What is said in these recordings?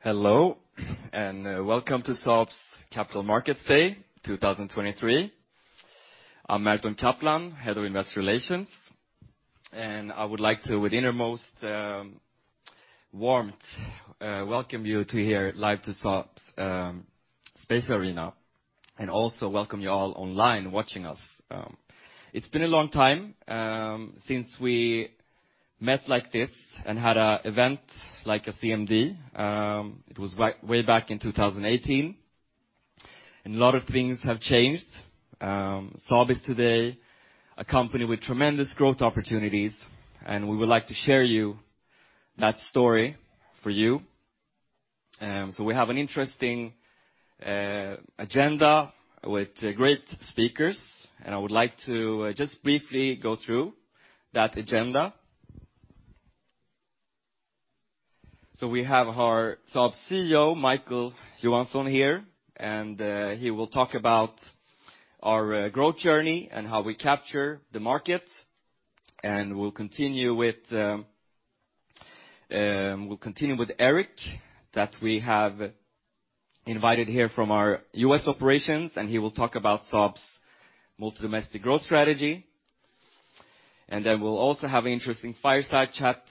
Hello, and welcome to Saab's Capital Markets Day 2023. I'm Merton Kaplan, Head of Investor Relations. I would like to, with innermost warmth, welcome you to here live to Saab's Space Arena, and also welcome you all online watching us. It's been a long time since we met like this and had a event like a CMD. It was way back in 2018, and a lot of things have changed. Saab is today a company with tremendous growth opportunities, and we would like to share you that story for you. We have an interesting agenda with great speakers, and I would like to just briefly go through that agenda. We have our Saab CEO, Micael Johansson here, and he will talk about our growth journey and how we capture the market. We'll continue with, we'll continue with Erik, that we have invited here from our US operations, and he will talk about Saab's multi domestic growth strategy. We'll also have interesting fireside chat,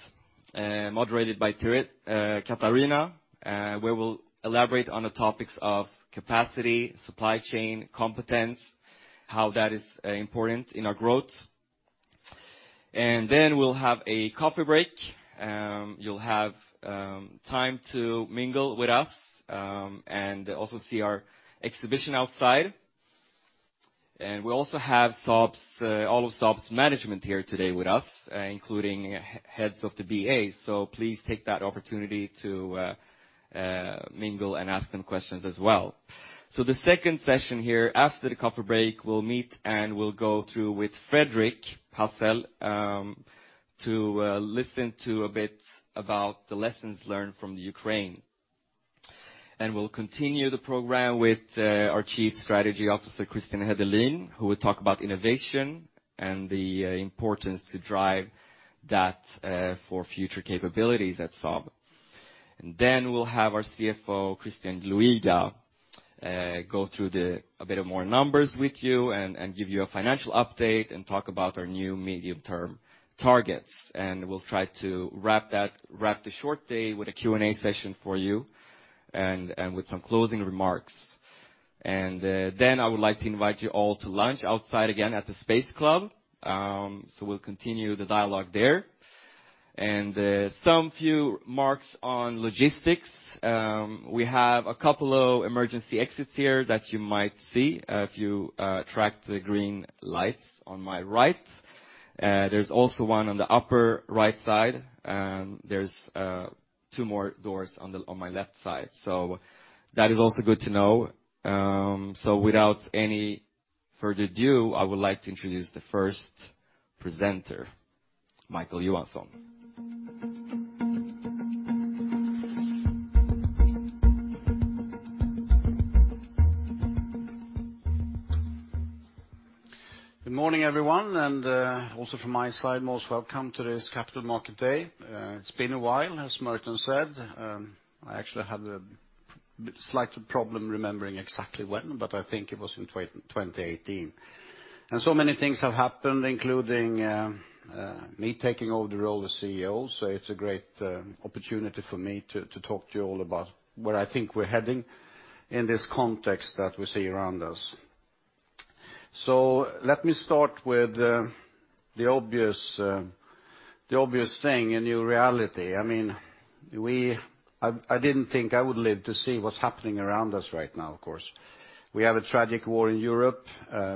moderated by Katarina, where we'll elaborate on the topics of capacity, supply chain, competence, how that is important in our growth. We'll have a coffee break. You'll have time to mingle with us, and also see our exhibition outside. We also have all of Saab's management here today with us, including heads of the BAs. Please take that opportunity to mingle and ask them questions as well. The second session here after the coffee break, we'll meet, and we'll go through with Fredrik Hassel to listen to a bit about the lessons learned from the Ukraine. We'll continue the program with our Chief Strategy Officer, Christian Hedelin, who will talk about innovation and the importance to drive that for future capabilities at Saab. We'll have our CFO, Christian Luiga, go through a bit of more numbers with you and give you a financial update and talk about our new medium-term targets. We'll try to wrap the short day with a Q&A session for you and with some closing remarks. I would like to invite you all to lunch outside again at the Space Club. We'll continue the dialogue there. Some few marks on logistics. We have a couple of emergency exits here that you might see if you track the green lights on my right. There's also one on the upper right side, and there's two more doors on the, on my left side. That is also good to know. Without any further ado, I would like to introduce the first presenter, Micael Johansson. Good morning, everyone. Also from my side, most welcome to this Capital Market Day. It's been a while, as Merton said. I actually had a slight problem remembering exactly when, but I think it was in 2018. So many things have happened, including me taking over the role of CEO. It's a great opportunity for me to talk to you all about where I think we're heading in this context that we see around us. Let me start with the obvious, the obvious thing, a new reality. I mean, I didn't think I would live to see what's happening around us right now, of course. We have a tragic war in Europe.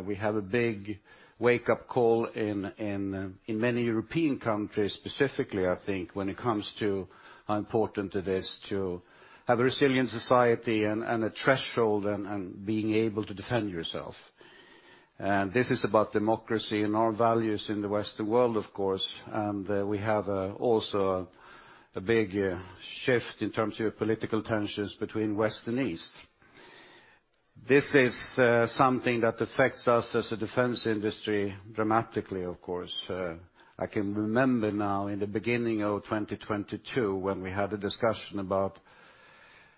We have a big wake-up call in many European countries, specifically, I think, when it comes to how important it is to have a resilient society and a threshold and being able to defend yourself. This is about democracy and our values in the Western world, of course. We have also a big shift in terms of political tensions between West and East. This is something that affects us as a defense industry dramatically, of course. I can remember now in the beginning of 2022 when we had a discussion about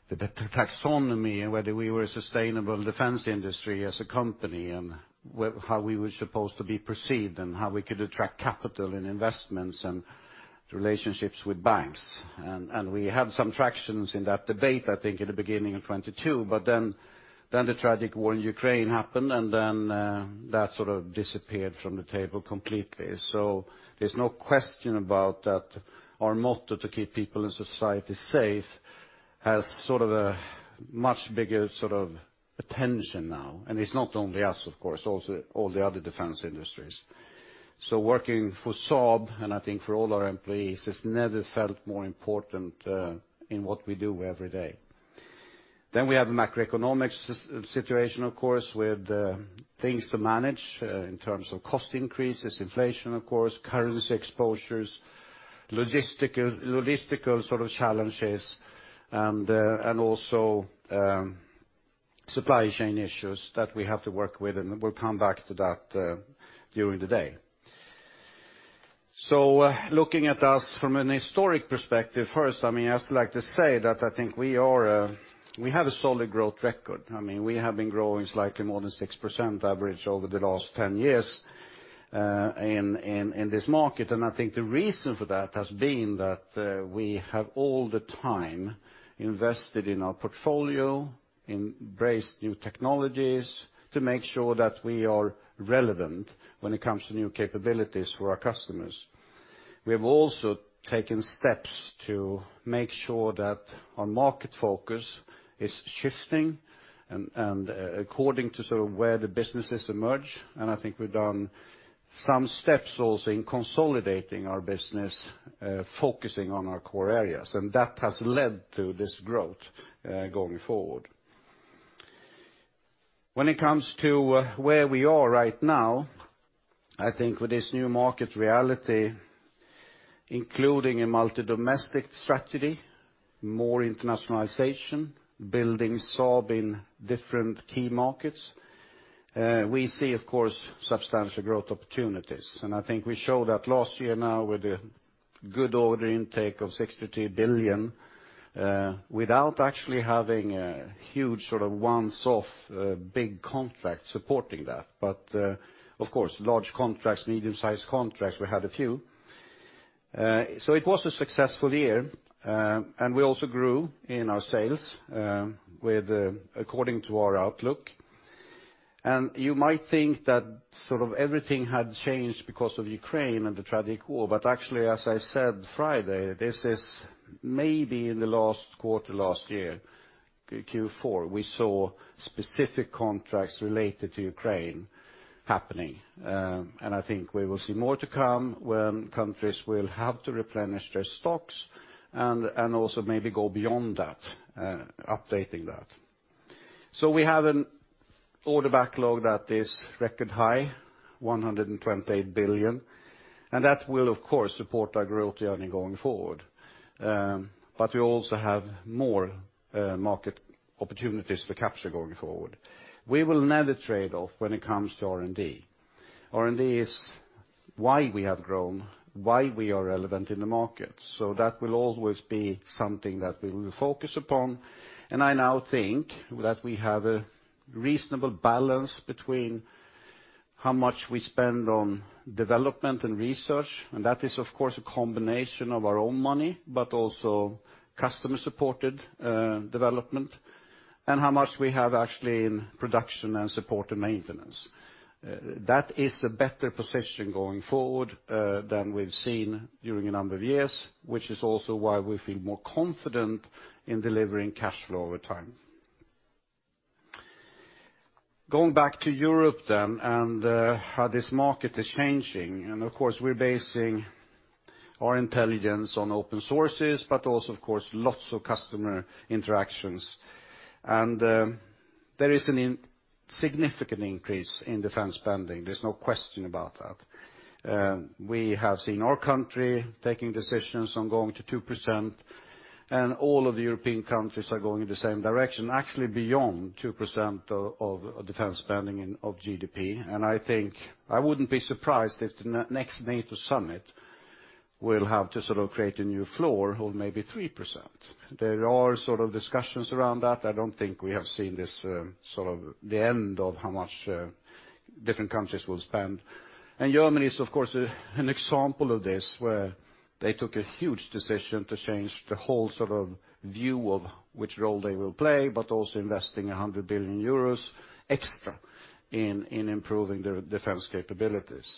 the taxonomy and whether we were a sustainable defense industry as a company and how we were supposed to be perceived and how we could attract capital and investments and relationships with banks. We had some frictions in that debate, I think, at the beginning of 22, but then the tragic war in Ukraine happened, and then that sort of disappeared from the table completely. There's no question about that our motto to keep people and society safe has sort of a much bigger sort of attention now. It's not only us, of course, also all the other defense industries. Working for Saab, and I think for all our employees, has never felt more important in what we do every day. We have a macroeconomic situation, of course, with things to manage in terms of cost increases, inflation, of course, currency exposures, logistical sort of challenges, and also Supply chain issues that we have to work with, and we'll come back to that during the day. Looking at us from an historic perspective first, I mean, I just like to say that I think we have a solid growth record. I mean, we have been growing slightly more than 6% average over the last 10 years in this market. I think the reason for that has been that we have all the time invested in our portfolio, embraced new technologies to make sure that we are relevant when it comes to new capabilities for our customers. We have also taken steps to make sure that our market focus is shifting and according to sort of where the businesses emerge, and I think we've done some steps also in consolidating our business, focusing on our core areas, and that has led to this growth going forward. When it comes to where we are right now, I think with this new market reality, including a multi-domestic strategy, more internationalization, building Saab in different key markets, we see, of course, substantial growth opportunities. I think we showed that last year now with a good order intake of 62 billion without actually having a huge sort of once-off, big contract supporting that. Of course, large contracts, medium-sized contracts, we had a few. It was a successful year, and we also grew in our sales, with, according to our outlook. You might think that sort of everything had changed because of Ukraine and the tragic war, but actually, as I said Friday, this is maybe in the last quarter last year, Q4, we saw specific contracts related to Ukraine happening. I think we will see more to come when countries will have to replenish their stocks and also maybe go beyond that, updating that. We have an order backlog that is record high, 128 billion, and that will, of course, support our growth journey going forward. We also have more market opportunities to capture going forward. We will never trade off when it comes to R&D. R&D is why we have grown, why we are relevant in the market. That will always be something that we will focus upon. I now think that we have a reasonable balance between how much we spend on development and research. That is, of course, a combination of our own money, but also customer-supported development and how much we have actually in production and support and maintenance. That is a better position going forward than we've seen during a number of years, which is also why we feel more confident in delivering cash flow over time. Going back to Europe, how this market is changing, of course, we're basing our intelligence on open sources, but also of course, lots of customer interactions. There is a significant increase in defense spending. There's no question about that. We have seen our country taking decisions on going to 2%, all of the European countries are going in the same direction, actually beyond 2% of defense spending of GDP. I think I wouldn't be surprised if the next NATO summit will have to sort of create a new floor, hold maybe 3%. There are sort of discussions around that. I don't think we have seen this, sort of the end of how much different countries will spend. Germany is, of course, an example of this, where they took a huge decision to change the whole sort of view of which role they will play, but also investing 100 billion euros extra in improving their defense capabilities.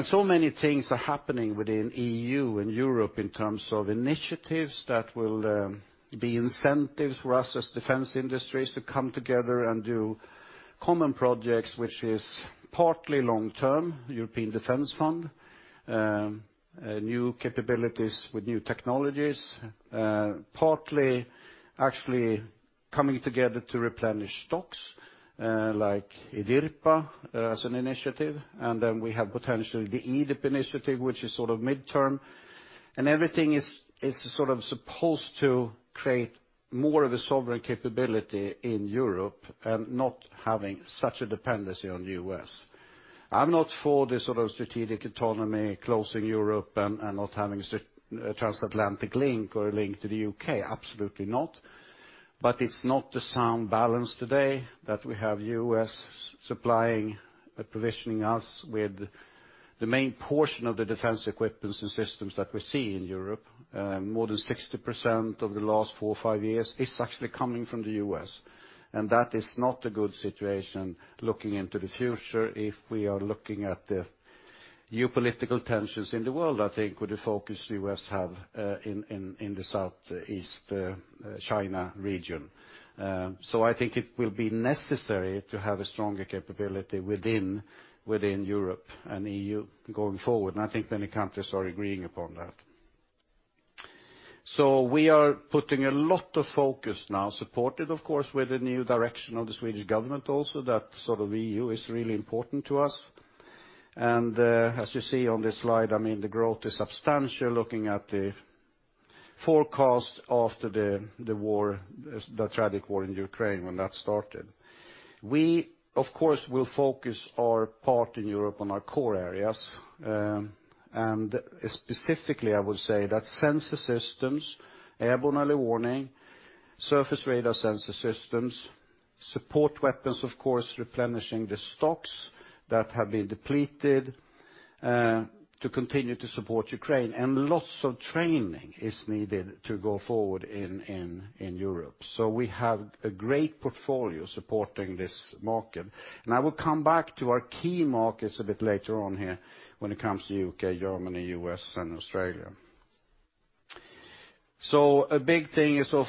So many things are happening within E.U., in Europe in terms of initiatives that will be incentives for us as defense industries to come together and do common projects, which is partly long term, European Defence Fund, new capabilities with new technologies, partly actually coming together to replenish stocks, like EDIRPA as an initiative. Then we have potentially the EDIB initiative, which is sort of midterm. Everything is sort of supposed to create more of a sovereign capability in Europe and not having such a dependency on the U.S. I'm not for the sort of strategic autonomy closing Europe and not having a trans-Atlantic link or a link to the U.K. Absolutely not. It's not the sound balance today that we have U.S. supplying, provisioning us with the main portion of the defense equipment and systems that we see in Europe. More than 60% over the last four or five years is actually coming from the U.S. That is not a good situation looking into the future if we are looking at the new political tensions in the world, I think with the focus the U.S. have in the Southeast China region. I think it will be necessary to have a stronger capability within Europe and EU going forward. I think many countries are agreeing upon that. We are putting a lot of focus now, supported of course, with the new direction of the Swedish government also that sort of EU is really important to us. As you see on this slide, I mean, the growth is substantial looking at the forecast after the war, the tragic war in Ukraine when that started. We, of course, will focus our part in Europe on our core areas. Specifically, I would say that sensor systems, airborne early warning, surface radar sensor systems, support weapons, of course, replenishing the stocks that have been depleted, to continue to support Ukraine, and lots of training is needed to go forward in Europe. We have a great portfolio supporting this market. I will come back to our key markets a bit later on here when it comes to U.K., Germany, U.S., and Australia. A big thing is of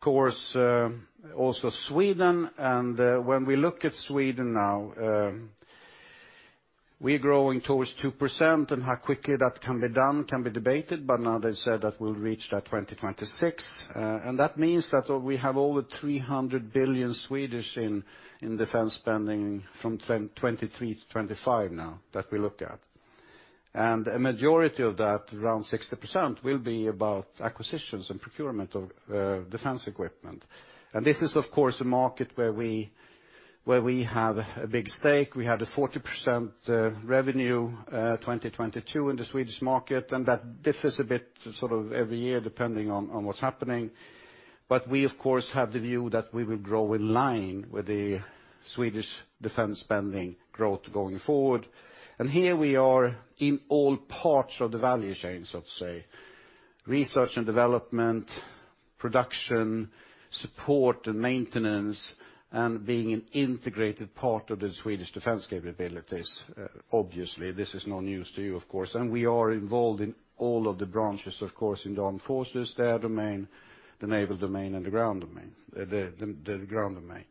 course, also Sweden, and when we look at Sweden now, we're growing towards 2% and how quickly that can be done can be debated, but now they said that we'll reach that 2026. That means that we have over 300 billion in defense spending from 23 to 25 now that we look at. A majority of that, around 60%, will be about acquisitions and procurement of, defense equipment. This is, of course, a market where we, where we have a big stake. We had a 40% revenue 2022 in the Swedish market. That differs a bit sort of every year depending on what's happening. We, of course, have the view that we will grow in line with the Swedish defense spending growth going forward. Here we are in all parts of the value chain, so to say, research and development, production, support and maintenance, and being an integrated part of the Swedish defense capabilities. Obviously, this is no news to you, of course. We are involved in all of the branches, of course, in the armed forces, their domain, the naval domain, and the ground domain, the ground domain.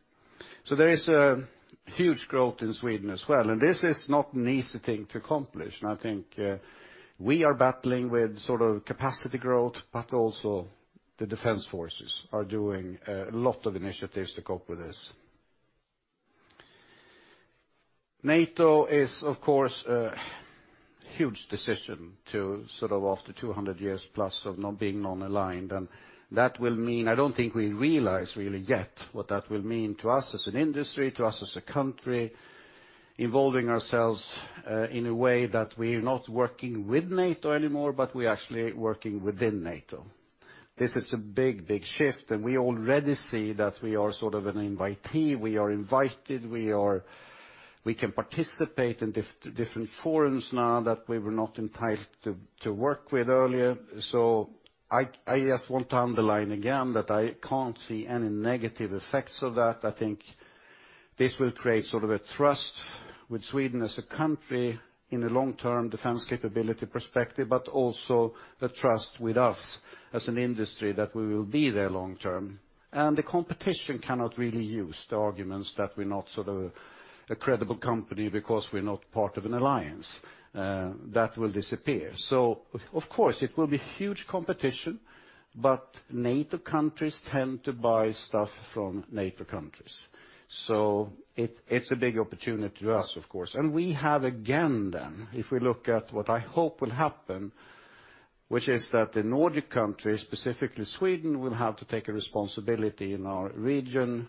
There is a huge growth in Sweden as well, and this is not an easy thing to accomplish. I think we are battling with sort of capacity growth, but also the defense forces are doing a lot of initiatives to cope with this. NATO is, of course, a huge decision to sort of after 200 years plus of not being non-aligned. That will mean I don't think we realize really yet what that will mean to us as an industry, to us as a country, involving ourselves in a way that we're not working with NATO anymore, but we're actually working within NATO. This is a big, big shift, and we already see that we are sort of an invitee. We are invited. We can participate in different forums now that we were not entitled to work with earlier. I just want to underline again that I can't see any negative effects of that. I think this will create sort of a trust with Sweden as a country in a long-term defense capability perspective, but also a trust with us as an industry that we will be there long term. The competition cannot really use the arguments that we're not sort of a credible company because we're not part of an alliance. That will disappear. Of course, it will be huge competition, but NATO countries tend to buy stuff from NATO countries. It's a big opportunity to us, of course. We have again then, if we look at what I hope will happen, which is that the Nordic countries, specifically Sweden, will have to take a responsibility in our region,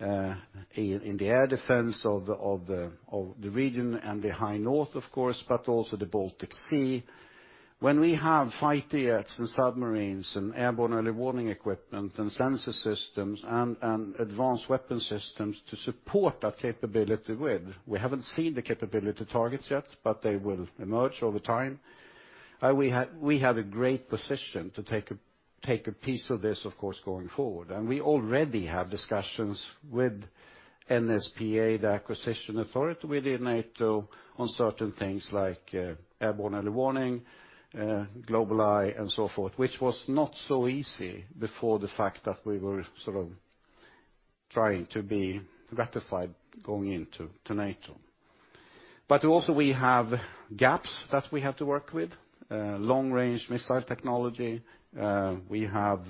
in the air defense of the, of the, of the region and the high north, of course, but also the Baltic Sea. When we have fighter jets and submarines and airborne early warning equipment and sensor systems and advanced weapon systems to support that capability with, we haven't seen the capability targets yet, but they will emerge over time. We have a great position to take a piece of this, of course, going forward. We already have discussions with NSPA, the acquisition authority within NATO, on certain things like airborne early warning, GlobalEye, and so forth, which was not so easy before the fact that we were sort of trying to be ratified going into NATO. Also we have gaps that we have to work with long-range missile technology. We have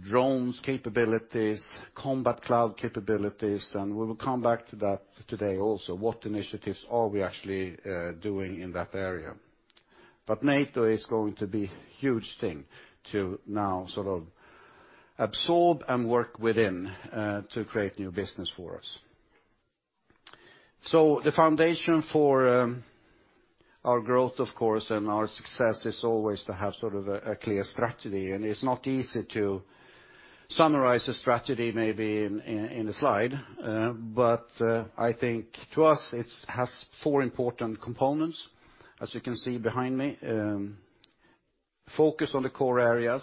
drones capabilities, combat cloud capabilities, and we will come back to that today also. What initiatives are we actually doing in that area? NATO is going to be a huge thing to now sort of absorb and work within to create new business for us. The foundation for our growth, of course, and our success is always to have sort of a clear strategy. It's not easy to summarize a strategy maybe in, in a slide. I think to us it has four important components, as you can see behind me. Focus on the core areas,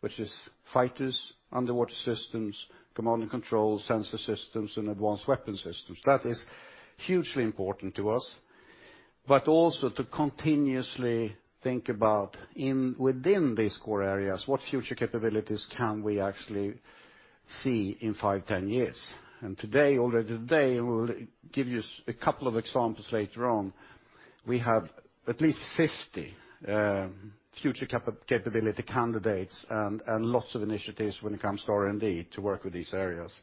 which is fighters, underwater systems, command and control, sensor systems, and advanced weapon systems. That is hugely important to us. Also to continuously think about within these core areas, what future capabilities can we actually see in five, 10 years? Today, already today, we'll give you a couple of examples later on. We have at least 50 future capability candidates and lots of initiatives when it comes to R&D to work with these areas.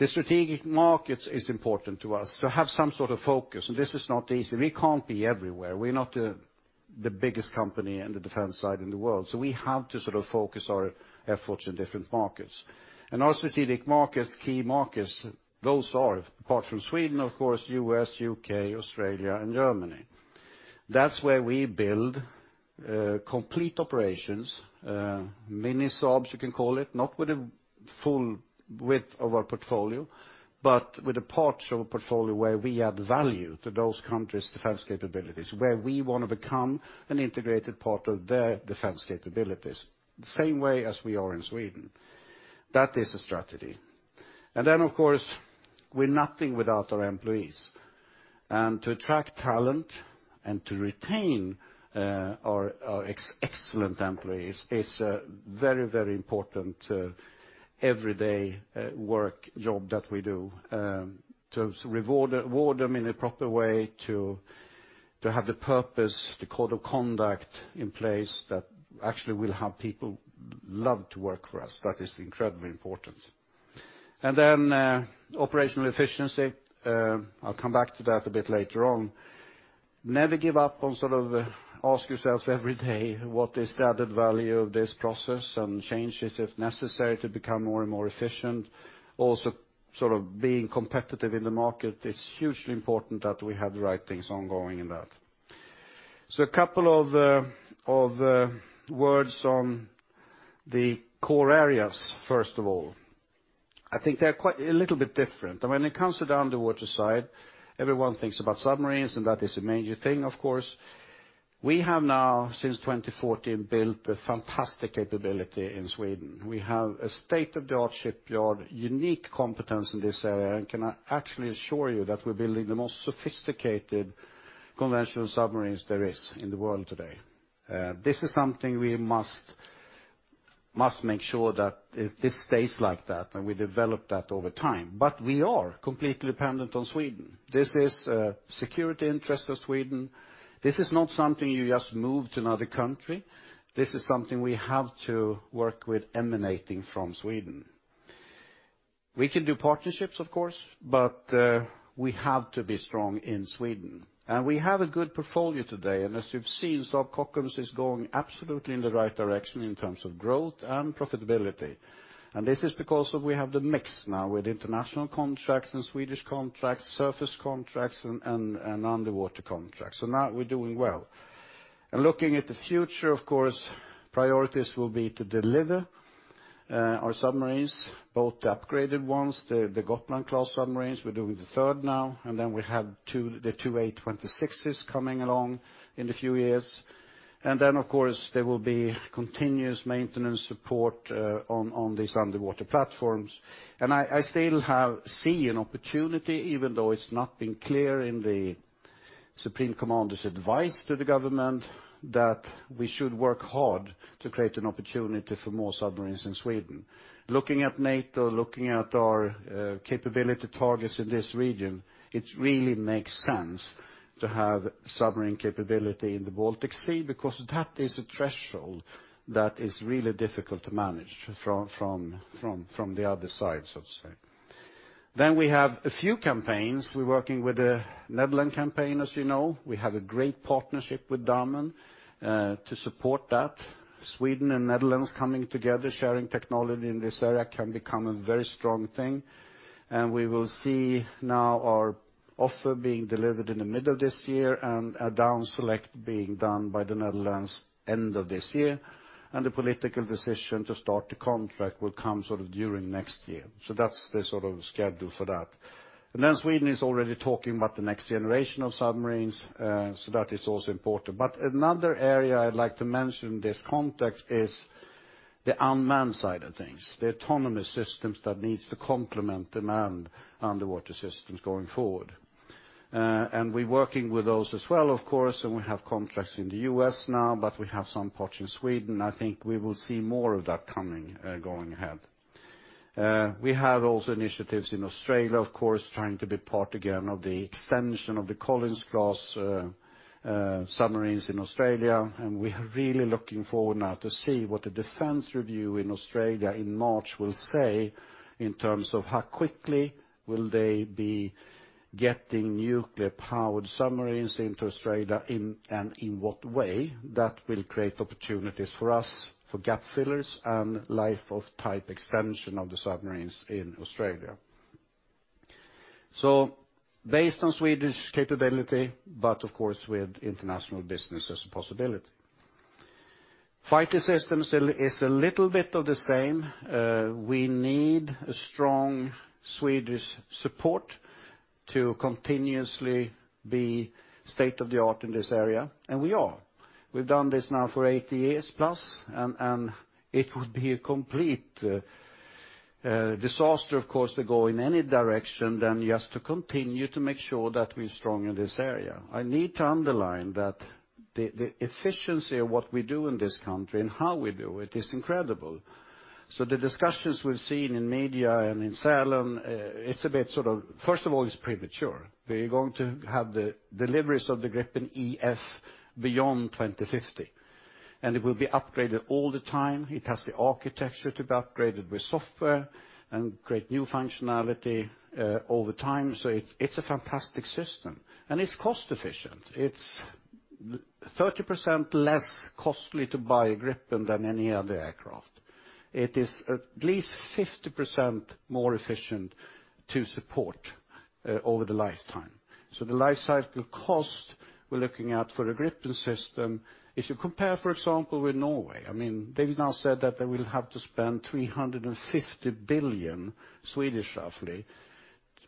The strategic markets is important to us, to have some sort of focus, and this is not easy. We can't be everywhere. We're not the biggest company in the defense side in the world, so we have to sort of focus our efforts in different markets. Our strategic markets, key markets, those are, apart from Sweden of course, U.S., U.K., Australia, and Germany. That's where we build complete operations, mini Saabs you can call it, not with a full width of our portfolio, but with the parts of our portfolio where we add value to those countries' defense capabilities, where we want to become an integrated part of their defense capabilities, same way as we are in Sweden. That is the strategy. Of course, we're nothing without our employees, and to attract talent and to retain our ex-excellent employees is a very, very important everyday work job that we do, to reward them in a proper way to have the purpose, the code of conduct in place that actually will have people love to work for us. That is incredibly important. Operational efficiency, I'll come back to that a bit later on. Never give up on sort of ask yourselves every day what is the added value of this process and change it if necessary to become more and more efficient. Sort of being competitive in the market, it's hugely important that we have the right things ongoing in that. A couple of words on the core areas, first of all. I think they're quite a little bit different. I mean, when it comes to the underwater side, everyone thinks about submarines, and that is a major thing, of course. We have now, since 2014, built a fantastic capability in Sweden. We have a state-of-the-art shipyard, unique competence in this area. I can actually assure you that we're building the most sophisticated conventional submarines there is in the world today. This is something we must make sure that this stays like that, and we develop that over time. We are completely dependent on Sweden. This is a security interest for Sweden. This is not something you just move to another country. This is something we have to work with emanating from Sweden. We can do partnerships, of course, we have to be strong in Sweden. We have a good portfolio today, and as you've seen, Saab Kockums is going absolutely in the right direction in terms of growth and profitability. This is because of we have the mix now with international contracts and Swedish contracts, surface contracts, and underwater contracts. Now we're doing well. Looking at the future, of course, priorities will be to deliver our submarines, both the upgraded ones, the Gotland-class submarines. We're doing the third now, then we have the two A26s coming along in a few years. Then, of course, there will be continuous maintenance support on these underwater platforms. I still see an opportunity, even though it's not been clear in the Supreme Commander's advice to the government, that we should work hard to create an opportunity for more submarines in Sweden. Looking at NATO, looking at our capability targets in this region, it really makes sense to have submarine capability in the Baltic Sea because that is a threshold that is really difficult to manage from the other side, so to say. Then we have a few campaigns. We're working with the Netherlands campaign, as you know. We have a great partnership with Damen to support that. Sweden and Netherlands coming together, sharing technology in this area can become a very strong thing. We will see now our offer being delivered in the middle of this year, and a down select being done by the Netherlands end of this year. The political decision to start the contract will come sort of during next year. That's the sort of schedule for that. Sweden is already talking about the next generation of submarines, so that is also important. Another area I'd like to mention in this context is the unmanned side of things, the autonomous systems that needs to complement the manned underwater systems going forward. We're working with those as well, of course, and we have contracts in the U.S. now, but we have some parts in Sweden. I think we will see more of that coming going ahead. We have also initiatives in Australia, of course, trying to be part again of the extension of the Collins Class submarines in Australia. We are really looking forward now to see what the defense review in Australia in March will say in terms of how quickly will they be getting nuclear-powered submarines into Australia and in what way that will create opportunities for us for gap fillers and life of type extension of the submarines in Australia. Based on Swedish capability, but of course with international business as a possibility. Fighter systems is a little bit of the same. We need a strong Swedish support to continuously be state-of-the-art in this area, and we are. We've done this now for 80 years plus, and it would be a complete disaster, of course, to go in any direction than just to continue to make sure that we're strong in this area. I need to underline. The efficiency of what we do in this country and how we do it is incredible. The discussions we've seen in media and in Salem, First of all, it's premature. We're going to have the deliveries of the Gripen E/F beyond 2050. It will be upgraded all the time. It has the architecture to be upgraded with software and create new functionality over time. It's a fantastic system, and it's cost efficient. It's 30% less costly to buy a Gripen than any other aircraft. It is at least 50% more efficient to support over the lifetime. The life cycle cost we're looking at for a Gripen system, if you compare, for example, with Norway, I mean, they've now said that they will have to spend 350 billion, roughly,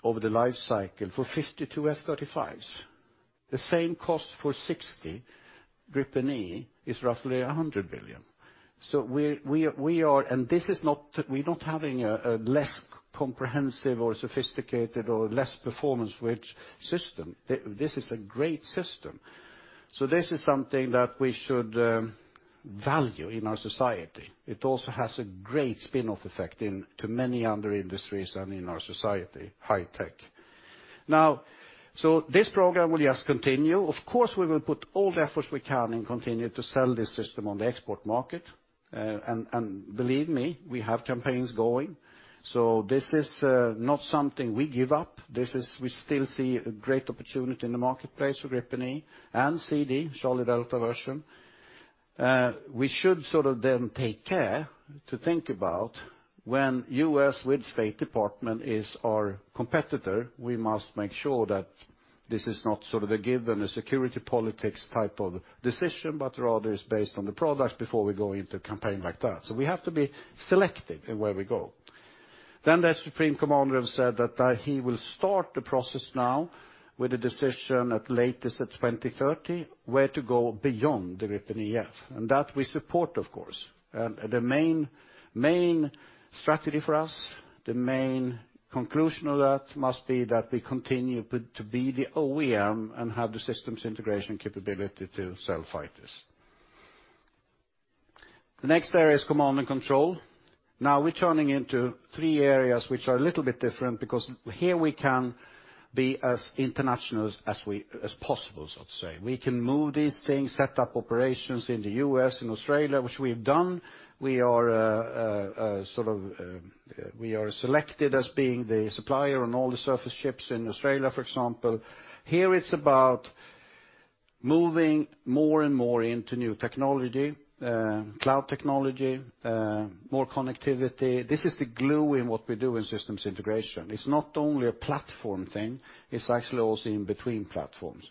over the life cycle for 52 F-35s. The same cost for 60 Gripen E is roughly 100 billion. We are not having a less comprehensive or sophisticated or less performance-rich system. This is a great system. This is something that we should value in our society. It also has a great spin-off effect into many other industries and in our society, high tech. This program will just continue. Of course, we will put all the efforts we can and continue to sell this system on the export market. And believe me, we have campaigns going. This is not something we give up. We still see a great opportunity in the marketplace for Gripen E and C/D version. We should sort of then take care to think about when U.S. with State Department is our competitor, we must make sure that this is not sort of a given, a security politics type of decision, but rather is based on the products before we go into a campaign like that. We have to be selective in where we go. The Supreme Commander have said that he will start the process now with a decision at latest at 2030 where to go beyond the Gripen E/F, and that we support of course. The main strategy for us, the main conclusion of that must be that we continue to be the OEM and have the systems integration capability to sell fighters. The next area is command and control. We're turning into 3 areas which are a little bit different because here we can be as international as we as possible, so to say. We can move these things, set up operations in the U.S. and Australia, which we've done. We are sort of selected as being the supplier on all the surface ships in Australia, for example. Here it's about moving more and more into new technology, cloud technology, more connectivity. This is the glue in what we do in systems integration. It's not only a platform thing, it's actually also in between platforms.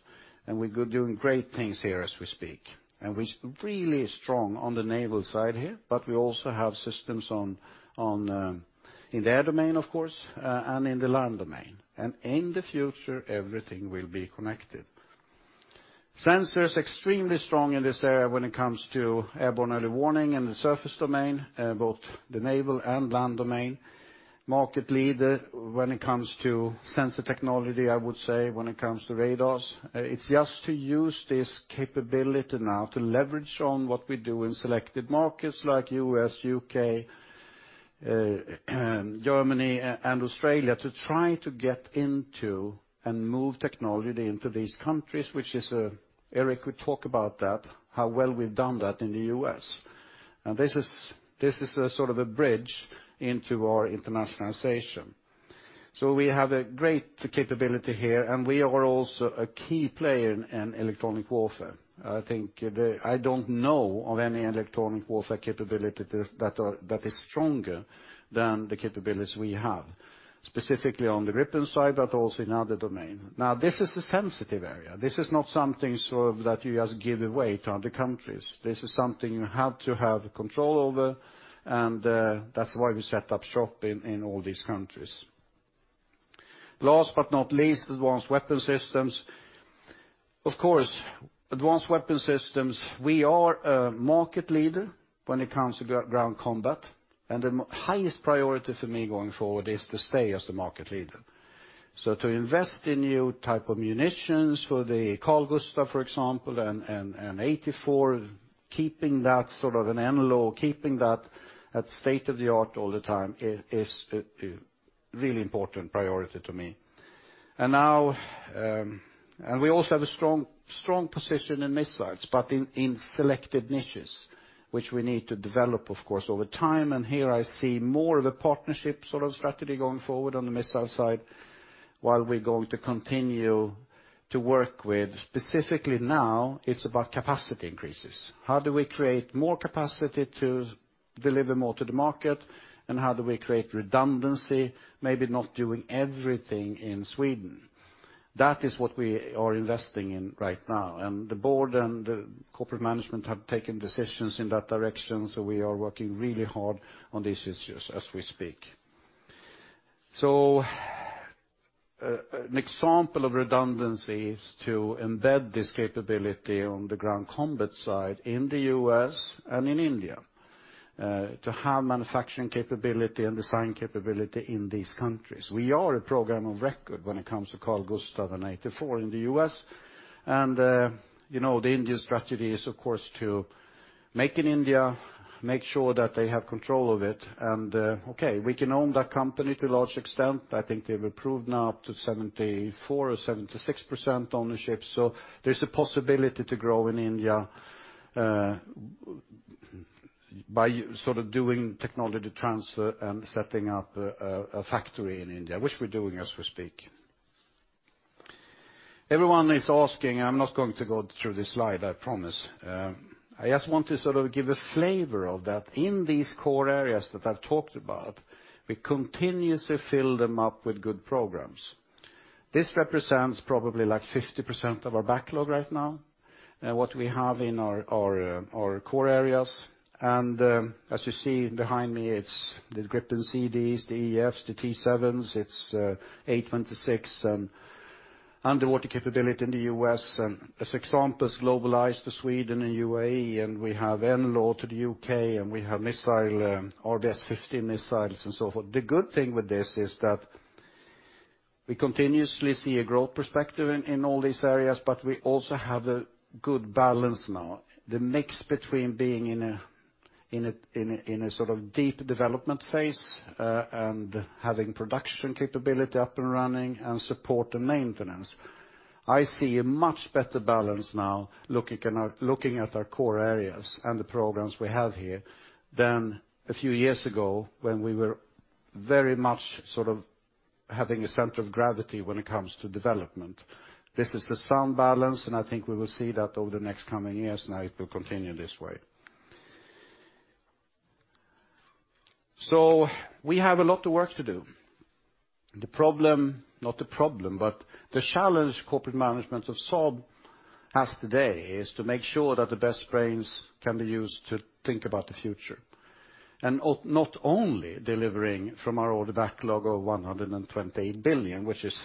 We're doing great things here as we speak. We're really strong on the naval side here, but we also have systems on in the air domain, of course, and in the land domain. In the future, everything will be connected. Surveillance is extremely strong in this area when it comes to airborne early warning in the surface domain, both the naval and land domain. Market leader when it comes to sensor technology, I would say when it comes to radars. It's just to use this capability now to leverage on what we do in selected markets like U.S., U.K., Germany, and Australia, to try to get into and move technology into these countries, which is, Erik would talk about that, how well we've done that in the U.S. This is a sort of a bridge into our internationalization. We have a great capability here, and we are also a key player in electronic warfare. I think I don't know of any electronic warfare capability that is stronger than the capabilities we have, specifically on the Gripen side, but also in other domain. This is a sensitive area. This is not something so that you just give away to other countries. This is something you have to have control over, and that's why we set up shop in all these countries. Last but not least, advanced weapon systems. Of course, advanced weapon systems, we are a market leader when it comes to ground combat, and the highest priority for me going forward is to stay as the market leader. To invest in new type of munitions for the Carl-Gustaf, for example, and 84, keeping that sort of an EMLO, keeping that at state-of-the-art all the time is a really important priority to me. Now, we also have a strong position in missiles, but in selected niches, which we need to develop, of course, over time. Here I see more of a partnership sort of strategy going forward on the missile side while we're going to continue to work with specifically now, it's about capacity increases. How do we create more capacity to deliver more to the market? How do we create redundancy, maybe not doing everything in Sweden? That is what we are investing in right now. The board and corporate management have taken decisions in that direction. We are working really hard on these issues as we speak. An example of redundancy is to embed this capability on the ground combat side in the U.S. and in India. To have manufacturing capability and design capability in these countries. We are a program of record when it comes to Carl-Gustaf and AT4 in the U.S., you know, the India strategy is of course to make in India, make sure that they have control of it and, okay, we can own that company to a large extent. I think they've approved now up to 74% or 76% ownership. There's a possibility to grow in India by sort of doing technology transfer and setting up a factory in India, which we're doing as we speak. Everyone is asking, I'm not going to go through this slide, I promise. I just want to sort of give a flavor of that. In these core areas that I've talked about, we continuously fill them up with good programs. This represents probably like 50% of our backlog right now, what we have in our core areas. As you see behind me, it's the Gripen C/Ds, the Gripen E/Fs, the T-7As, it's A26 and underwater capability in the U.S., and as examples, GlobalEye to Sweden and UAE, and we have NLAW to the U.K., and we have RBS15 missiles and so forth. The good thing with this is that we continuously see a growth perspective in all these areas, but we also have a good balance now. The mix between being in a sort of deep development phase and having production capability up and running and support and maintenance. I see a much better balance now looking at our, looking at our core areas and the programs we have here than a few years ago when we were very much sort of having a center of gravity when it comes to development. This is a sound balance, and I think we will see that over the next coming years now it will continue this way. We have a lot of work to do. The problem, not the problem, but the challenge corporate management of Saab has today is to make sure that the best brains can be used to think about the future. Not only delivering from our order backlog of 128 billion, which is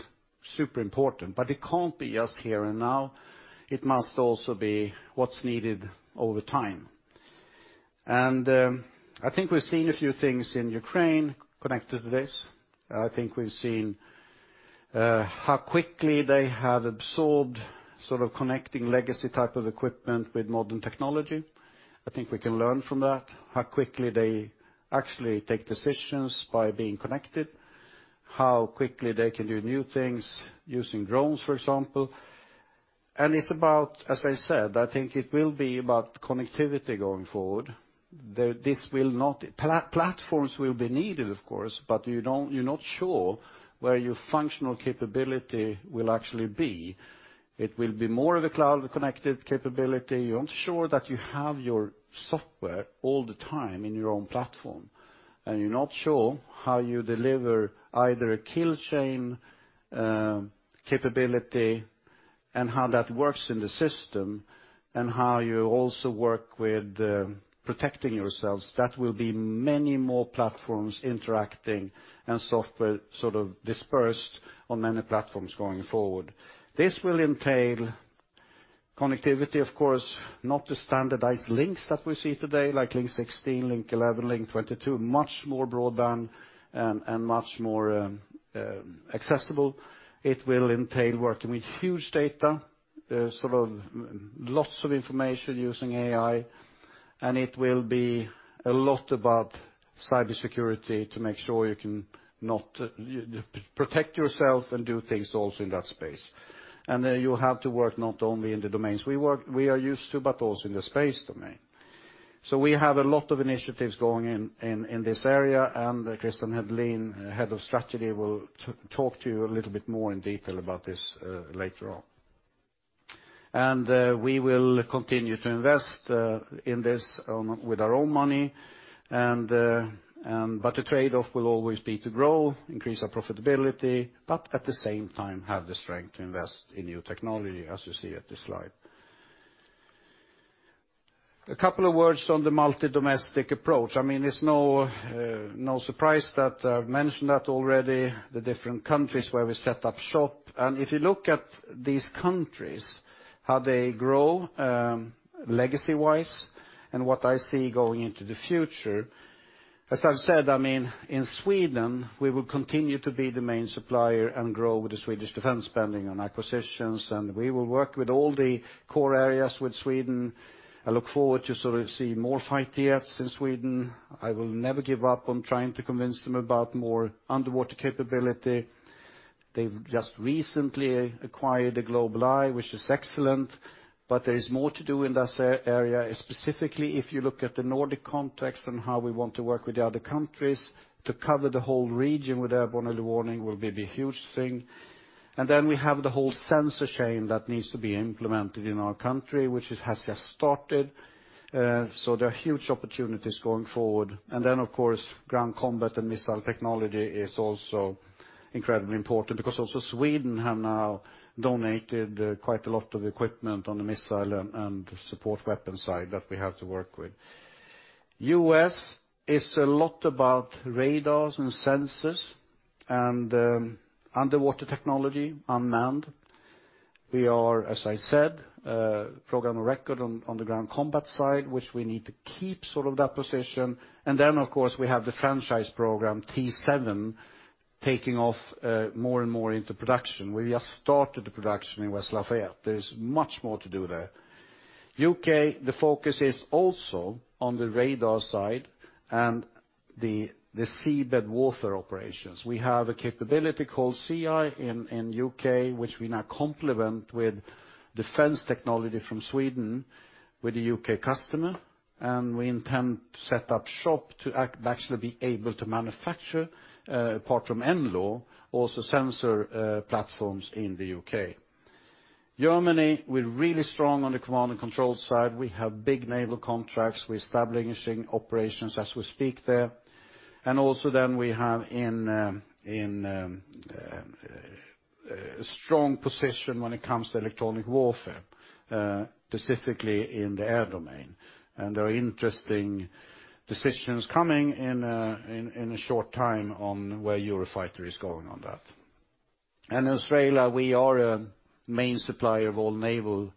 super important, but it can't be just here and now, it must also be what's needed over time. I think we've seen a few things in Ukraine connected to this. I think we've seen how quickly they have absorbed sort of connecting legacy type of equipment with modern technology. I think we can learn from that. How quickly they actually take decisions by being connected, how quickly they can do new things using drones, for example. It's about, as I said, I think it will be about connectivity going forward. This will not. Platforms will be needed, of course, but you don't, you're not sure where your functional capability will actually be. It will be more of a cloud-connected capability. You're not sure that you have your software all the time in your own platform. You're not sure how you deliver either a kill chain, capability and how that works in the system, and how you also work with, protecting yourselves. That will be many more platforms interacting and software sort of dispersed on many platforms going forward. This will entail connectivity, of course, not the standardized links that we see today, like Link 16, Link 11, Link 22, much more broadband and much more accessible. It will entail working with huge data, sort of lots of information using AI, and it will be a lot about cybersecurity to make sure you can protect yourself and do things also in that space. You have to work not only in the domains we are used to, but also in the space domain. We have a lot of initiatives going in this area, and Christian Hedelin, Head of Strategy, will talk to you a little bit more in detail about this later on. We will continue to invest in this with our own money, but the trade-off will always be to grow, increase our profitability, but at the same time, have the strength to invest in new technology, as you see at this slide. A couple of words on the multi-domestic approach. I mean, it's no surprise that I've mentioned that already, the different countries where we set up shop. If you look at these countries, how they grow, legacy-wise, and what I see going into the future, as I've said, I mean, in Sweden, we will continue to be the main supplier and grow the Swedish defense spending on acquisitions, and we will work with all the core areas with Sweden. I look forward to sort of see more fight jets in Sweden. I will never give up on trying to convince them about more underwater capability. They've just recently acquired a GlobalEye, which is excellent, but there is more to do in this area, specifically if you look at the Nordic context and how we want to work with the other countries to cover the whole region with airborne early warning will be the huge thing. Then we have the whole sensor chain that needs to be implemented in our country, which has just started. So there are huge opportunities going forward. Then of course, ground combat and missile technology is also incredibly important because also Sweden have now donated, quite a lot of equipment on the missile and support weapon side that we have to work with. U.S. is a lot about radars and sensors and, underwater technology, unmanned. We are, as I said, program of record on the ground combat side, which we need to keep sort of that position. Then, of course, we have the franchise program T7 taking off, more and more into production. We just started the production in West Lafayette. There is much more to do there. U.K., the focus is also on the radar side and the seabed warfare operations. We have a capability called SEA in the U.K., which we now complement with defense technology from Sweden with the U.K. customer. We intend to set up shop to actually be able to manufacture, apart from EMLO, also sensor platforms in the U.K. Germany, we're really strong on the command and control side. We have big naval contracts. We're establishing operations as we speak there. Also then we have in a strong position when it comes to electronic warfare, specifically in the air domain. There are interesting decisions coming in a short time on where Eurofighter is going on that. Australia, we are a main supplier of all naval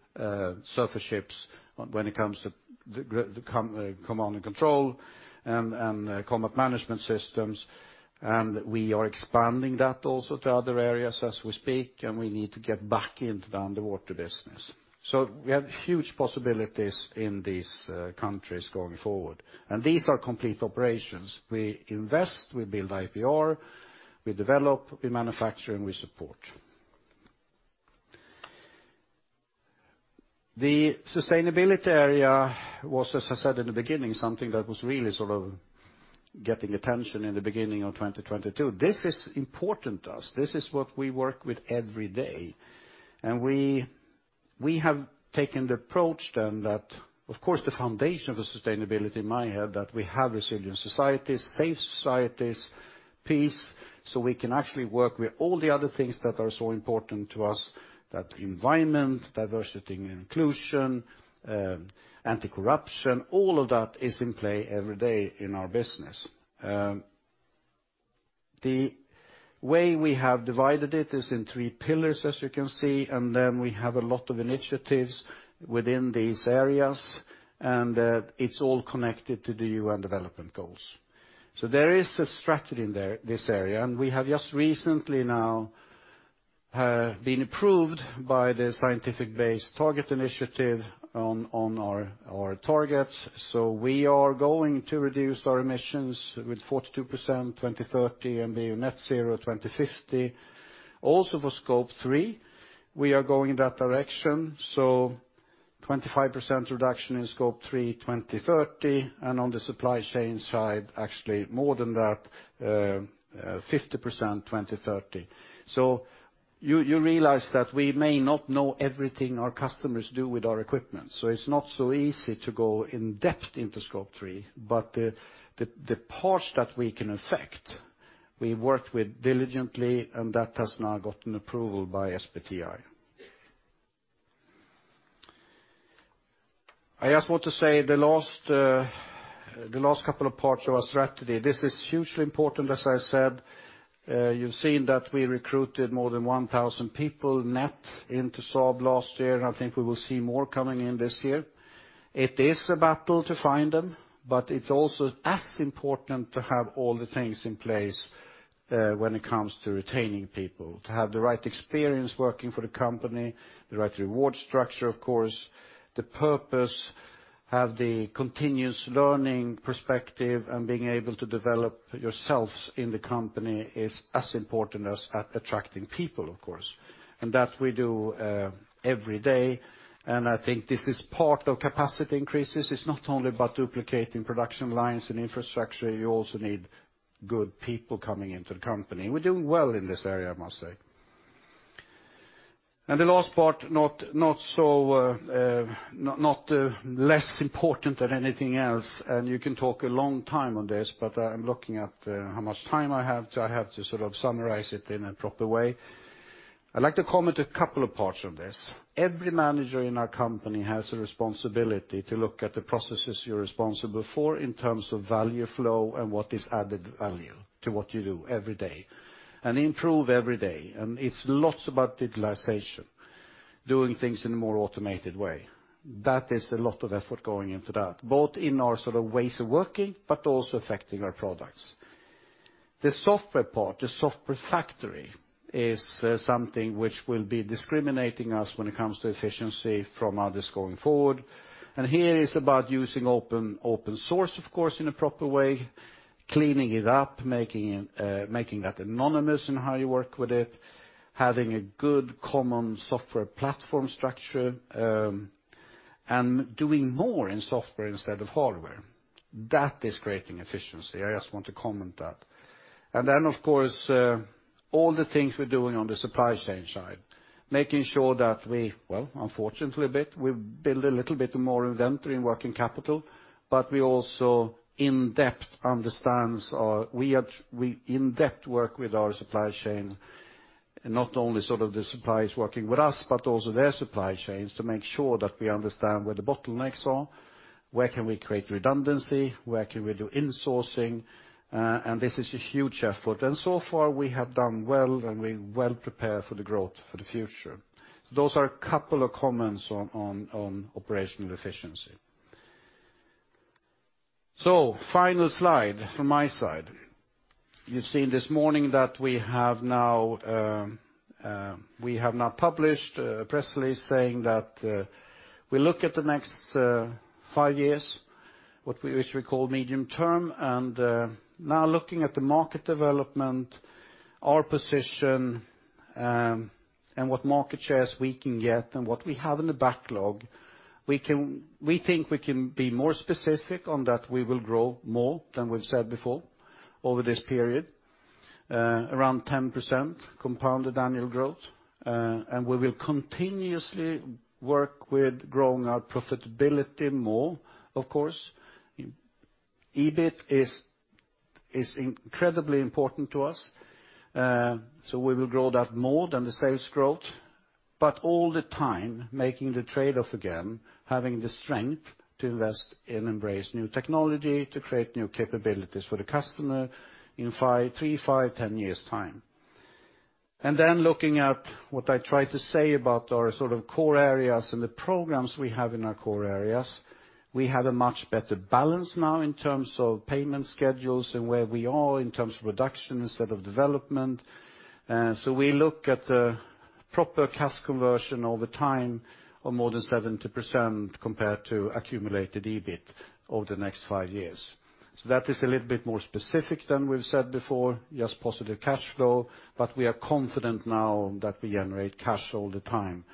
surface ships when it comes to the command and control and combat management systems. We are expanding that also to other areas as we speak, and we need to get back into the underwater business. We have huge possibilities in these countries going forward. These are complete operations. We invest, we build IPR, we develop, we manufacture, and we support. The sustainability area was, as I said in the beginning, something that was really sort of getting attention in the beginning of 2022. This is important to us. This is what we work with every day. we have taken the approach then that, of course, the foundation of the sustainability in my head, that we have resilient societies, safe societies, peace, so we can actually work with all the other things that are so important to us, that environment, diversity and inclusion, anti-corruption. All of that is in play every day in our business. The way we have divided it is in three pillars, as you can see. Then we have a lot of initiatives within these areas, and it's all connected to the UN Development Goals. There is a strategy in there, this area. We have just recently now been approved by the Science Based Targets initiative on our targets. We are going to reduce our emissions with 42%, 2030 and be net zero 2050. For Scope three, we are going in that direction. 25% reduction in Scope three, 2030. On the supply chain side, actually more than that, 50%, 2030. You realize that we may not know everything our customers do with our equipment, so it's not so easy to go in depth into Scope three. The parts that we can affect, we work with diligently, and that has now gotten approval by SBTi. I just want to say the last, the last couple of parts of our strategy, this is hugely important. As I said, you've seen that we recruited more than 1,000 people net into Saab last year. I think we will see more coming in this year. It is a battle to find them, but it's also as important to have all the things in place, when it comes to retaining people, to have the right experience working for the company, the right reward structure, of course, the purpose, have the continuous learning perspective and being able to develop yourselves in the company is as important as at attracting people, of course. That we do, every day. I think this is part of capacity increases. It's not only about duplicating production lines and infrastructure, you also need good people coming into the company. We're doing well in this area, I must say. The last part, not so, not less important than anything else, and you can talk a long time on this, but I'm looking at how much time I have to sort of summarize it in a proper way. I'd like to comment a couple of parts of this. Every manager in our company has a responsibility to look at the processes you're responsible for in terms of value flow and what is added value to what you do every day and improve every day. It's lots about digitalization, doing things in a more automated way. That is a lot of effort going into that, both in our sort of ways of working, but also affecting our products. The software part, the software factory, is something which will be discriminating us when it comes to efficiency from others going forward. Here is about using open source, of course, in a proper way, cleaning it up, making it, making that anonymous in how you work with it, having a good common software platform structure, and doing more in software instead of hardware. That is creating efficiency. I just want to comment that. Of course, all the things we're doing on the supply chain side, making sure that we, unfortunately a bit, we build a little bit more inventory in working capital, but we also in depth understands our, in-depth work with our supply chain, not only sort of the suppliers working with us, but also their supply chains to make sure that we understand where the bottlenecks are, where can we create redundancy, where can we do insourcing, and this is a huge effort. So far we have done well and we're well prepared for the growth for the future. Those are a couple of comments on operational efficiency. Final slide from my side. You've seen this morning that we have now published a press release saying that we look at the next 5 years, what we wish we call medium term, now looking at the market development, our position, and what market shares we can get and what we have in the backlog, we think we can be more specific on that we will grow more than we've said before over this period, around 10% compounded annual growth. We will continuously work with growing our profitability more, of course. EBIT is incredibly important to us. We will grow that more than the sales growth, but all the time making the trade-off again, having the strength to invest and embrace new technology, to create new capabilities for the customer in 5, 3, 5, 10 years time. Looking at what I try to say about our sort of core areas and the programs we have in our core areas, we have a much better balance now in terms of payment schedules and where we are in terms of reduction instead of development. We look at the proper cash conversion over time of more than 70% compared to accumulated EBIT over the next five years. That is a little bit more specific than we've said before, just positive cash flow. We are confident now that we generate cash all the time,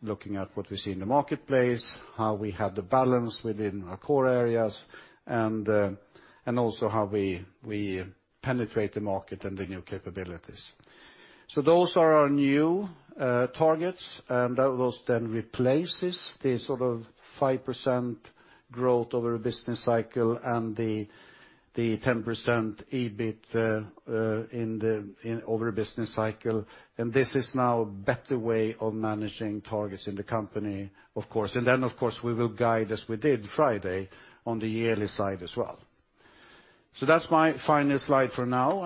looking at what we see in the marketplace, how we have the balance within our core areas, and also how we penetrate the market and the new capabilities. Those are our new targets, and that was then replaces the sort of 5% growth over a business cycle and the 10% EBIT in over a business cycle. This is now a better way of managing targets in the company, of course. Of course, we will guide as we did Friday on the yearly side as well. That's my final slide for now,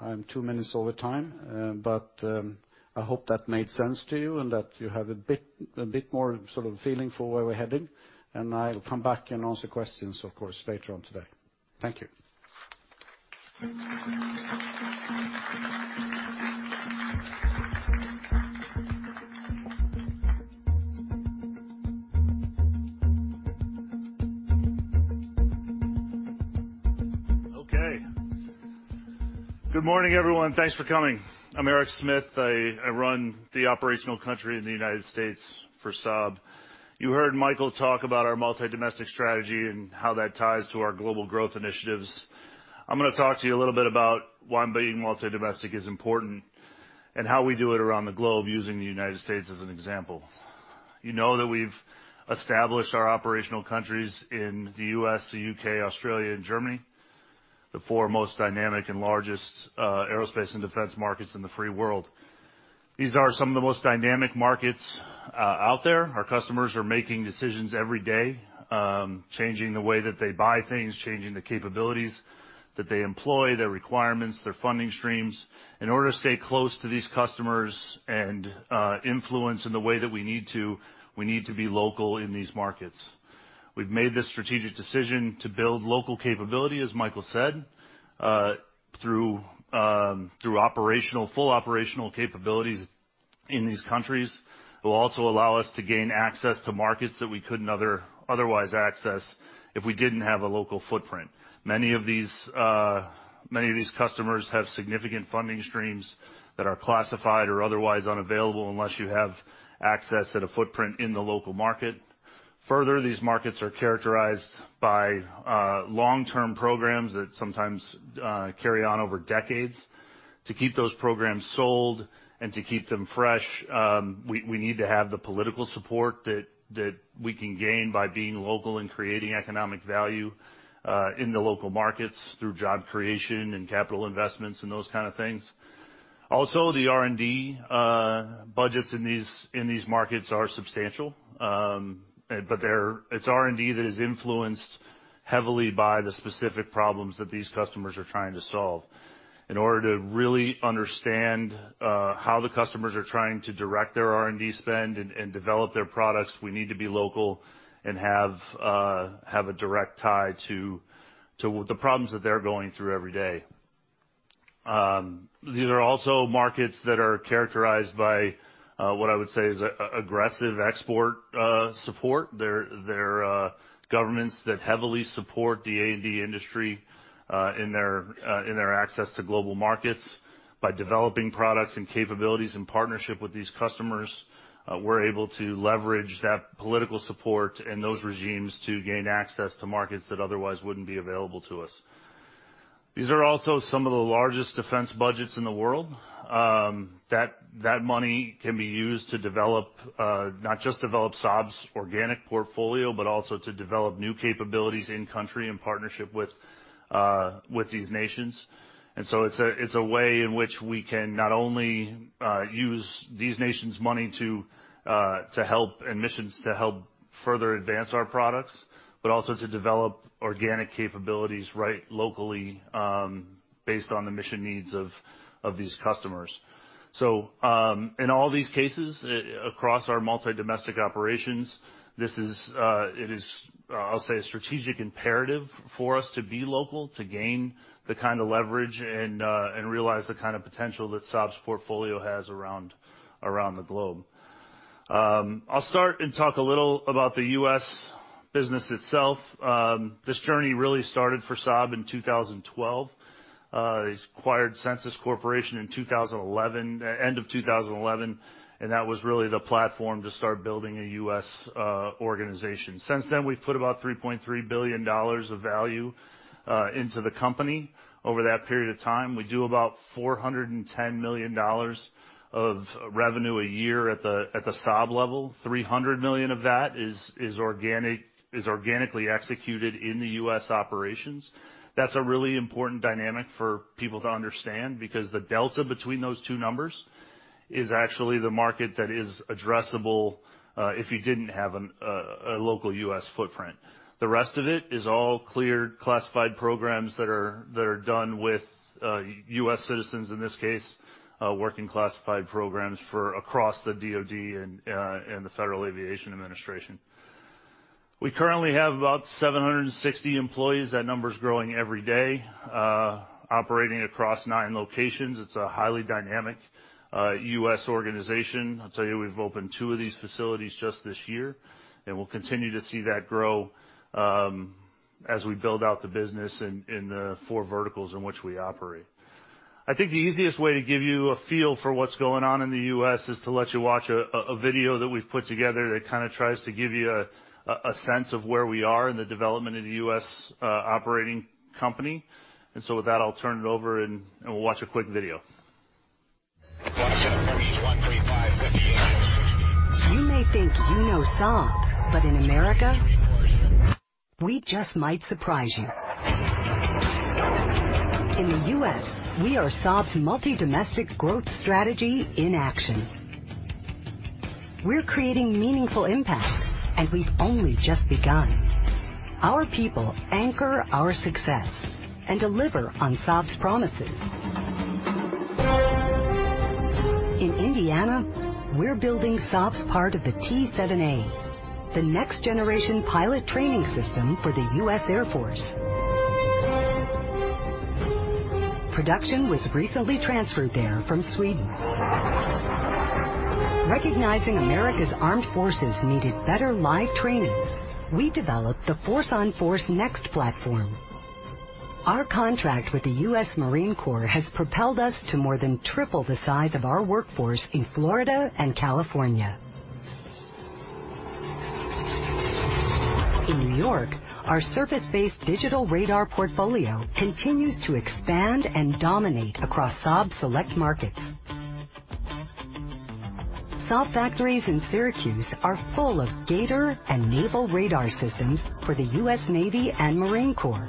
I'm two minutes over time. I hope that made sense to you and that you have a bit more sort of feeling for where we're heading. I'll come back and answer questions, of course, later on today. Thank you. Okay. Good morning, everyone. Thanks for coming. I'm Erik Smith. I run the operational country in the United States for Saab. You heard Micael talk about our multi-domestic strategy and how that ties to our global growth initiatives. I'm gonna talk to you a little bit about why being multi-domestic is important and how we do it around the globe using the United States as an example. You know that we've established our operational countries in the U.S., the U.K., Australia, and Germany, the four most dynamic and largest aerospace and defense markets in the free world. These are some of the most dynamic markets out there. Our customers are making decisions every day, changing the way that they buy things, changing the capabilities that they employ, their requirements, their funding streams. In order to stay close to these customers and influence in the way that we need to, we need to be local in these markets. We've made this strategic decision to build local capability, as Micael said, through operational, full operational capabilities in these countries. It will also allow us to gain access to markets that we couldn't otherwise access if we didn't have a local footprint. Many of these customers have significant funding streams that are classified or otherwise unavailable unless you have access at a footprint in the local market. Further, these markets are characterized by long-term programs that sometimes carry on over decades. To keep those programs sold and to keep them fresh, we need to have the political support that we can gain by being local and creating economic value in the local markets through job creation and capital investments and those kind of things. The R&D budgets in these markets are substantial, but it's R&D that is influenced heavily by the specific problems that these customers are trying to solve. In order to really understand how the customers are trying to direct their R&D spend and develop their products, we need to be local and have a direct tie to the problems that they're going through every day. These are also markets that are characterized by what I would say is aggressive export support. They're governments that heavily support the A&D industry in their access to global markets. By developing products and capabilities in partnership with these customers, we're able to leverage that political support and those regimes to gain access to markets that otherwise wouldn't be available to us. These are also some of the largest defense budgets in the world. That money can be used to develop not just develop Saab's organic portfolio, but also to develop new capabilities in country in partnership with these nations. It's a way in which we can not only use these nations' money to help and missions to help further advance our products, but also to develop organic capabilities right locally, based on the mission needs of these customers. In all these cases across our multi-domestic operations, this is, it is, I'll say a strategic imperative for us to be local, to gain the kind of leverage and realize the kind of potential that Saab's portfolio has around the globe. I'll start and talk a little about the U.S. business itself. This journey really started for Saab in 2012. It acquired Sensis Corporation in 2011, end of 2011, and that was really the platform to start building a U.S. organization. Since then we've put about $3.3 billion of value into the company over that period of time. We do about $410 million of revenue a year at the Saab level. $300 million of that is organically executed in the U.S. operations. That's a really important dynamic for people to understand because the delta between those two numbers is actually the market that is addressable if you didn't have a local U.S. footprint. The rest of it is all cleared classified programs that are done with U.S. citizens, in this case, working classified programs for across the DoD and the Federal Aviation Administration. We currently have about 760 employees. That number's growing every day, operating across nine locations. It's a highly dynamic U.S. organization. I'll tell you, we've opened two of these facilities just this year, and we'll continue to see that grow as we build out the business in the four verticals in which we operate. I think the easiest way to give you a feel for what's going on in the U.S. is to let you watch a video that we've put together that kind of tries to give you a sense of where we are in the development of the U.S. operating company. With that, I'll turn it over and we'll watch a quick video. You may think you know Saab, but in America, we just might surprise you. In the U.S., we are Saab's multi-domestic growth strategy in action. We're creating meaningful impact, and we've only just begun. Our people anchor our success and deliver on Saab's promises. In Indiana, we're building Saab's part of the T-7A, the next-generation pilot training system for the U.S. Air Force. Production was recently transferred there from Sweden. Recognizing America's armed forces needed better live training, we developed the force on force next platform. Our contract with the U.S. Marine Corps has propelled us to more than triple the size of our workforce in Florida and California. In New York, our surface-based digital radar portfolio continues to expand and dominate across Saab select markets. Saab factories in Syracuse are full of G/ATOR and naval radar systems for the U.S. Navy and Marine Corps.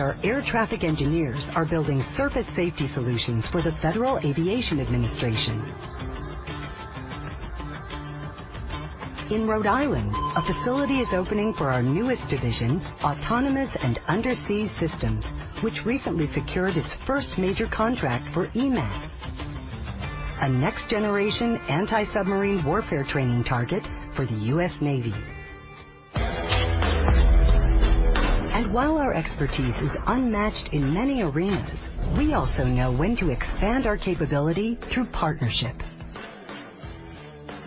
Our air traffic engineers are building surface safety solutions for the Federal Aviation Administration. In Rhode Island, a facility is opening for our newest division, Autonomous and Undersea Systems, which recently secured its first major contract for EMAT, a next-generation anti-submarine warfare training target for the U.S. Navy. While our expertise is unmatched in many arenas, we also know when to expand our capability through partnerships.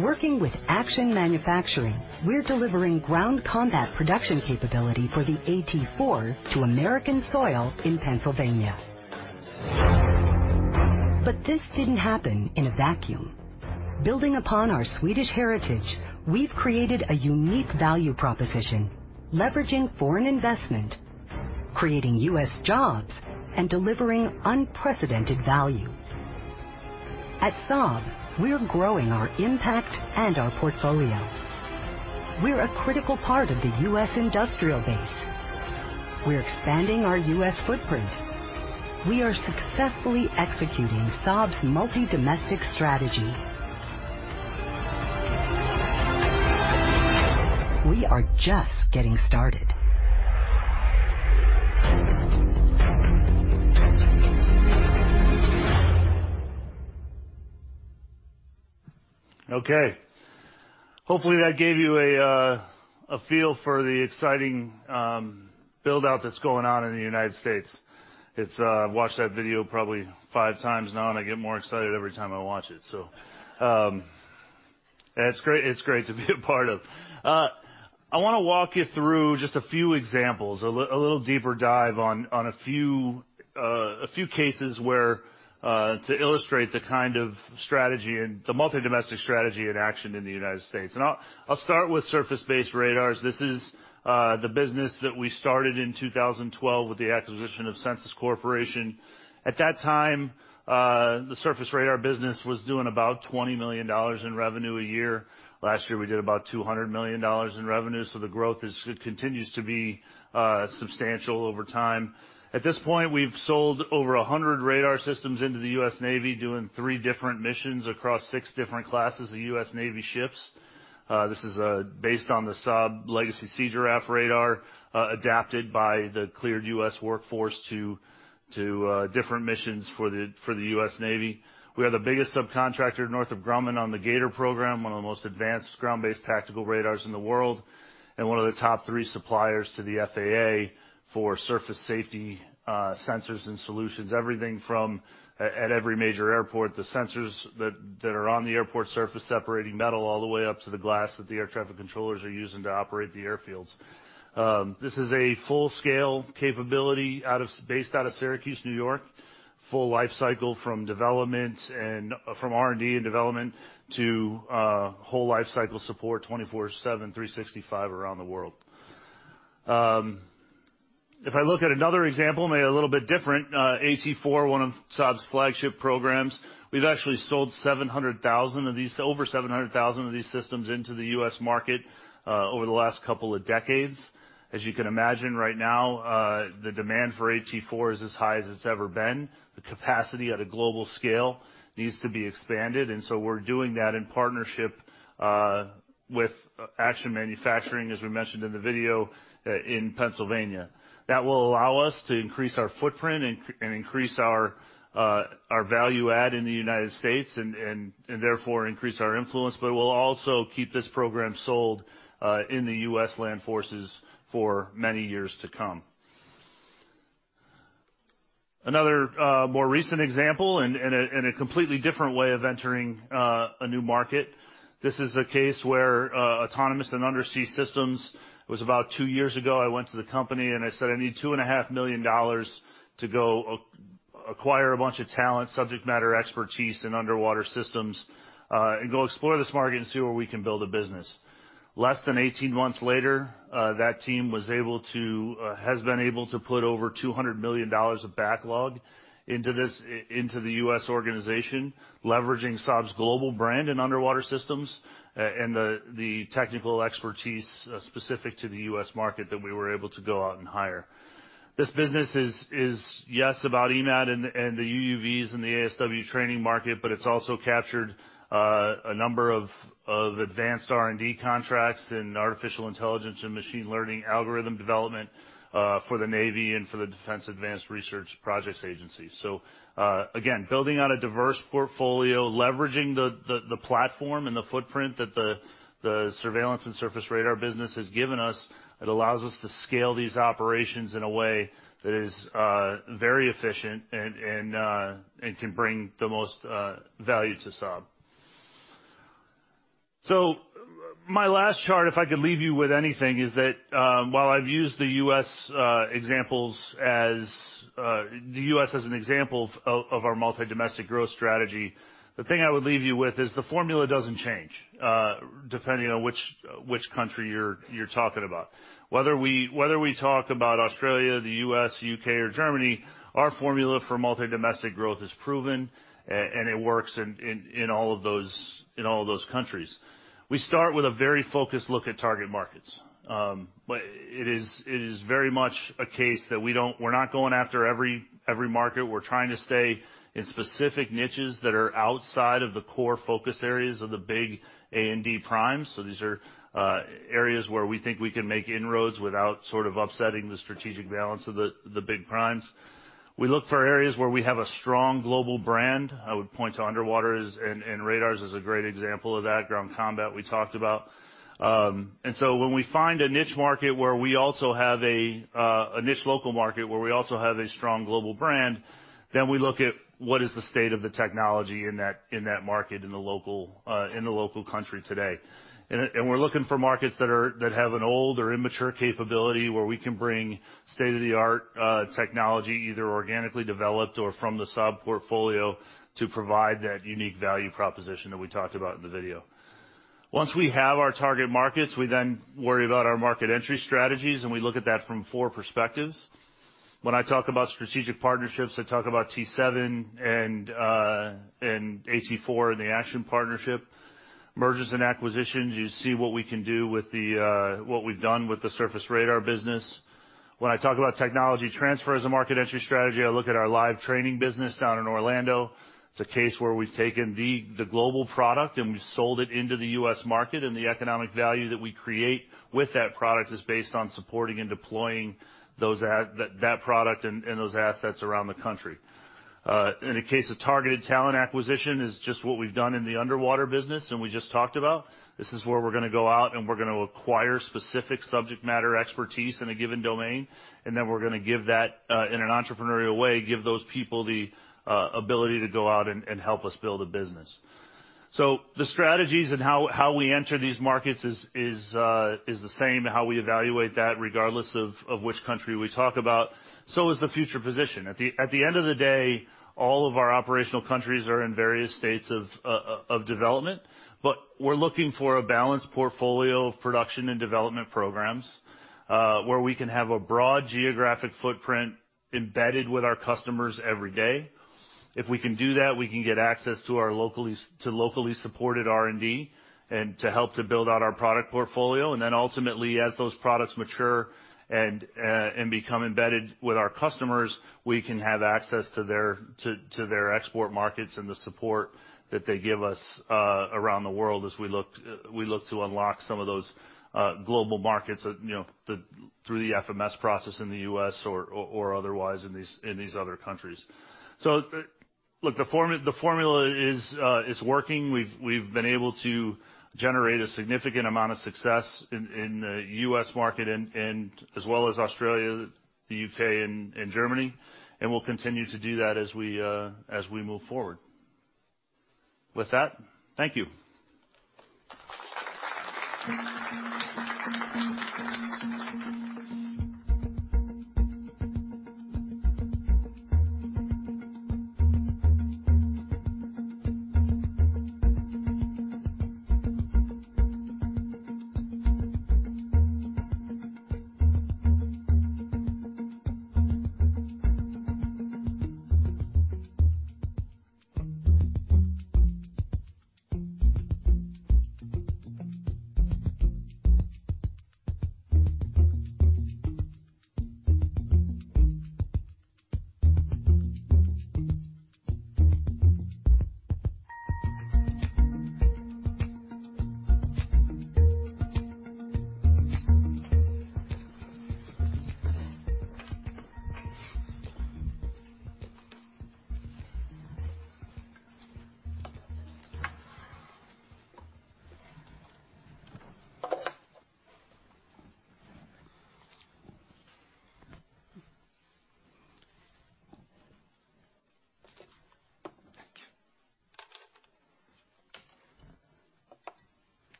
Working with Action Manufacturing, we're delivering ground combat production capability for the AT4 to American soil in Pennsylvania. This didn't happen in a vacuum. Building upon our Swedish heritage, we've created a unique value proposition, leveraging foreign investment, creating U.S. jobs, and delivering unprecedented value. At Saab, we're growing our impact and our portfolio. We're a critical part of the U.S. industrial base. We're expanding our U.S. footprint. We are successfully executing Saab's multi-domestic strategy. We are just getting started. Hopefully, that gave you a feel for the exciting build-out that's going on in the United States. I've watched that video probably five times now, and I get more excited every time I watch it. It's great. It's great to be a part of. I wanna walk you through just a few examples, a little deeper dive on a few cases where to illustrate the kind of strategy and the multi-domestic strategy in action in the United States. I'll start with surface-based radars. This is the business that we started in 2012 with the acquisition of Sensis Corporation. At that time, the surface radar business was doing about $20 million in revenue a year. Last year, we did about $200 million in revenue, so the growth continues to be substantial over time. At this point, we've sold over 100 radar systems into the U.S. Navy, doing three different missions across six different classes of U.S. Navy ships. This is based on the Saab legacy Sea Giraffe radar, adapted by the cleared U.S. workforce to different missions for the U.S. Navy. We are the biggest subcontractor Northrop Grumman on the G/ATOR program, one of the most advanced ground-based tactical radars in the world, and one of the top three suppliers to the FAA for surface safety sensors and solutions. Everything from, at every major airport, the sensors that are on the airport surface separating metal all the way up to the glass that the air traffic controllers are using to operate the airfields. This is a full-scale capability based out of Syracuse, New York. Full life cycle from development and from R&D and development to whole life cycle support 24/7, 365 around the world. If I look at another example, maybe a little bit different, AT4, one of Saab's flagship programs, we've actually sold over 700,000 of these systems into the U.S. market over the last couple of decades. As you can imagine, right now, the demand for AT4 is as high as it's ever been. The capacity at a global scale needs to be expanded. We're doing that in partnership with Action Manufacturing, as we mentioned in the video, in Pennsylvania. That will allow us to increase our footprint and increase our value add in the United States and therefore, increase our influence, but it will also keep this program sold in the U.S. land forces for many years to come. Another more recent example and in a completely different way of entering a new market, this is a case where Autonomous and Undersea Systems, it was about two years ago, I went to the company and I said, "I need two and a half million dollars to go acquire a bunch of talent, subject matter expertise in underwater systems and go explore this market and see where we can build a business." Less than 18 months later, that team has been able to put over $200 million of backlog into this into the U.S. organization, leveraging Saab's global brand in underwater systems and the technical expertise specific to the U.S. market that we were able to go out and hire. This business is, yes, about EMATT and the UUVs and the ASW training market, but it's also captured, a number of advanced R&D contracts and artificial intelligence and machine learning algorithm development, for the Navy and for the Defense Advanced Research Projects Agency. Again, building on a diverse portfolio, leveraging the platform and the footprint that the Surveillance and surface radar business has given us, it allows us to scale these operations in a way that is very efficient and can bring the most value to Saab. My last chart, if I could leave you with anything, is that, while I've used the U.S. examples as the U.S. as an example of our multi-domestic growth strategy, the thing I would leave you with is the formula doesn't change depending on which country you're talking about. Whether we talk about Australia, the U.S., U.K., or Germany, our formula for multi-domestic growth is proven and it works in all of those, in all of those countries. We start with a very focused look at target markets. It is very much a case that we're not going after every market. We're trying to stay in specific niches that are outside of the core focus areas of the big A&D primes. These are areas where we think we can make inroads without sort of upsetting the strategic balance of the big primes. We look for areas where we have a strong global brand. I would point to underwater as and radars as a great example of that. Ground combat, we talked about. When we find a niche market where we also have a niche local market where we also have a strong global brand, then we look at what is the state of the technology in that market, in the local country today. We're looking for markets that have an old or immature capability where we can bring state-of-the-art technology, either organically developed or from the Saab portfolio, to provide that unique value proposition that we talked about in the video. Once we have our target markets, we then worry about our market entry strategies. We look at that from four perspectives. When I talk about strategic partnerships, I talk about T-7A and AT4 and the Action Manufacturing Company partnership. Mergers and acquisitions, you see what we can do with what we've done with the surface radar business. When I talk about technology transfer as a market entry strategy, I look at our live training business down in Orlando. It's a case where we've taken the global product. We sold it into the U.S. market. The economic value that we create with that product is based on supporting and deploying that product and those assets around the country. In the case of targeted talent acquisition is just what we've done in the underwater business. We just talked about. This is where we're gonna go out, and we're gonna acquire specific subject matter expertise in a given domain, and then we're gonna give that in an entrepreneurial way, give those people the ability to go out and help us build a business. The strategies and how we enter these markets is the same, how we evaluate that regardless of which country we talk about. Is the future position. At the end of the day, all of our operational countries are in various states of development, but we're looking for a balanced portfolio of production and development programs, where we can have a broad geographic footprint embedded with our customers every day. If we can do that, we can get access to our locally to locally supported R&D and to help to build out our product portfolio. Ultimately, as those products mature and become embedded with our customers, we can have access to their export markets and the support that they give us around the world as we look to unlock some of those global markets, you know, through the FMS process in the U.S. or otherwise in these other countries. Look, the formula is working. We've been able to generate a significant amount of success in the U.S. market and as well as Australia, the U.K., and Germany. We'll continue to do that as we move forward. With that, thank you.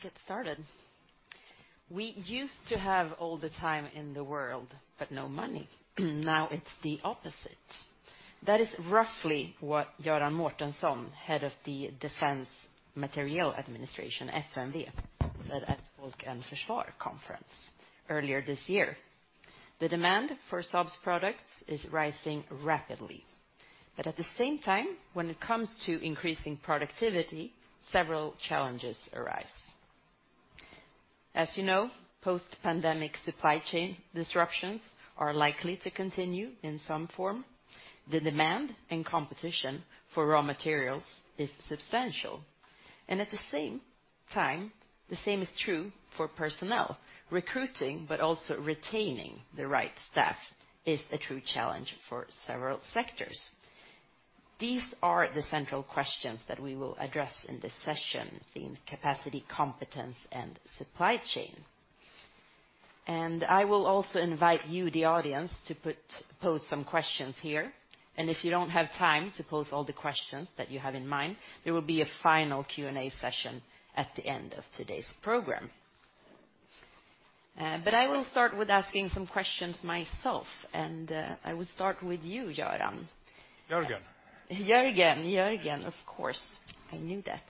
Excellent. Let's get started. We used to have all the time in the world, but no money. Now it's the opposite. That is roughly what Göran Mårtensson, Head of the Defense Materiel Administration, FMV, said at Folk och Försvar conference earlier this year. The demand for Saab's products is rising rapidly. At the same time, when it comes to increasing productivity, several challenges arise. As you know, post-pandemic supply chain disruptions are likely to continue in some form. The demand and competition for raw materials is substantial. At the same time, the same is true for personnel. Recruiting but also retaining the right staff is a true challenge for several sectors. These are the central questions that we will address in this session, themed Capacity, Competence and Supply Chain. I will also invite you, the audience, to pose some questions here. If you don't have time to pose all the questions that you have in mind, there will be a final Q&A session at the end of today's program. I will start with asking some questions myself, and I will start with you, Göran. Göran. Göran, of course. I knew that.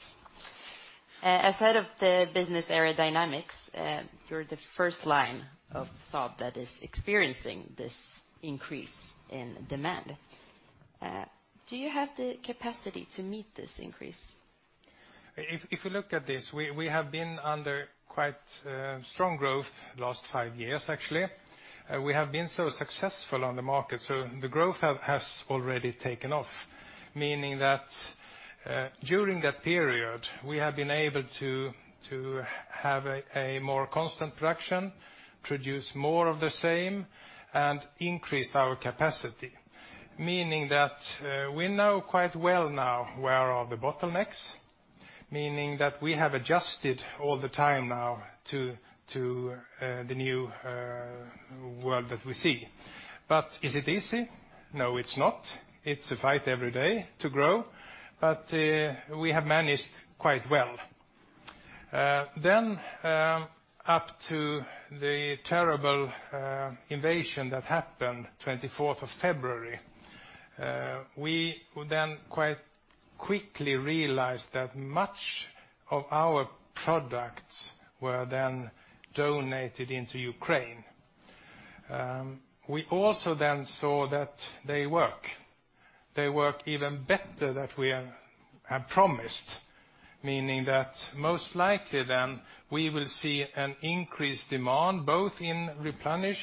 As head of the business area Dynamics, you're the first line of Saab that is experiencing this increase in demand. Do you have the capacity to meet this increase? If you look at this, we have been under quite strong growth last five years, actually. We have been so successful on the market, so the growth has already taken off, meaning that, during that period, we have been able to have a more constant production, produce more of the same, and increase our capacity. Meaning that, we know quite well now where are the bottlenecks, meaning that we have adjusted all the time now to the new world that we see. Is it easy? No, it's not. It's a fight every day to grow, but we have managed quite well. Up to the terrible invasion that happened 24th of February, we then quite quickly realized that much of our products were then donated into Ukraine. We also then saw that they work. They work even better than we have promised, meaning that most likely then we will see an increased demand, both in replenish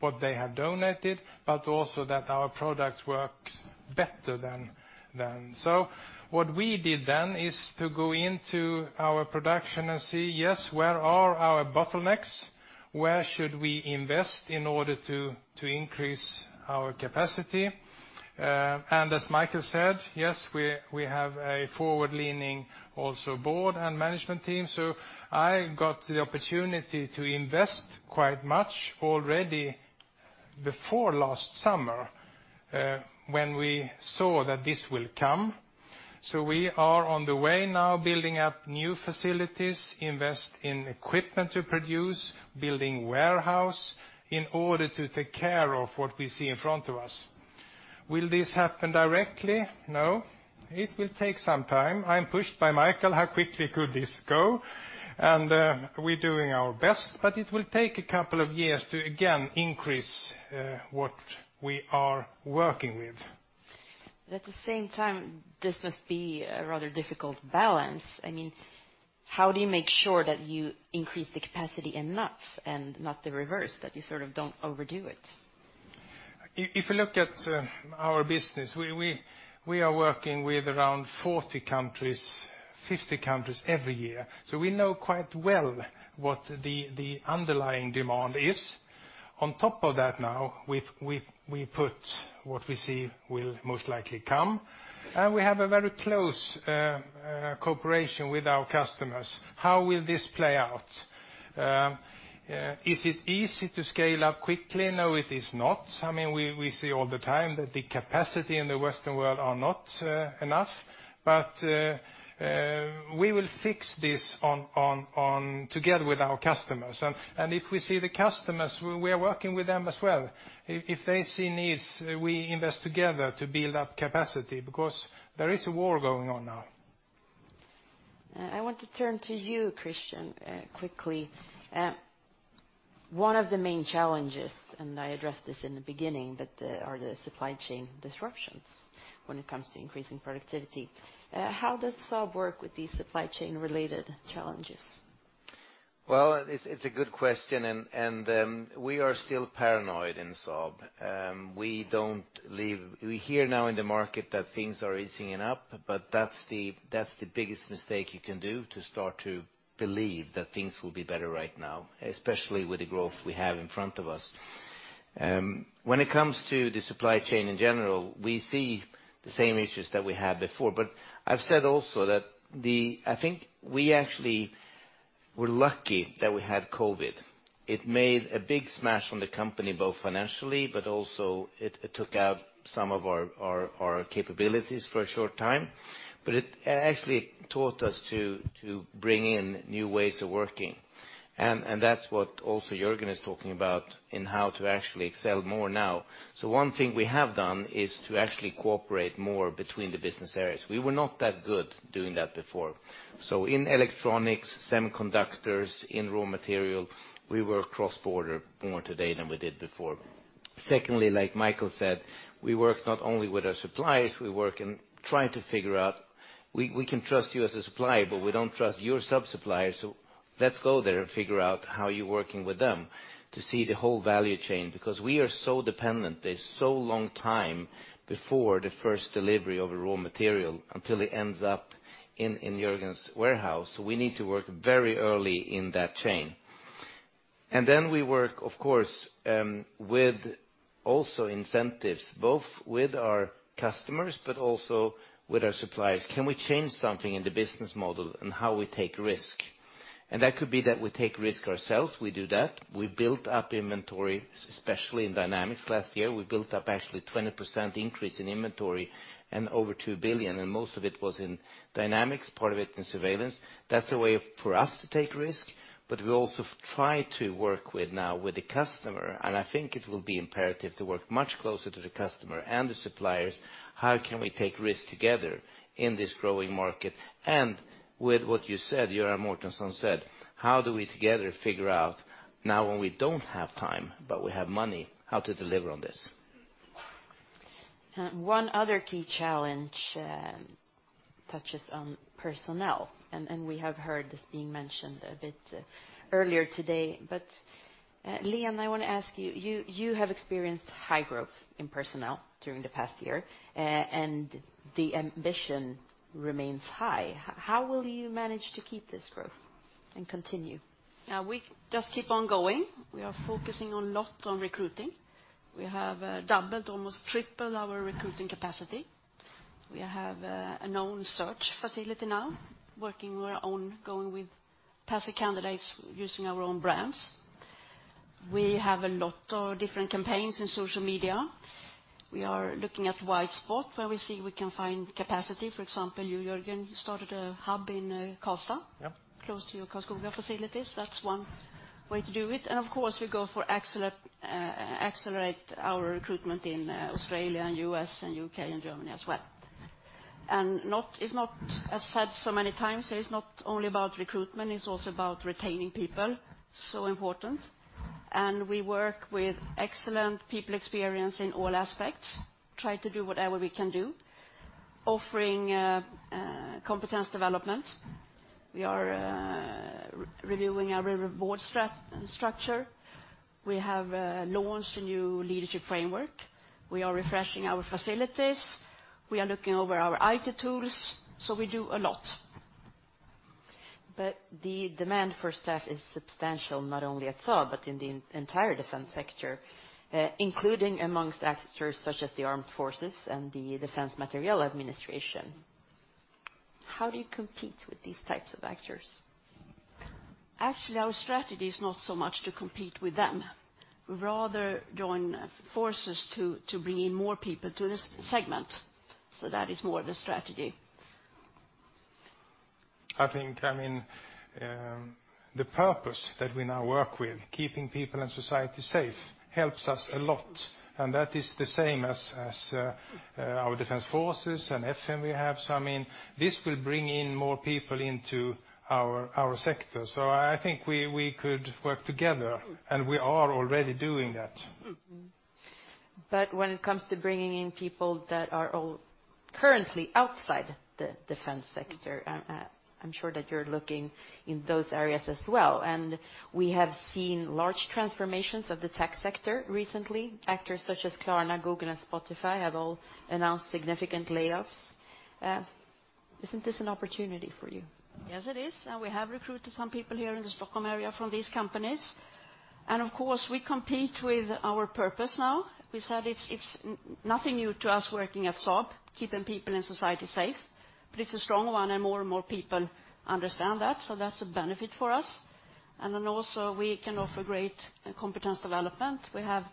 what they have donated, but also that our products works better than then. What we did then is to go into our production and see, yes, where are our bottlenecks? Where should we invest in order to increase our capacity? As Micael said, yes, we have a forward-leaning also board and management team. I got the opportunity to invest quite much already before last summer, when we saw that this will come. We are on the way now building up new facilities, invest in equipment to produce, building warehouse in order to take care of what we see in front of us. Will this happen directly? No. It will take some time. I'm pushed by Micael, how quickly could this go? We're doing our best, but it will take a couple of years to, again, increase what we are working with. At the same time, this must be a rather difficult balance. I mean, how do you make sure that you increase the capacity enough and not the reverse, that you sort of don't overdo it? If you look at our business, we are working with around 40 countries, 50 countries every year. We know quite well what the underlying demand is. On top of that now, we put what we see will most likely come. We have a very close cooperation with our customers. How will this play out? Is it easy to scale up quickly? No, it is not. I mean, we see all the time that the capacity in the Western world are not enough. We will fix this together with our customers. If we see the customers, we are working with them as well. If they see needs, we invest together to build up capacity because there is a war going on now. I want to turn to you, Christian, quickly. One of the main challenges, and I addressed this in the beginning, but, are the supply chain disruptions when it comes to increasing productivity. How does Saab work with these supply chain related challenges? It's a good question and we are still paranoid in Saab. We hear now in the market that things are easing up, that's the biggest mistake you can do to start to believe that things will be better right now, especially with the growth we have in front of us. When it comes to the supply chain in general, we see the same issues that we had before. I've said also I think we actually were lucky that we had COVID. It made a big smash on the company, both financially, but also it took out some of our capabilities for a short time. It actually taught us to bring in new ways of working. That's what also Göran is talking about in how to actually excel more now. One thing we have done is to actually cooperate more between the business areas. We were not that good doing that before. In electronics, semiconductors, in raw material, we work cross-border more today than we did before. Secondly, like Micael said, we work not only with our suppliers, we work in trying to figure out, we can trust you as a supplier, but we don't trust your suppliers, let's go there and figure out how you're working with them to see the whole value chain. We are so dependent, there's so long time before the first delivery of a raw material until it ends up in Göran's warehouse, we need to work very early in that chain. We work, of course, with also incentives, both with our customers but also with our suppliers. Can we change something in the business model and how we take risk? That could be that we take risk ourselves. We do that. We built up inventory, especially in Dynamics last year. We built up actually 20% increase in inventory and over 2 billion, and most of it was in Dynamics, part of it in Surveillance. That's a way for us to take risk. We also try to work with now with the customer. I think it will be imperative to work much closer to the customer and the suppliers. How can we take risk together in this growing market? With what you said, Göran Mårtensson said, how do we together figure out now when we don't have time, but we have money, how to deliver on this? One other key challenge touches on personnel, and we have heard this being mentioned a bit earlier today. Lena, I wanna ask you have experienced high growth in personnel during the past year, and the ambition remains high. How will you manage to keep this growth and continue? We just keep on going. We are focusing a lot on recruiting. We have doubled, almost tripled our recruiting capacity. We have an own search facility now working our own, going with passive candidates using our own brands. We have a lot of different campaigns in social media. We are looking at wide spot where we see we can find capacity. For example, you, Göran, started a hub in Karlstad. Yeah Close to your Karlskoga facilities. That's one way to do it. Of course, we go for accelerate our recruitment in Australia and U.S. and U.K. and Germany as well. Not, it's not, as said so many times, it's not only about recruitment, it's also about retaining people, so important. We work with excellent people experience in all aspects, try to do whatever we can do, offering competence development. We are reviewing our reward structure. We have launched a new leadership framework. We are refreshing our facilities. We are looking over our IT tools, so we do a lot. The demand for staff is substantial, not only at Saab, but in the entire defense sector, including amongst actors such as the Armed Forces and the Defense Materiel Administration. How do you compete with these types of actors? Actually, our strategy is not so much to compete with them. Rather join forces to bring in more people to this segment. That is more the strategy. I think, I mean, the purpose that we now work with, keeping people and society safe, helps us a lot, and that is the same as our defense forces and FM we have. I mean, this will bring in more people into our sector. I think we could work together, and we are already doing that. When it comes to bringing in people that are all currently outside the defense sector, I'm sure that you're looking in those areas as well. We have seen large transformations of the tech sector recently. Actors such as Klarna, Google, and Spotify have all announced significant layoffs. Isn't this an opportunity for you? Yes, it is. We have recruited some people here in the Stockholm area from these companies. Of course, we compete with our purpose now. We said it's nothing new to us working at Saab, keeping people and society safe, but it's a strong one, and more and more people understand that, so that's a benefit for us. Also, we can offer great competence development. We have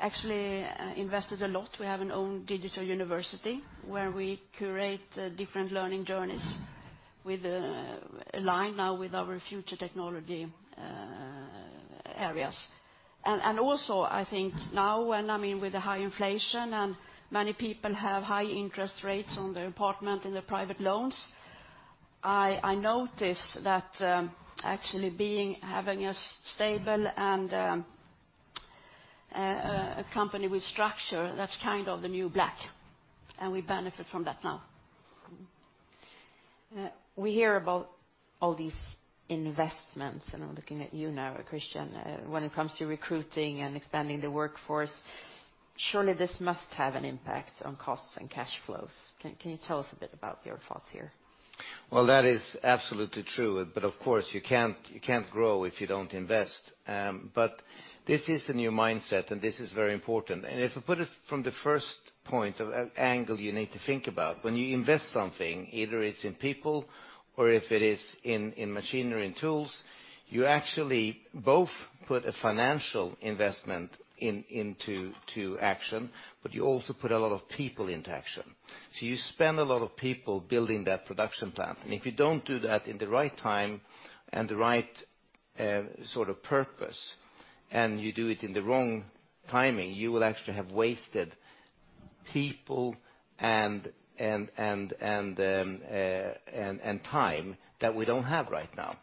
actually invested a lot. We have an own digital university where we curate different learning journeys with aligned now with our future technology areas. Also, I think now when, I mean, with the high inflation and many people have high interest rates on their apartment and their private loans, I notice that actually having a stable and a company with structure, that's kind of the new black, and we benefit from that now. We hear about all these investments. I'm looking at you now, Christian. When it comes to recruiting and expanding the workforce, surely this must have an impact on costs and cash flows. Can you tell us a bit about your thoughts here? That is absolutely true. Of course you can't grow if you don't invest. This is a new mindset, and this is very important. If I put it from the first point of angle you need to think about, when you invest something, either it's in people or if it is in machinery and tools, you actually both put a financial investment into action, but you also put a lot of people into action. You spend a lot of people building that production plan. If you don't do that in the right time and the right sort of purpose, and you do it in the wrong timing, you will actually have wasted people and time that we don't have right now.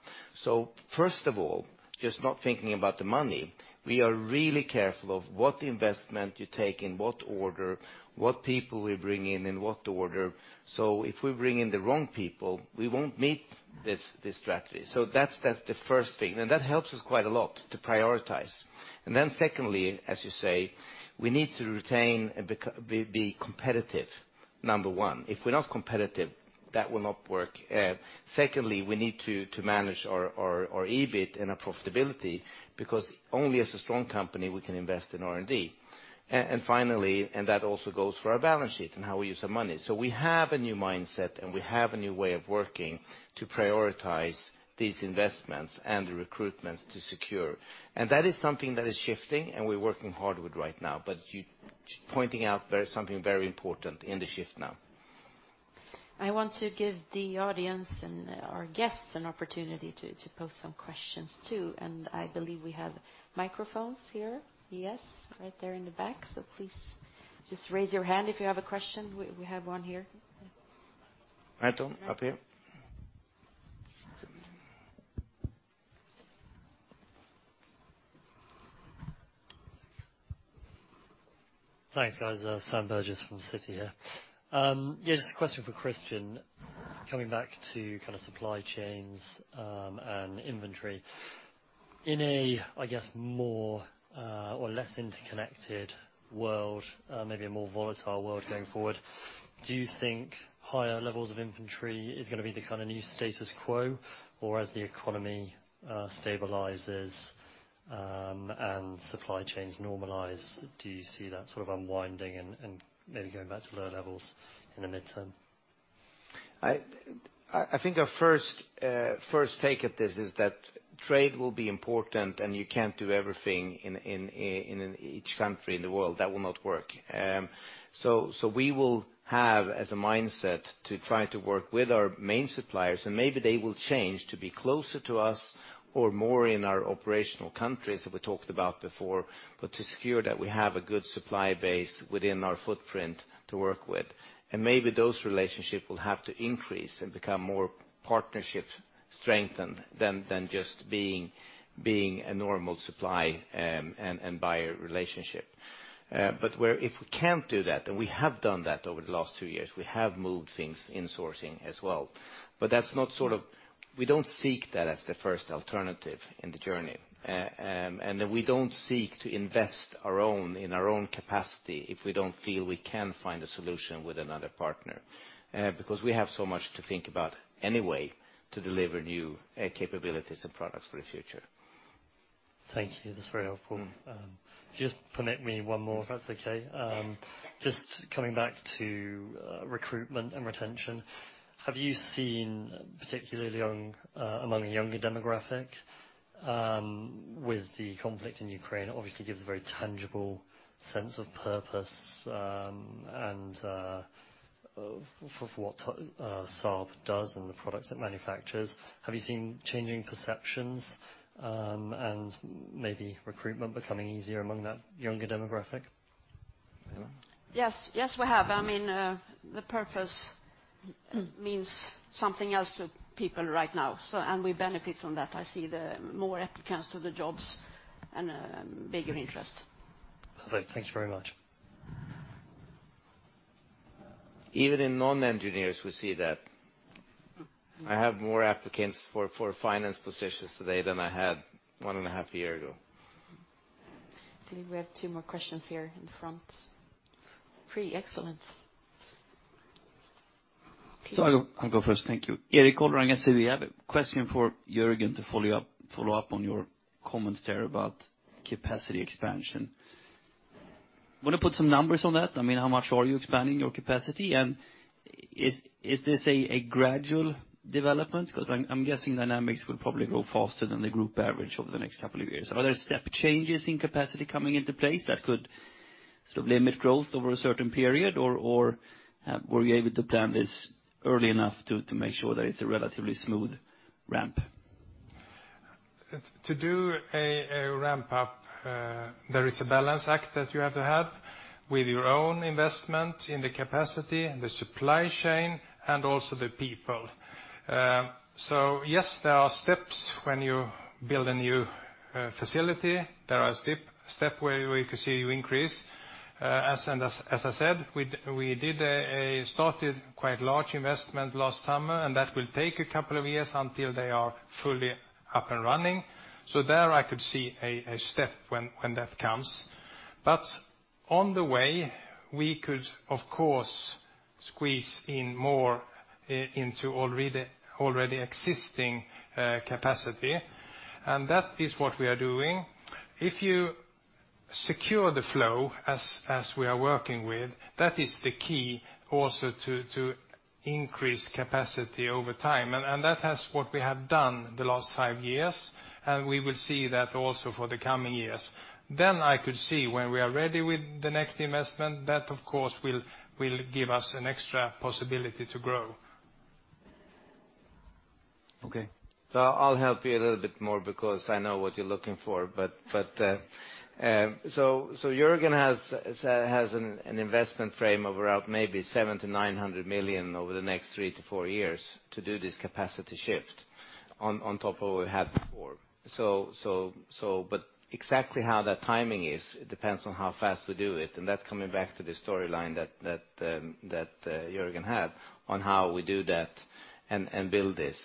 First of all, just not thinking about the money, we are really careful of what investment you take in what order, what people we bring in what order. If we bring in the wrong people, we won't meet this strategy. That's the first thing, and that helps us quite a lot to prioritize. Secondly, as you say, we need to retain and be competitive, number one. If we're not competitive, that will not work. Secondly, we need to manage our EBIT and our profitability, because only as a strong company we can invest in R&D. Finally, and that also goes for our balance sheet and how we use our money. We have a new mindset, and we have a new way of working to prioritize these investments and the recruitments to secure. That is something that is shifting, and we're working hard with right now. Pointing out something very important in the shift now. I want to give the audience and our guests an opportunity to pose some questions too. I believe we have microphones here. Yes. Right there in the back. Please just raise your hand if you have a question. We have one here. Anton, up here. Thanks, guys. Sam Burgess from Citi here. Just a question for Christian. Coming back to kind of supply chains, and inventory. In a, I guess, more, or less interconnected world, maybe a more volatile world going forward, do you think higher levels of inventory is gonna be the kind of new status quo? Or as the economy stabilizes, and supply chains normalize, do you see that sort of unwinding and maybe going back to lower levels in the midterm? I think a first take at this is that trade will be important, and you can't do everything in each country in the world. That will not work. We will have as a mindset to try to work with our main suppliers, and maybe they will change to be closer to us or more in our operational countries that we talked about before, but to secure that we have a good supply base within our footprint to work with. Maybe those relationships will have to increase and become more partnerships strengthened than just being a normal supply and buyer relationship. Where if we can't do that, we have done that over the last two years, we have moved things in sourcing as well. That's not sort of... We don't seek that as the first alternative in the journey. We don't seek to invest our own, in our own capacity if we don't feel we can find a solution with another partner. We have so much to think about anyway to deliver new capabilities and products for the future. Thank you. That's very helpful. Mm-hmm. If you just permit me one more, if that's okay. Just coming back to recruitment and retention. Have you seen, particularly on, among a younger demographic, with the conflict in Ukraine, obviously gives a very tangible sense of purpose, and for what Saab does and the products it manufactures. Have you seen changing perceptions, and maybe recruitment becoming easier among that younger demographic? Lena? Yes. Yes, we have. I mean, the purpose means something else to people right now. We benefit from that. I see the more applicants to the jobs and bigger interest. Perfect. Thanks very much. Even in non-engineers, we see that. I have more applicants for finance positions today than I had one and a half year ago. I think we have two more questions here in the front. Three. Excellent. Please. I'll go first. Thank you. Erik Golrang, SEB. We have a question for Göran to follow up on your comments there about capacity expansion. Wanna put some numbers on that? I mean, how much are you expanding your capacity? Is this a gradual development? 'Cause I'm guessing Dynamics will probably grow faster than the group average over the next couple of years. Are there step changes in capacity coming into place that could limit growth over a certain period, or were you able to plan this early enough to make sure that it's a relatively smooth ramp? To do a ramp up, there is a balance act that you have to have with your own investment in the capacity, the supply chain, and also the people. Yes, there are steps when you build a new facility. There are steps where we could see you increase. As I said, we did a started quite large investment last summer, and that will take a couple of years until they are fully up and running. There I could see a step when that comes. On the way, we could, of course, squeeze in more into already existing capacity, and that is what we are doing. If you secure the flow as we are working with, that is the key also to increase capacity over time. That has what we have done the last five years, and we will see that also for the coming years. I could see when we are ready with the next investment, that of course will give us an extra possibility to grow. Okay. I'll help you a little bit more because I know what you're looking for. Göran has an investment frame of around maybe 700-900 million over the next three to four years to do this capacity shift on top of what we had before. Exactly how that timing is, it depends on how fast we do it, and that's coming back to the storyline that Göran had on how we do that and build this.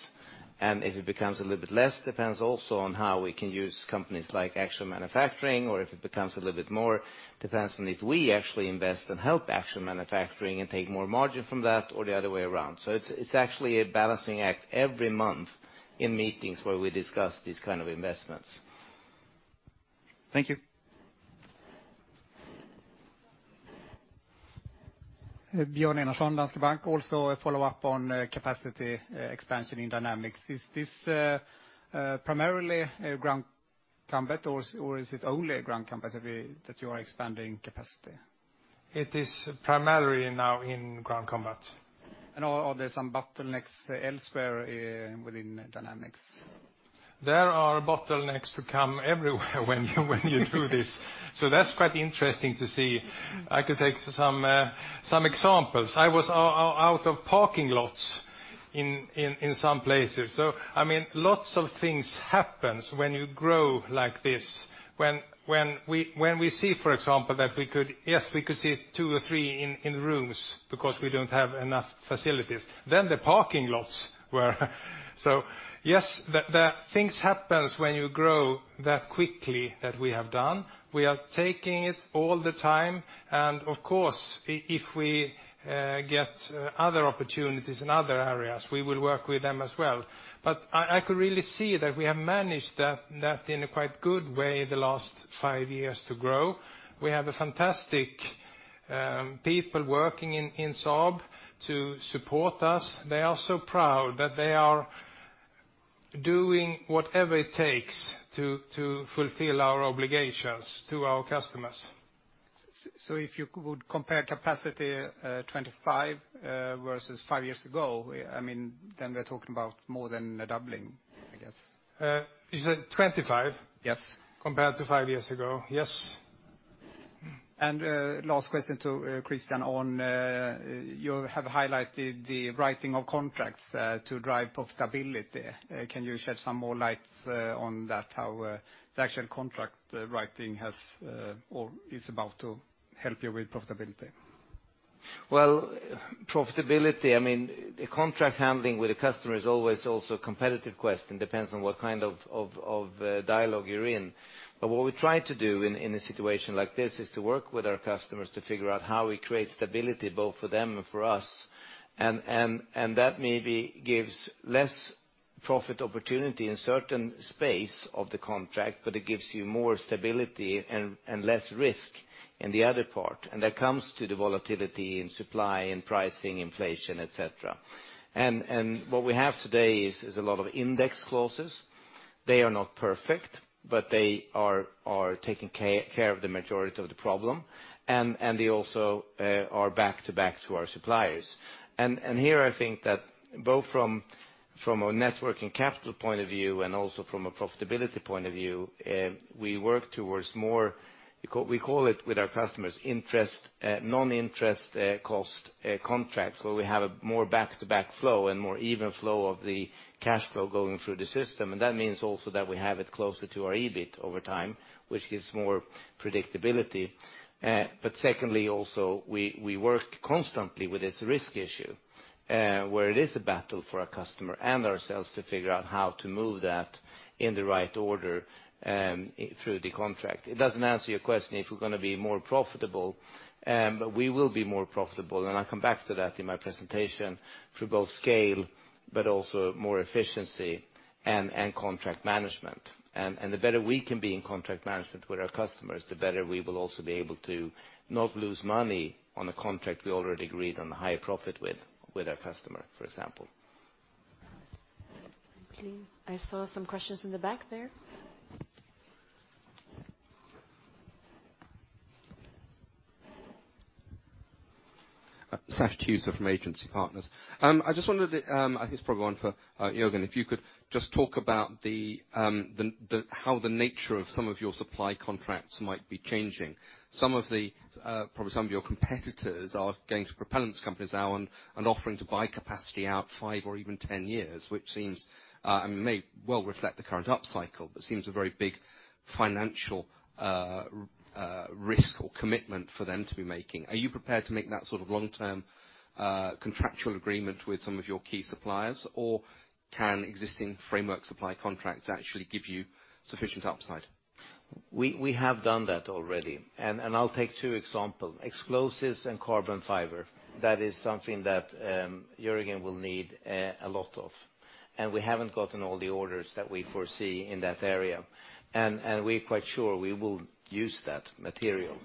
If it becomes a little bit less, depends also on how we can use companies like Action Manufacturing, or if it becomes a little bit more, depends on if we actually invest and help Action Manufacturing and take more margin from that or the other way around. It's actually a balancing act every month in meetings where we discuss these kind of investments. Thank you. Björn Enarson, Danske Bank. Also a follow-up on capacity expansion in Dynamics. Is this primarily ground combat or is it only ground combat that you are expanding capacity? It is primarily now in ground combat. Are there some bottlenecks elsewhere within Dynamics? There are bottlenecks to come everywhere when you, when you do this. That's quite interesting to see. I could take some examples. I was out of parking lots in some places. I mean, lots of things happens when you grow like this. When we see, for example, that we could, yes, we could sit two or three in rooms because we don't have enough facilities, then the parking lots were... Yes, the things happens when you grow that quickly that we have done. We are taking it all the time. Of course, if we get other opportunities in other areas, we will work with them as well. I could really see that we have managed that in a quite good way the last five years to grow. We have a fantastic people working in Saab to support us. They are so proud that they are doing whatever it takes to fulfill our obligations to our customers. If you could compare capacity, 25 versus five years ago, I mean, then we are talking about more than doubling, I guess. You said 25? Yes. Compared to five years ago? Yes. Last question to Christian on, you have highlighted the writing of contracts, to drive profitability. Can you shed some more lights on that, how the actual contract writing has or is about to help you with profitability? Well, profitability, I mean, the contract handling with a customer is always also a competitive question, depends on what kind of dialogue you're in. What we try to do in a situation like this is to work with our customers to figure out how we create stability both for them and for us. That maybe gives less profit opportunity in certain space of the contract, but it gives you more stability and less risk in the other part. That comes to the volatility in supply, in pricing, inflation, et cetera. What we have today is a lot of index clauses. They are not perfect, but they are taking care of the majority of the problem. They also are back-to-back to our suppliers. Here I think that both from a net working capital point of view and also from a profitability point of view, we work towards more, we call it with our customers, interest, non-interest, cost, contracts, where we have a more back-to-back flow and more even flow of the cash flow going through the system. That means also that we have it closer to our EBIT over time, which gives more predictability. Secondly, also we work constantly with this risk issue, where it is a battle for our customer and ourselves to figure out how to move that in the right order, through the contract. It doesn't answer your question if we're gonna be more profitable, but we will be more profitable, and I'll come back to that in my presentation, through both scale but also more efficiency and contract management. The better we can be in contract management with our customers, the better we will also be able to not lose money on a contract we already agreed on a higher profit with our customer, for example. I saw some questions in the back there. Sash Tusa from Agency Partners. I just wondered if I think it's probably one for Göran, if you could just talk about how the nature of some of your supply contracts might be changing. Some of the probably some of your competitors are going to propellants companies now and offering to buy capacity out 5 or even 10 years, which seems and may well reflect the current up cycle, but seems a very big financial risk or commitment for them to be making. Are you prepared to make that sort of long-term contractual agreement with some of your key suppliers, or can existing framework supply contracts actually give you sufficient upside? We have done that already, I'll take two example, explosives and carbon fiber. That is something that Göran will need a lot of, and we haven't gotten all the orders that we foresee in that area. We're quite sure we will use that material.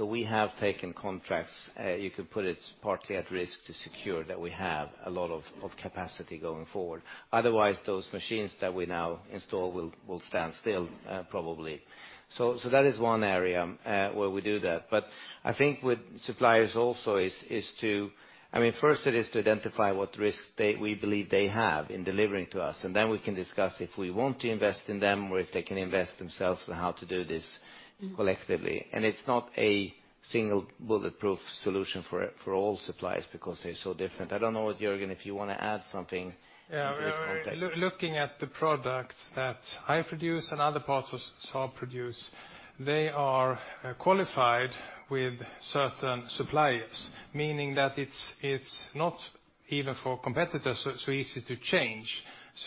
We have taken contracts, you could put it partly at risk to secure that we have a lot of capacity going forward. Otherwise, those machines that we now install will stand still, probably. That is one area where we do that. I think with suppliers also is to... I mean, first it is to identify what risk we believe they have in delivering to us, and then we can discuss if we want to invest in them or if they can invest themselves on how to do this collectively. It's not a single bulletproof solution for all suppliers because they're so different. I don't know if, Göran, if you wanna add something into this context. We're looking at the products that I produce and other parts of Saab produce. They are qualified with certain suppliers, meaning that it's not even for competitors so easy to change.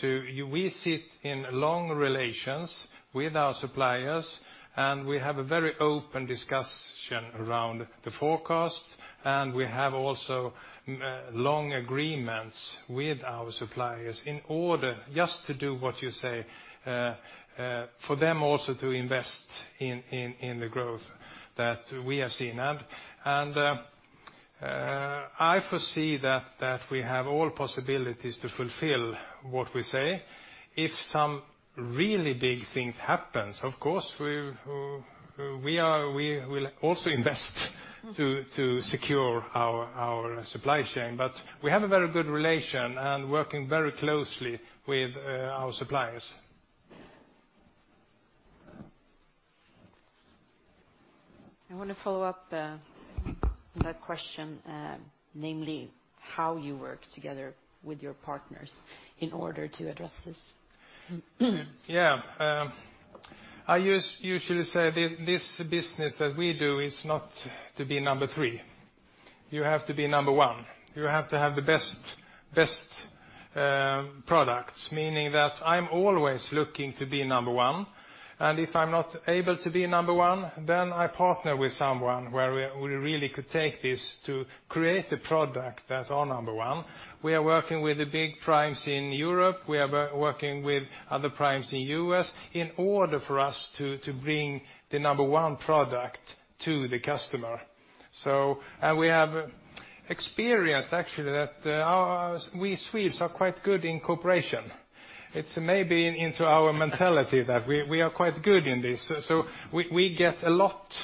We sit in long relations with our suppliers, we have a very open discussion around the forecast, and we have also long agreements with our suppliers in order just to do what you say, for them also to invest in the growth that we have seen. I foresee that we have all possibilities to fulfill what we say. If some really big things happens, of course we will also invest to secure our supply chain. We have a very good relation and working very closely with our suppliers. I want to follow up on that question, namely how you work together with your partners in order to address this. Yeah. I usually say this business that we do is not to be number three. You have to be number one. You have to have the best products, meaning that I'm always looking to be number one. And if I'm not able to be number one, then I partner with someone where we really could take this to create a product that are number one. We are working with the big primes in Europe. We are working with other primes in U.S. in order for us to bring the number one product to the customer. And we have experienced actually that, we Swiss are quite good in cooperation. It's maybe into our mentality that we are quite good in this. We get a lot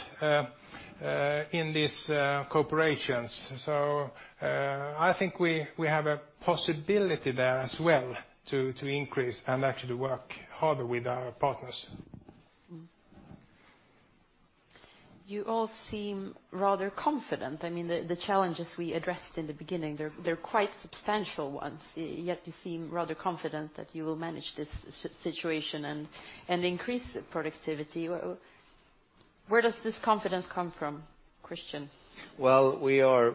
in these cooperations. I think we have a possibility there as well to increase and actually work harder with our partners. You all seem rather confident. I mean, the challenges we addressed in the beginning, they're quite substantial ones, yet you seem rather confident that you will manage this situation and increase the productivity. Where does this confidence come from, Christian? Well, we are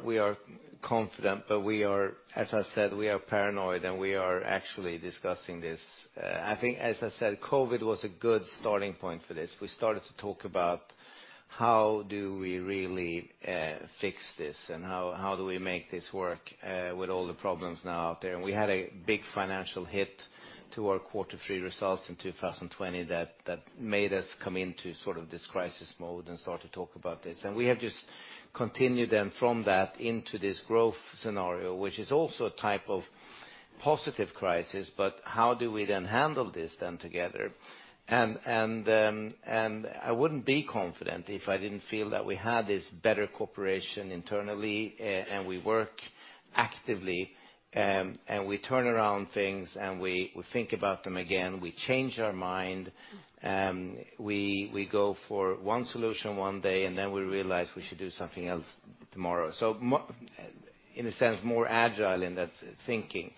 confident, but we are, as I said, paranoid, we are actually discussing this. I think, as I said, COVID was a good starting point for this. We started to talk about how do we really fix this and how do we make this work with all the problems now out there. We had a big financial hit to our quarter three results in 2020 that made us come into sort of this crisis mode and start to talk about this. We have just continued then from that into this growth scenario, which is also a type of positive crisis, how do we then handle this then together? I wouldn't be confident if I didn't feel that we had this better cooperation internally and we work actively, and we turn around things, and we think about them again. We change our mind. We go for one solution one day, and then we realize we should do something else tomorrow. In a sense, more agile in that thinking.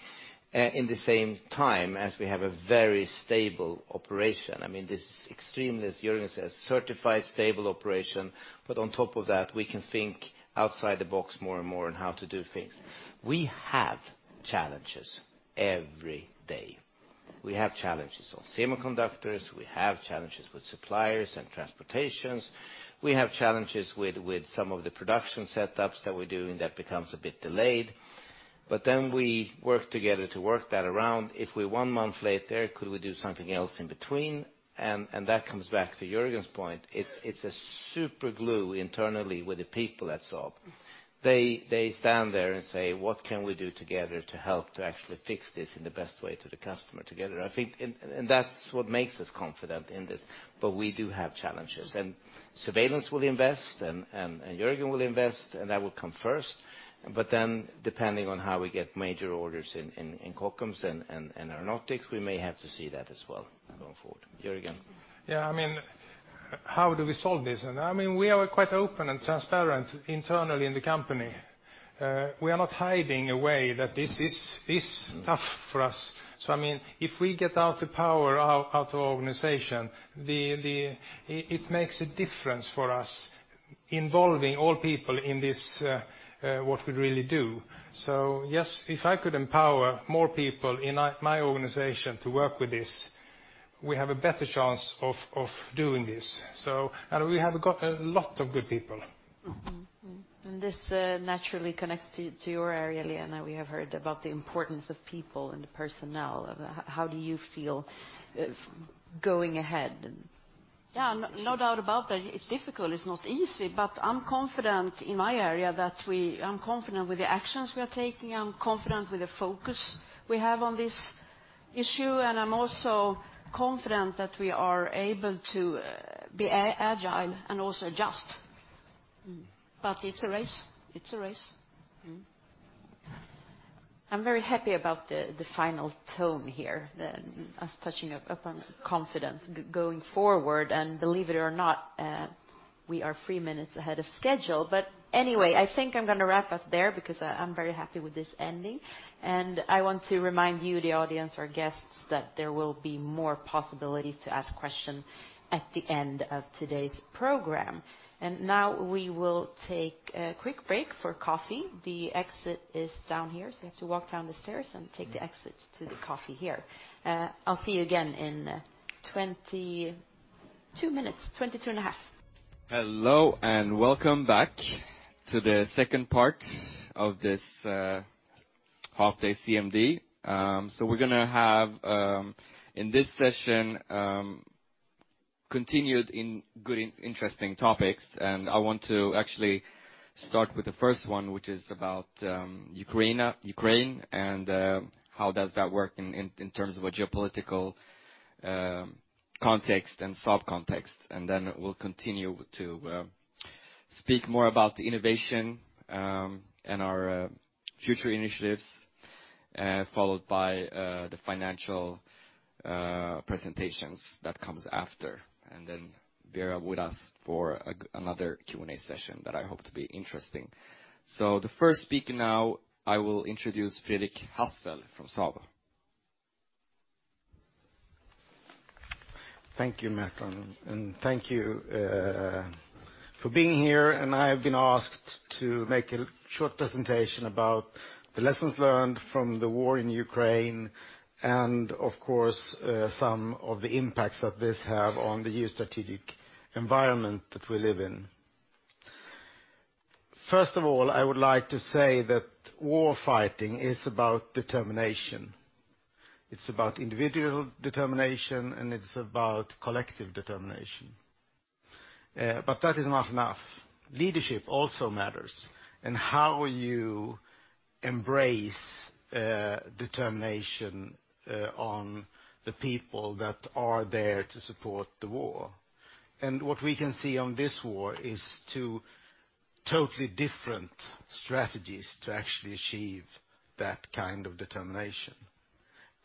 In the same time, as we have a very stable operation, I mean, this extremely, as Göran says, certified stable operation, but on top of that, we can think outside the box more and more on how to do things. We have challenges every day. We have challenges on semiconductors. We have challenges with suppliers and transportations. We have challenges with some of the production setups that we're doing that becomes a bit delayed, but then we work together to work that around. If we're one month later, could we do something else in between? That comes back to Göran's point. It's a super glue internally with the people at Saab. They stand there and say, "What can we do together to help to actually fix this in the best way to the customer together?" I think. That's what makes us confident in this, but we do have challenges. Surveillance will invest, Göran will invest, and that will come first. Depending on how we get major orders in Kockums and Aeronautics, we may have to see that as well going forward. Göran? Yeah, I mean, how do we solve this? I mean, we are quite open and transparent internally in the company. We are not hiding away that this is tough for us. I mean, if we get out the power out of organization, It makes a difference for us involving all people in this, what we really do. Yes, if I could empower more people in my organization to work with this, we have a better chance of doing this. We have got a lot of good people. This naturally connects to your area, Lena. We have heard about the importance of people and the personnel. How do you feel going ahead? Yeah, no doubt about that. It's difficult, it's not easy, but I'm confident in my area that I'm confident with the actions we are taking, I'm confident with the focus we have on this issue, and I'm also confident that we are able to be agile and also adjust. Mm-hmm. It's a race. It's a race. I'm very happy about the final tone here, us touching upon confidence going forward. Believe it or not, we are three minutes ahead of schedule. Anyway, I think I'm gonna wrap up there because I'm very happy with this ending. I want to remind you, the audience, our guests, that there will be more possibilities to ask questions at the end of today's program. Now we will take a quick break for coffee. The exit is down here, so you have to walk down the stairs and take the exit to the coffee here. I'll see you again in 22 minutes. 22 and a half. Hello, and welcome back to the second part of this half-day CMD. We're gonna have in this session continued in good interesting topics. I want to actually start with the first one, which is about Ukraine, and how does that work in in in terms of a geopolitical context and Saab context. We'll continue to speak more about the innovation and our future initiatives followed by the financial presentations that comes after. Vera with us for another Q&A session that I hope to be interesting. The first speaker now, I will introduce Fredrik Hassel from Saab. Thank you, Merton. Thank you for being here. I have been asked to make a short presentation about the lessons learned from the war in Ukraine and of course, some of the impacts that this have on the new strategic environment that we live in. First of all, I would like to say that warfighting is about determination. It's about individual determination, and it's about collective determination. But that is not enough. Leadership also matters, and how you embrace determination on the people that are there to support the war. What we can see on this war is two totally different strategies to actually achieve that kind of determination.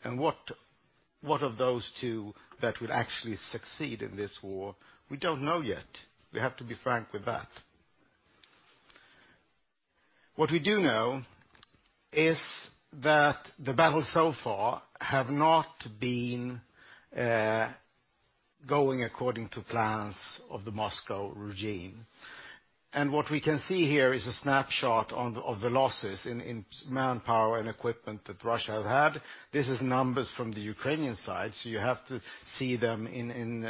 What of those two that will actually succeed in this war? We don't know yet. We have to be frank with that. What we do know is that the battle so far have not been going according to plans of the Moscow regime. What we can see here is a snapshot of the losses in manpower and equipment that Russia have had. This is numbers from the Ukrainian side, you have to see them in.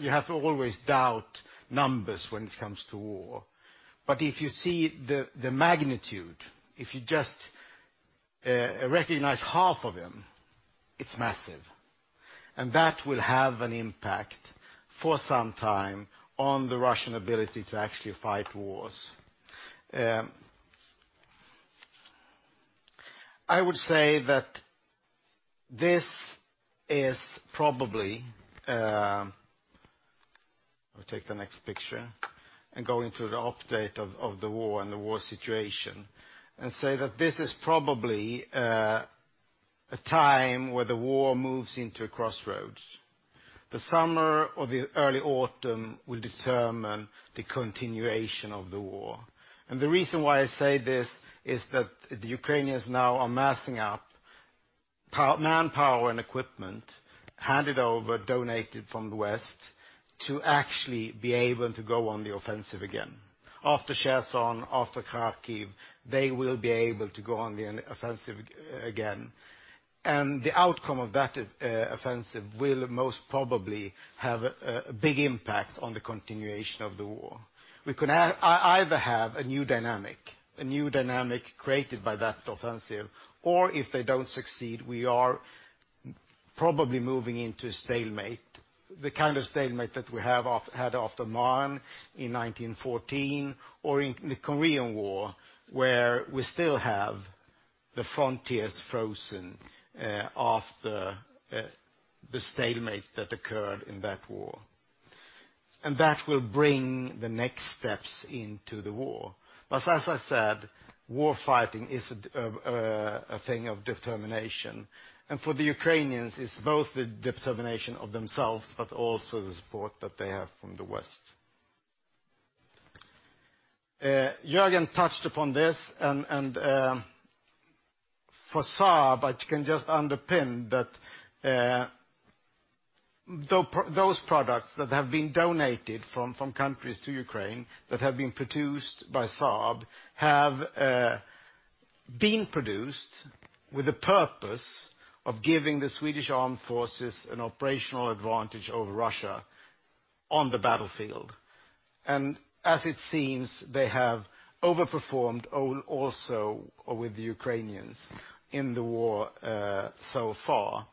You have to always doubt numbers when it comes to war. If you see the magnitude, if you just recognize half of them, it's massive. That will have an impact for some time on the Russian ability to actually fight wars. I would say that this is probably. I'll take the next picture and go into the update of the war and the war situation, and say that this is probably a time where the war moves into a crossroads. The summer or the early autumn will determine the continuation of the war. The reason why I say this is that the Ukrainians now are massing up manpower and equipment, handed over, donated from the West, to actually be able to go on the offensive again. After Kherson, after Kharkiv, they will be able to go on the offensive again. The outcome of that offensive will most probably have a big impact on the continuation of the war. We could either have a new dynamic, a new dynamic created by that offensive, or if they don't succeed, we are probably moving into stalemate, the kind of stalemate that we had after Marne in 1914 or in the Korean War, where we still have the frontiers frozen after the stalemate that occurred in that war. That will bring the next steps into the war. As I said, war fighting is a thing of determination. For the Ukrainians, it's both the determination of themselves, but also the support that they have from the West. Göran touched upon this and, for Saab, I can just underpin that those products that have been donated from countries to Ukraine that have been produced by Saab have been produced with the purpose of giving the Swedish Armed Forces an operational advantage over Russia on the battlefield. As it seems, they have overperformed also with the Ukrainians in the war so far.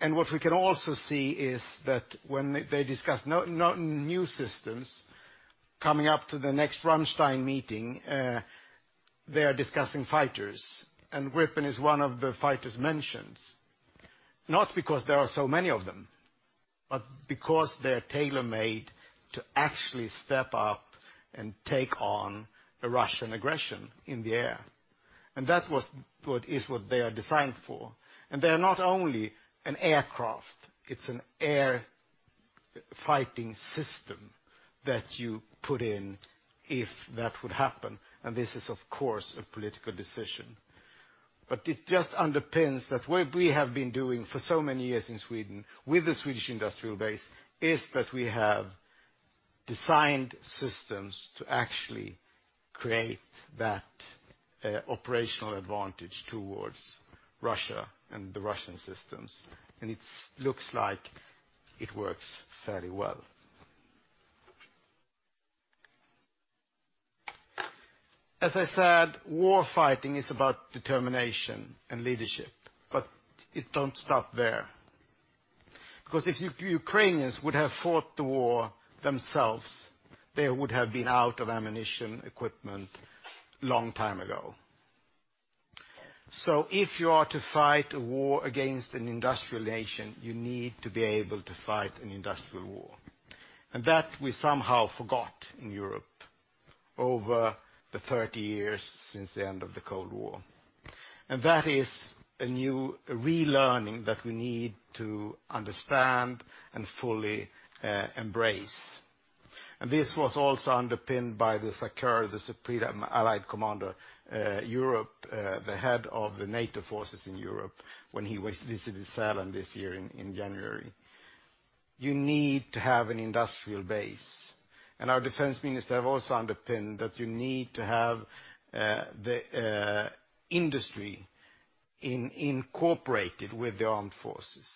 What we can also see is that when they discuss no new systems coming up to the next Ramstein meeting, they are discussing fighters. Gripen is one of the fighters mentioned, not because there are so many of them, but because they are tailor-made to actually step up and take on the Russian aggression in the air. That was what they are designed for. They are not only an aircraft, it's an air fighting system that you put in if that would happen. This is, of course, a political decision. It just underpins that what we have been doing for so many years in Sweden with the Swedish industrial base is that we have designed systems to actually create that operational advantage towards Russia and the Russian systems. It's looks like it works fairly well. As I said, war fighting is about determination and leadership, it don't stop there. If Ukrainians would have fought the war themselves, they would have been out of ammunition, equipment long time ago. If you are to fight a war against an industrial nation, you need to be able to fight an industrial war. That we somehow forgot in Europe over the 30 years since the end of the Cold War. That is a new relearning that we need to understand and fully embrace. This was also underpinned by the SACEUR, the Supreme Allied Commander, Europe, the head of the NATO forces in Europe when he was visited Sweden this year in January. You need to have an industrial base. Our defense minister have also underpinned that you need to have the industry incorporated with the armed forces.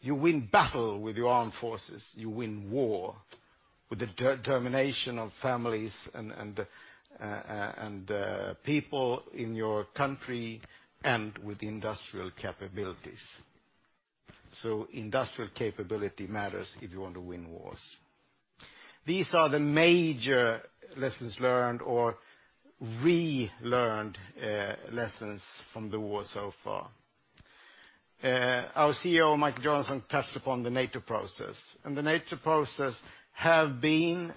You win battle with your armed forces. You win war with the determination of families and people in your country and with industrial capabilities. Industrial capability matters if you want to win wars. These are the major lessons learned or relearned lessons from the war so far. Our CEO, Micael Johansson, touched upon the NATO process. The NATO process have been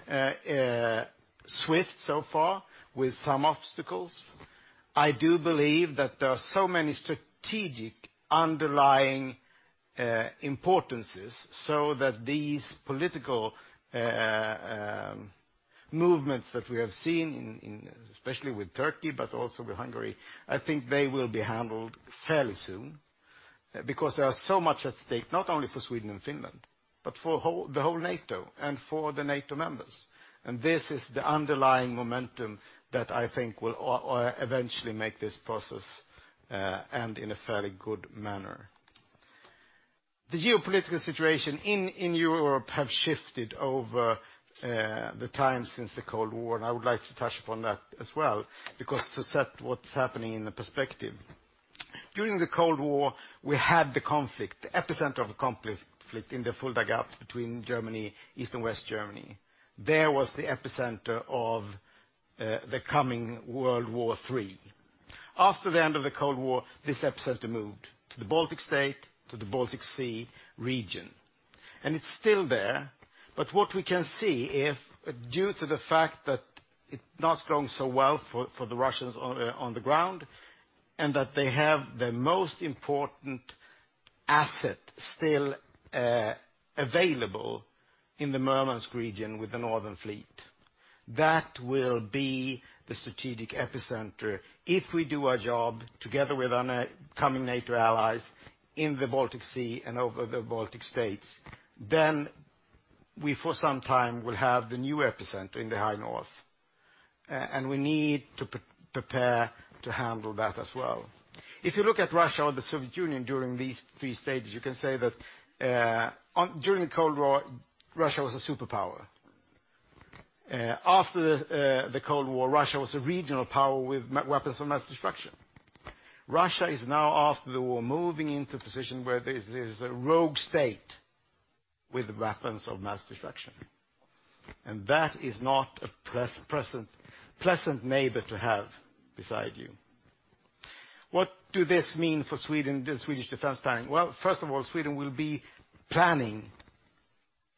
swift so far with some obstacles. I do believe that there are so many strategic underlying importances so that these political movements that we have seen in especially with Turkey, but also with Hungary, I think they will be handled fairly soon. There are so much at stake, not only for Sweden and Finland, but for the whole NATO and for the NATO members. This is the underlying momentum that I think will eventually make this process end in a fairly good manner. The geopolitical situation in Europe have shifted over the time since the Cold War, and I would like to touch upon that as well, because to set what's happening in the perspective. During the Cold War, we had the conflict, the epicenter of the conflict in the Fulda Gap between Germany, East Germany and West Germany. There was the epicenter of the coming World War III. After the end of the Cold War, this epicenter moved to the Baltic State, to the Baltic Sea region, and it's still there. What we can see if due to the fact that it's not going so well for the Russians on the ground, and that they have their most important asset still available in the Murmansk region with the Northern Fleet. That will be the strategic epicenter. If we do our job together with our coming NATO allies in the Baltic Sea and over the Baltic states, then we for some time will have the new epicenter in the High North. We need to prepare to handle that as well. If you look at Russia or the Soviet Union during these three stages, you can say that during the Cold War, Russia was a superpower. After the Cold War, Russia was a regional power with weapons of mass destruction. Russia is now after the war, moving into position where there is a rogue state with weapons of mass destruction. That is not a pleasant neighbor to have beside you. What do this mean for Sweden, the Swedish defense planning? First of all, Sweden will be planning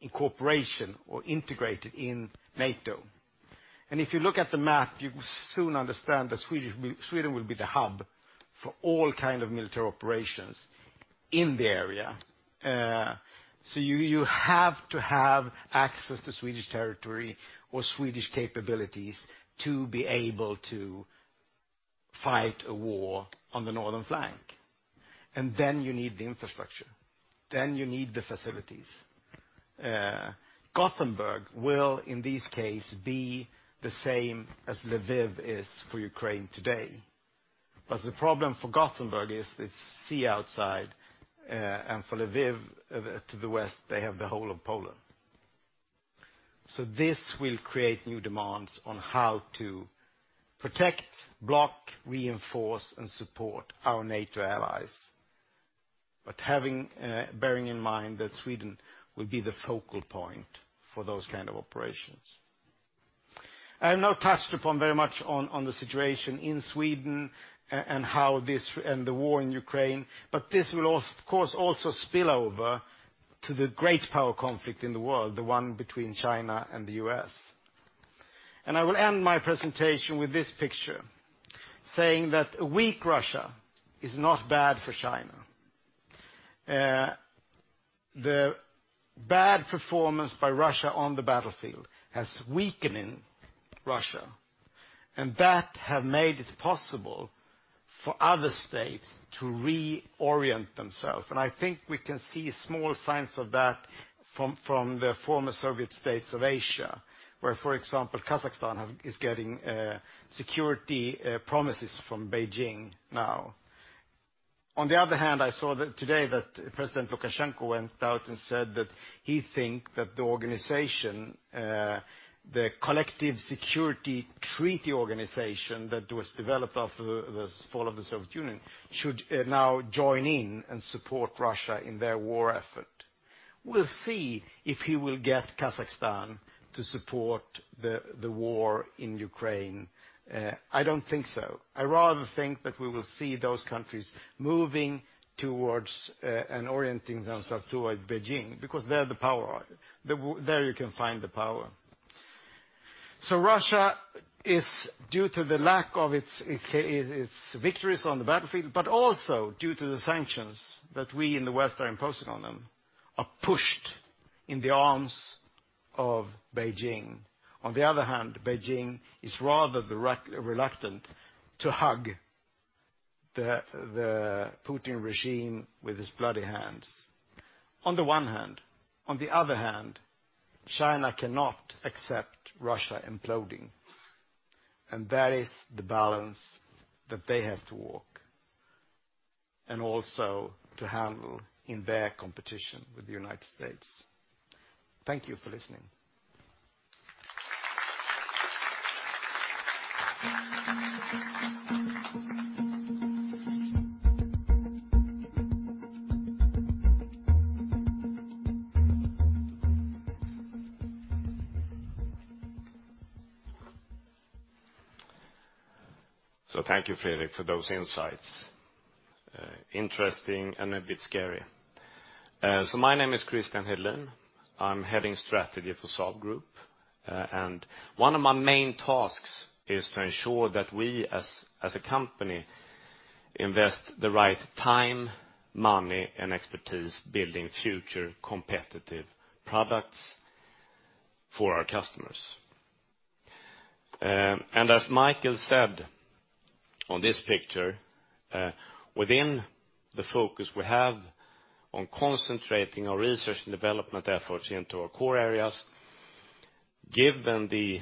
in cooperation or integrated in NATO. If you look at the map, you will soon understand that Sweden will be the hub for all kind of military operations in the area. You have to have access to Swedish territory or Swedish capabilities to be able to fight a war on the northern flank. You need the infrastructure, then you need the facilities. Gothenburg will, in this case, be the same as Lviv is for Ukraine today. The problem for Gothenburg is it's sea outside, and for Lviv, to the west, they have the whole of Poland. This will create new demands on how to protect, block, reinforce, and support our NATO allies. Having bearing in mind that Sweden will be the focal point for those kind of operations. I have not touched upon very much on the situation in Sweden and the war in Ukraine, this will of course, also spill over to the great power conflict in the world, the one between China and the U.S.. I will end my presentation with this picture saying that a weak Russia is not bad for China. The bad performance by Russia on the battlefield has weakening Russia, and that have made it possible for other states to reorient themselves. I think we can see small signs of that from the former Soviet states of Asia, where, for example, Kazakhstan is getting security promises from Beijing now. On the other hand, I saw that today that President Lukashenko went out and said that he think that the organization, the Collective Security Treaty Organization that was developed after the fall of the Soviet Union should now join in and support Russia in their war effort. We'll see if he will get Kazakhstan to support the war in Ukraine. I don't think so. I rather think that we will see those countries moving towards and orienting themselves towards Beijing because they're the power. There you can find the power. Russia is, due to the lack of its victories on the battlefield, but also due to the sanctions that we in the West are imposing on them, are pushed in the arms of Beijing. On the other hand, Beijing is rather the reluctant to hug the Putin regime with his bloody hands. On the one hand. On the other hand, China cannot accept Russia imploding, and that is the balance that they have to walk and also to handle in their competition with the United States. Thank you for listening. Thank you, Fredrik, for those insights. Interesting and a bit scary. My name is Christian Hedelin. I'm heading strategy for Saab Group. One of my main tasks is to ensure that we as a company invest the right time, money, and expertise building future competitive products for our customers. As Micael said on this picture, within the focus we have on concentrating our research and development efforts into our core areas, given the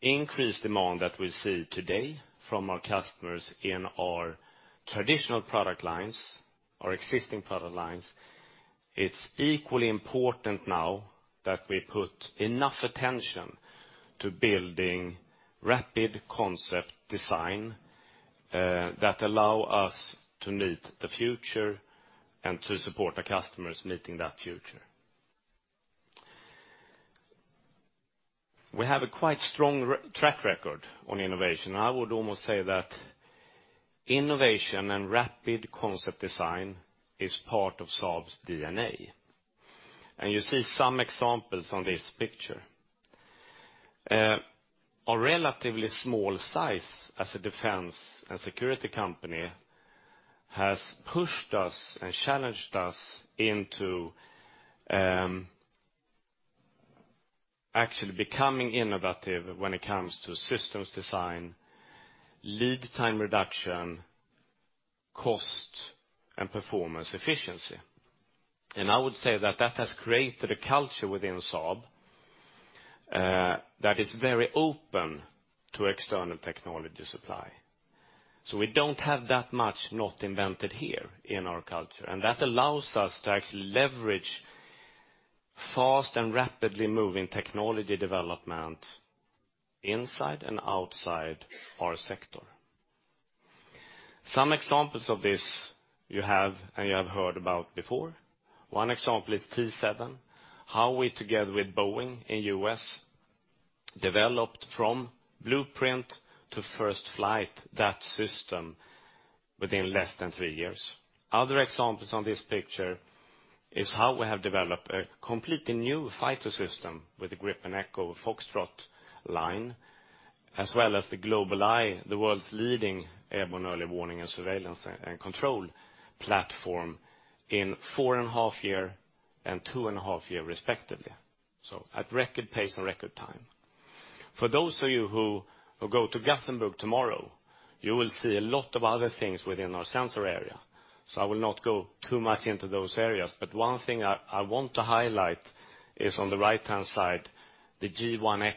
increased demand that we see today from our customers in our traditional product lines, our existing product lines, it's equally important now that we put enough attention to building rapid concept design that allow us to meet the future and to support our customers meeting that future. We have a quite strong re-track record on innovation. I would almost say that innovation and rapid concept design is part of Saab's DNA. You see some examples on this picture. Our relatively small size as a defense and security company has pushed us and challenged us into actually becoming innovative when it comes to systems design, lead time reduction-Cost and performance efficiency. I would say that that has created a culture within Saab that is very open to external technology supply. We don't have that much not invented here in our culture, and that allows us to actually leverage fast and rapidly moving technology development inside and outside our sector. Some examples of this you have, and you have heard about before. One example is T7, how we together with Boeing in U.S. developed from blueprint to first flight that system within less than 3 years. Other examples on this picture is how we have developed a completely new fighter system with the Gripen E/F line, as well as the GlobalEye, the world's leading airborne early warning and surveillance and control platform in 4.5 year and 2.5 year respectively. At record pace and record time. For those of you who will go to Gothenburg tomorrow, you will see a lot of other things within our sensor area, I will not go too much into those areas. One thing I want to highlight is on the right-hand side, the G1X,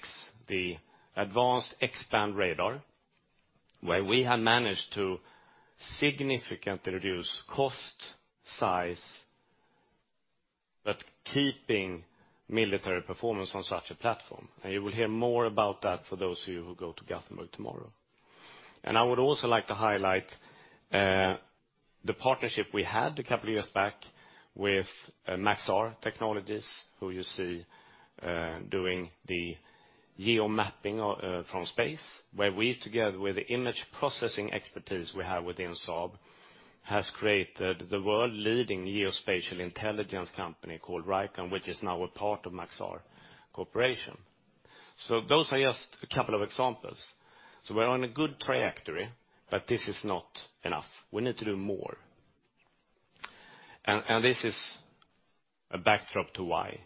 the advanced X-band radar, where we have managed to significantly reduce cost, size, but keeping military performance on such a platform. You will hear more about that for those of you who go to Gothenburg tomorrow. I would also like to highlight the partnership we had a couple of years back with Maxar Technologies, who you see doing the geo mapping from space, where we together with the image processing expertise we have within Saab has created the world-leading geospatial intelligence company called Vricon, which is now a part of Maxar corporation. Those are just a couple of examples. We're on a good trajectory, but this is not enough. We need to do more. This is a backdrop to why.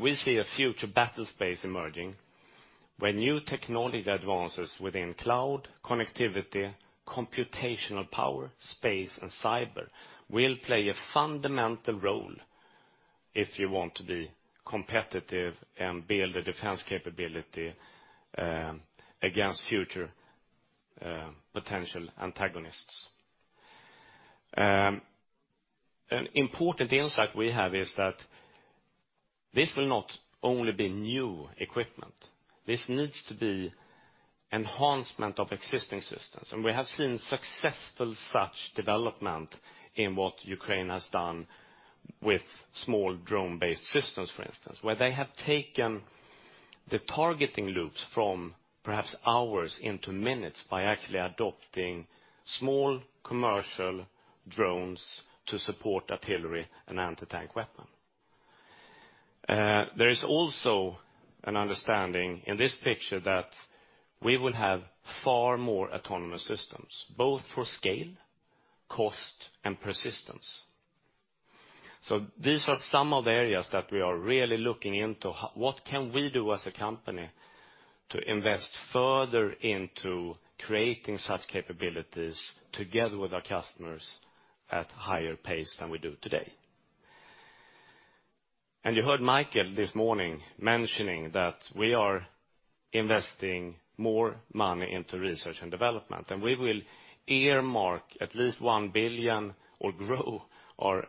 We see a future battle space emerging, where new technology advances within cloud, connectivity, computational power, space, and cyber will play a fundamental role if you want to be competitive and build a defense capability against future potential antagonists. An important insight we have is that this will not only be new equipment, this needs to be enhancement of existing systems. We have seen successful such development in what Ukraine has done with small drone-based systems, for instance, where they have taken the targeting loops from perhaps hours into minutes by actually adopting small commercial drones to support artillery and anti-tank weapon. There is also an understanding in this picture that we will have far more autonomous systems, both for scale, cost, and persistence. These are some of the areas that we are really looking into. What can we do as a company to invest further into creating such capabilities together with our customers at higher pace than we do today? You heard Micael this morning mentioning that we are investing more money into research and development. We will earmark at least 1 billion or grow our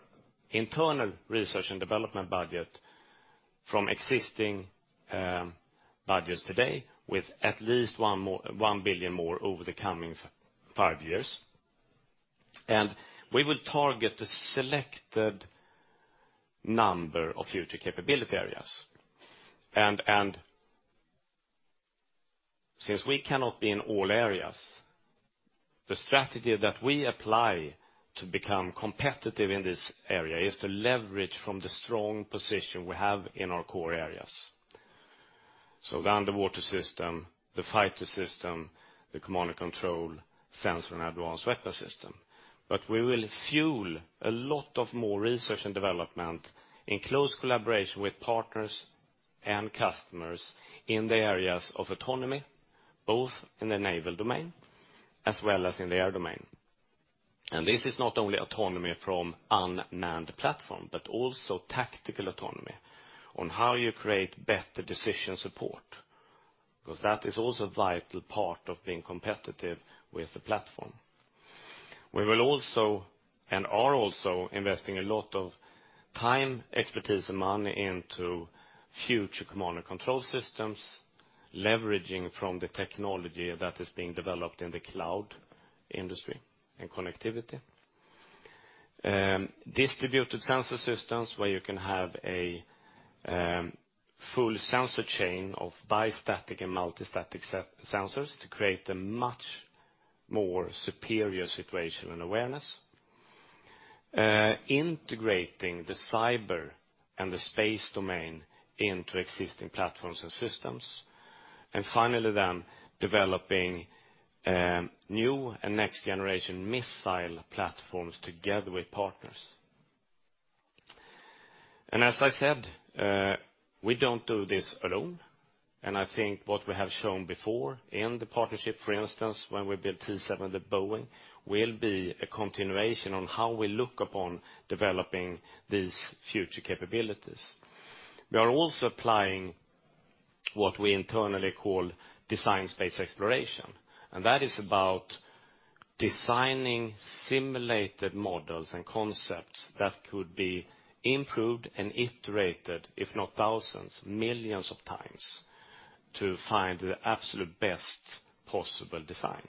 internal research and development budget from existing budgets today with at least 1 billion more over the coming five years. We will target a selected number of future capability areas. Since we cannot be in all areas, the strategy that we apply to become competitive in this area is to leverage from the strong position we have in our core areas. The underwater system, the fighter system, the command and control sensor and advanced weapon system. We will fuel a lot of more research and development in close collaboration with partners and customers in the areas of autonomy, both in the naval domain as well as in the air domain. This is not only autonomy from unmanned platform, but also tactical autonomy on how you create better decision support, because that is also a vital part of being competitive with the platform. We will also, and are also investing a lot of time, expertise, and money into future command and control systems, leveraging from the technology that is being developed in the cloud industry and connectivity. Distributed sensor systems where you can have a full sensor chain of bistatic and multistatic sensors to create a much more superior situational awareness. Integrating the cyber and the space domain into existing platforms and systems. Finally then developing new and next generation missile platforms together with partners. As I said, we don't do this alone. I think what we have shown before in the partnership, for instance, when we built T-7A with Boeing, will be a continuation on how we look upon developing these future capabilities. We are also applying what we internally call design space exploration, and that is about designing simulated models and concepts that could be improved and iterated if not thousands, millions of times to find the absolute best possible design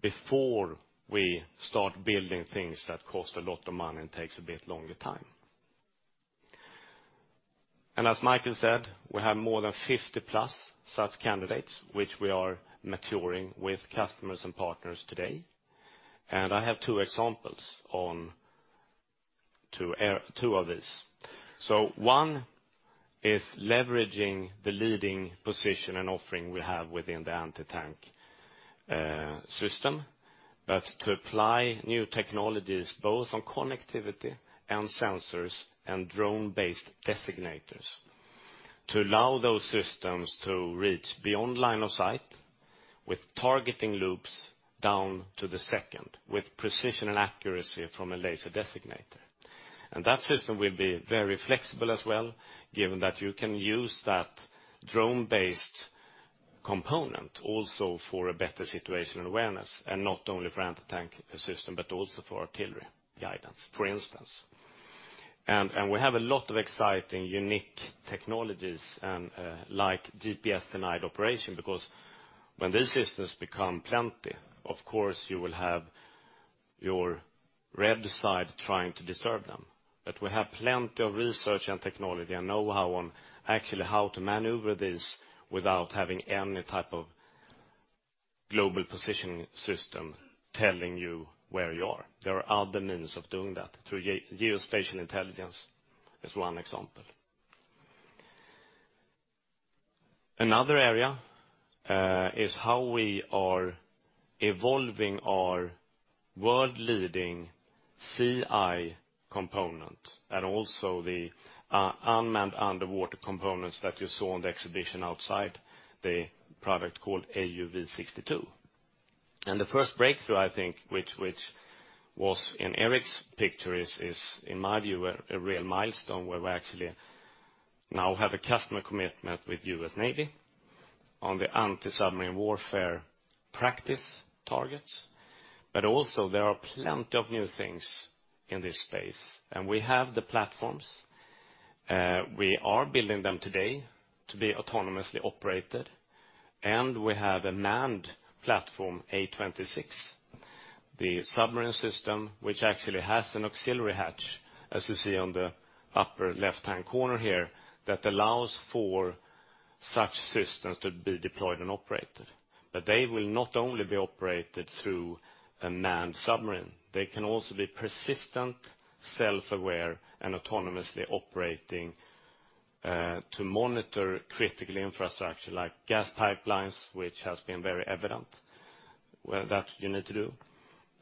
before we start building things that cost a lot of money and takes a bit longer time. As Micael Johansson said, we have more than 50+ such candidates which we are maturing with customers and partners today. I have two examples on two of these. One is leveraging the leading position and offering we have within the anti-tank system but to apply new technologies both on connectivity and sensors and drone-based designators to allow those systems to reach beyond line of sight with targeting loops down to the second with precision and accuracy from a laser designator. That system will be very flexible as well given that you can use that drone-based component also for a better situational awareness and not only for anti-tank system but also for artillery guidance, for instance. We have a lot of exciting, unique technologies, like GPS-denied operation because when these systems become plenty, of course you will have your red side trying to disturb them. We have plenty of research and technology and know-how on actually how to maneuver this without having any type of global positioning system telling you where you are. There are other means of doing that through geospatial intelligence as one example. Another area is how we are evolving our world leading CI component and also the unmanned underwater components that you saw on the exhibition outside the product called AUV62. The first breakthrough, I think, which was in Eric's picture is in my view a real milestone where we actually now have a customer commitment with US Navy on the anti-submarine warfare practice targets. Also there are plenty of new things in this space. We have the platforms, we are building them today to be autonomously operated. We have a manned platform, A26, the submarine system, which actually has an auxiliary hatch, as you see on the upper left hand corner here, that allows for such systems to be deployed and operated. They will not only be operated through a manned submarine, they can also be persistent, self-aware and autonomously operating to monitor critical infrastructure like gas pipelines, which has been very evident where that you need to do,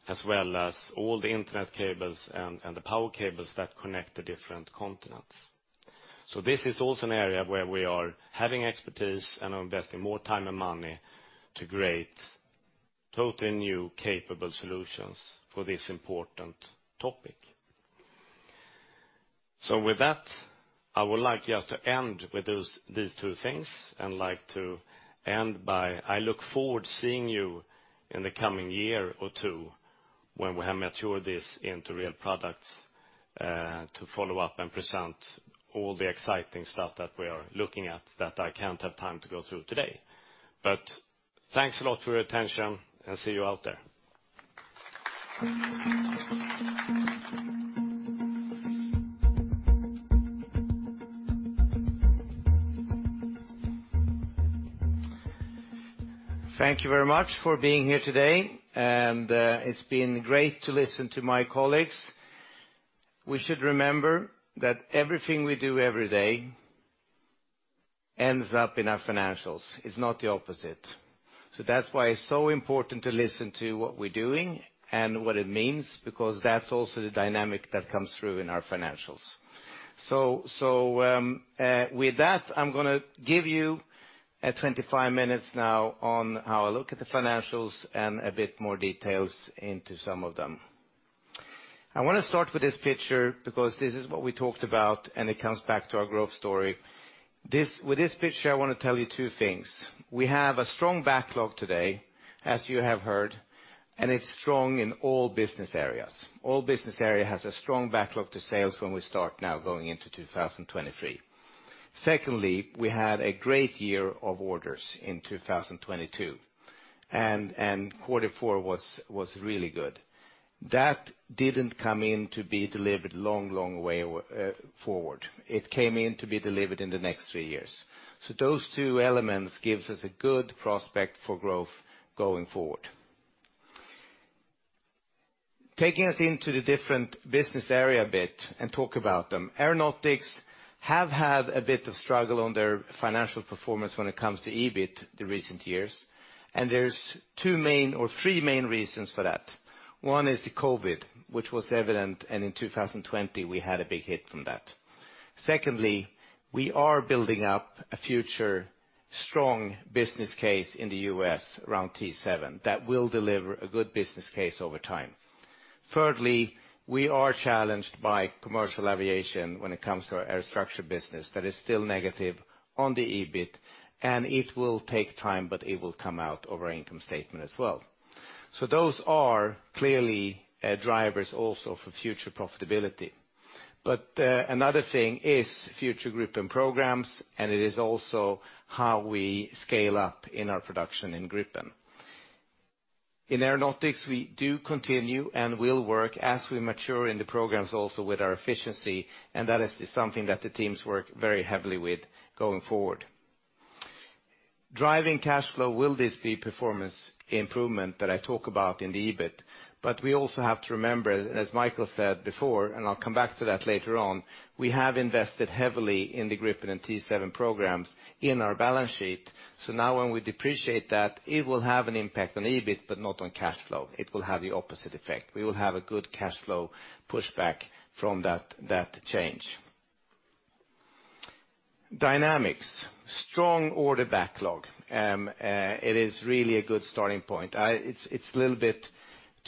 as well as all the internet cables and the power cables that connect the different continents. This is also an area where we are having expertise and are investing more time and money to create totally new capable solutions for this important topic. With that, I would like just to end with these two things and like to end by I look forward seeing you in the coming year or two when we have matured this into real products, to follow up and present all the exciting stuff that we are looking at that I can't have time to go through today. Thanks a lot for your attention and see you out there. Thank you very much for being here today, it's been great to listen to my colleagues. We should remember that everything we do every day ends up in our financials. It's not the opposite. That's why it's so important to listen to what we're doing and what it means, because that's also the dynamic that comes through in our financials. With that, I'm gonna give you a 25 minutes now on how I look at the financials and a bit more details into some of them. I want to start with this picture because this is what we talked about and it comes back to our growth story. With this picture, I want to tell you two things. We have a strong backlog today, as you have heard, and it's strong in all business areas. All business area has a strong backlog to sales when we start now going into 2023. Secondly, we had a great year of orders in 2022 and quarter four was really good. That didn't come in to be delivered long, long way forward. It came in to be delivered in the next three years. Those two elements gives us a good prospect for growth going forward. Taking us into the different business area a bit and talk about them. Aeronautics have had a bit of struggle on their financial performance when it comes to EBIT the recent years. There's two main or three main reasons for that. One is the COVID, which was evident, and in 2020 we had a big hit from that. Secondly, we are building up a future strong business case in the U.S. around T-7A that will deliver a good business case over time. Thirdly, we are challenged by commercial aviation when it comes to our aerostructure business that is still negative on the EBIT, and it will take time, but it will come out of our income statement as well. Those are clearly drivers also for future profitability. Another thing is future Gripen programs, and it is also how we scale up in our production in Gripen. In Aeronautics, we do continue and will work as we mature in the programs also with our efficiency, and that is something that the teams work very heavily with going forward. Driving cash flow, will this be performance improvement that I talk about in the EBIT? We also have to remember, as Micael said before, and I'll come back to that later on, we have invested heavily in the Gripen and T-7A programs in our balance sheet. Now when we depreciate that, it will have an impact on EBIT, but not on cash flow. It will have the opposite effect. We will have a good cash flow pushback from that change. Dynamics. Strong order backlog. It is really a good starting point. It's a little bit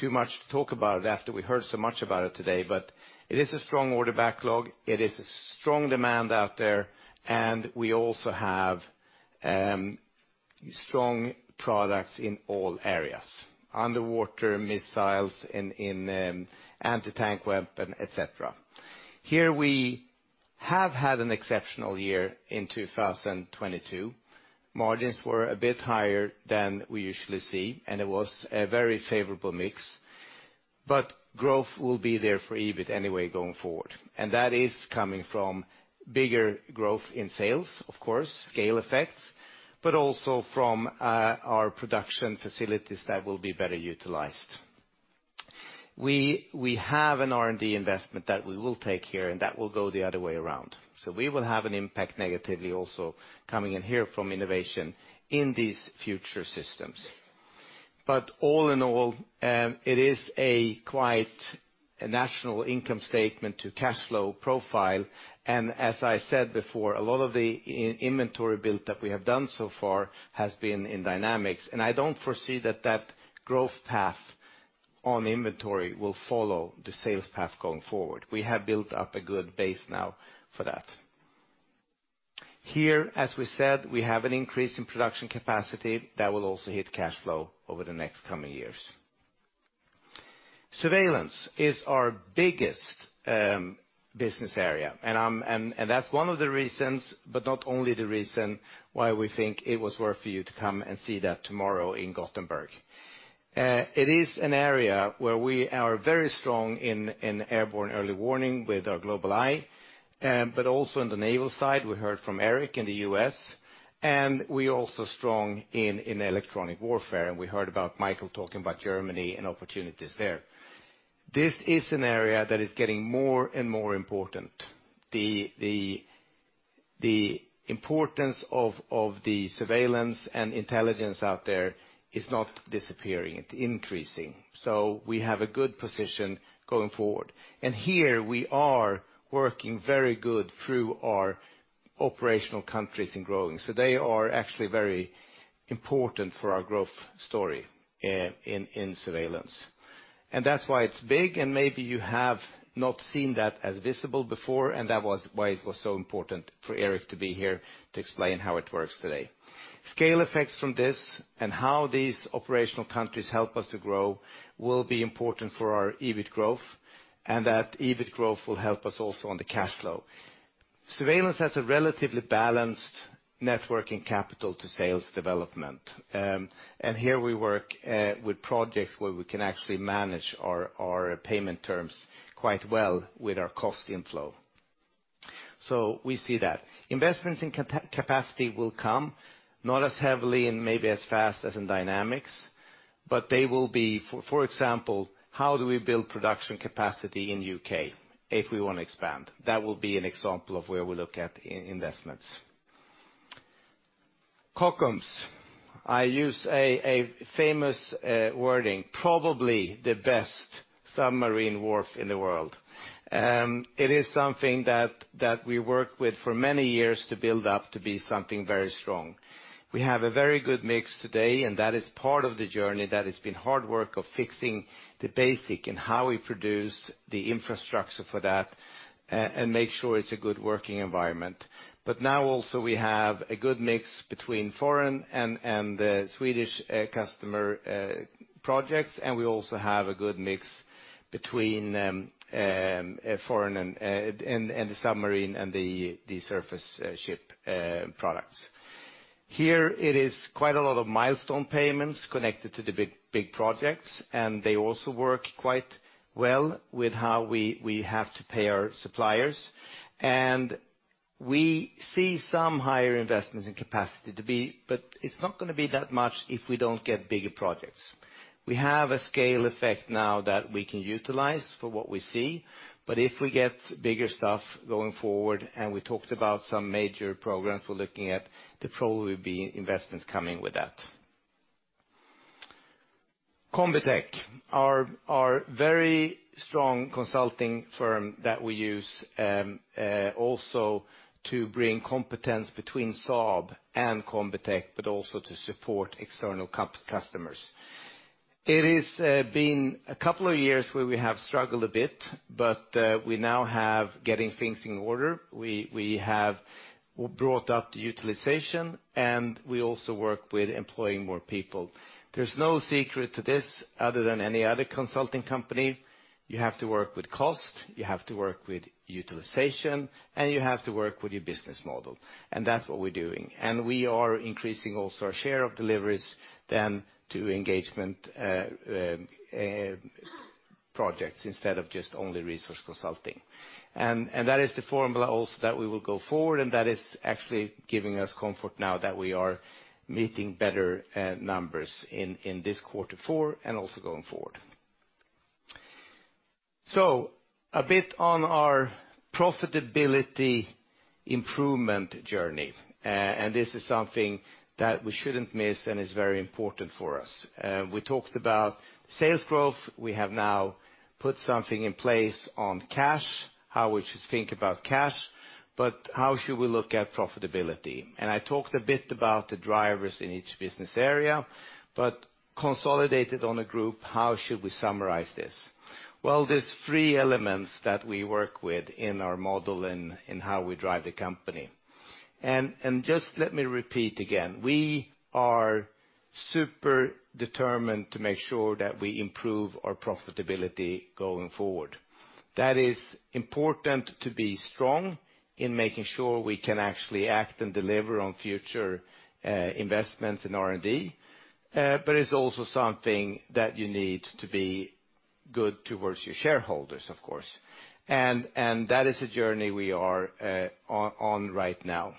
too much to talk about after we heard so much about it today, but it is a strong order backlog. It is a strong demand out there, and we also have strong products in all areas, underwater missiles in anti-tank weapon, et cetera. Here we have had an exceptional year in 2022. Margins were a bit higher than we usually see, and it was a very favorable mix. Growth will be there for EBIT anyway going forward. That is coming from bigger growth in sales, of course, scale effects, but also from our production facilities that will be better utilized. We have an R&D investment that we will take here, and that will go the other way around. We will have an impact negatively also coming in here from innovation in these future systems. All in all, it is a quite a national income statement to cash flow profile. As I said before, a lot of the in-inventory build that we have done so far has been in Dynamics. I don't foresee that that growth path on inventory will follow the sales path going forward. We have built up a good base now for that. Here, as we said, we have an increase in production capacity that will also hit cash flow over the next coming years. Surveillance is our biggest business area. that's one of the reasons, but not only the reason, why we think it was worth for you to come and see that tomorrow in Gothenburg. it is an area where we are very strong in airborne early warning with our GlobalEye, but also on the naval side, we heard from Eric in the U.S., and we also strong in electronic warfare. we heard about Micael talking about Germany and opportunities there. This is an area that is getting more and more important. The importance of the surveillance and intelligence out there is not disappearing, it's increasing. We have a good position going forward. Here we are working very good through our operational countries and growing. They are actually very important for our growth story in Surveillance. That's why it's big, and maybe you have not seen that as visible before. That was why it was so important for Erik to be here to explain how it works today. Scale effects from this and how these operational countries help us to grow will be important for our EBIT growth, and that EBIT growth will help us also on the cash flow. Surveillance has a relatively balanced networking capital to sales development. Here we work with projects where we can actually manage our payment terms quite well with our cost inflow. We see that. Investments in capacity will come, not as heavily and maybe as fast as in Dynamics, but they will be. For example, how do we build production capacity in U.K. if we want to expand? That will be an example of where we look at investments. Kockums. I use a famous wording, probably the best submarine wharf in the world. It is something that we work with for many years to build up to be something very strong. We have a very good mix today, and that is part of the journey that has been hard work of fixing the basic and how we produce the infrastructure for that and make sure it's a good working environment. Now also we have a good mix between foreign and Swedish customer projects. We also have a good mix between foreign and the submarine and the surface ship products. Here it is quite a lot of milestone payments connected to the big projects, and they also work quite well with how we have to pay our suppliers. We see some higher investments in capacity to be, but it's not gonna be that much if we don't get bigger projects. We have a scale effect now that we can utilize for what we see. If we get bigger stuff going forward, and we talked about some major programs we're looking at, there probably will be investments coming with that. Combitech, our very strong consulting firm that we use also to bring competence between Saab and Combitech, but also to support external customers. It has been a couple of years where we have struggled a bit. We now have getting things in order. We have brought up the utilization, and we also work with employing more people. There's no secret to this other than any other consulting company. You have to work with cost, you have to work with utilization, and you have to work with your business model, and that's what we're doing. We are increasing also our share of deliveries then to engagement projects instead of just only resource consulting. That is the formula also that we will go forward, and that is actually giving us comfort now that we are meeting better numbers in this quarter four and also going forward. A bit on our profitability improvement journey. This is something that we shouldn't miss and is very important for us. We talked about sales growth. We have now put something in place on cash, how we should think about cash. How should we look at profitability? I talked a bit about the drivers in each business area. Consolidated on a group, how should we summarize this? Well, there's three elements that we work with in our model in how we drive the company. Just let me repeat again, we are super determined to make sure that we improve our profitability going forward. That is important to be strong in making sure we can actually act and deliver on future investments in R&D. It's also something that you need to be good towards your shareholders, of course. That is a journey we are on right now.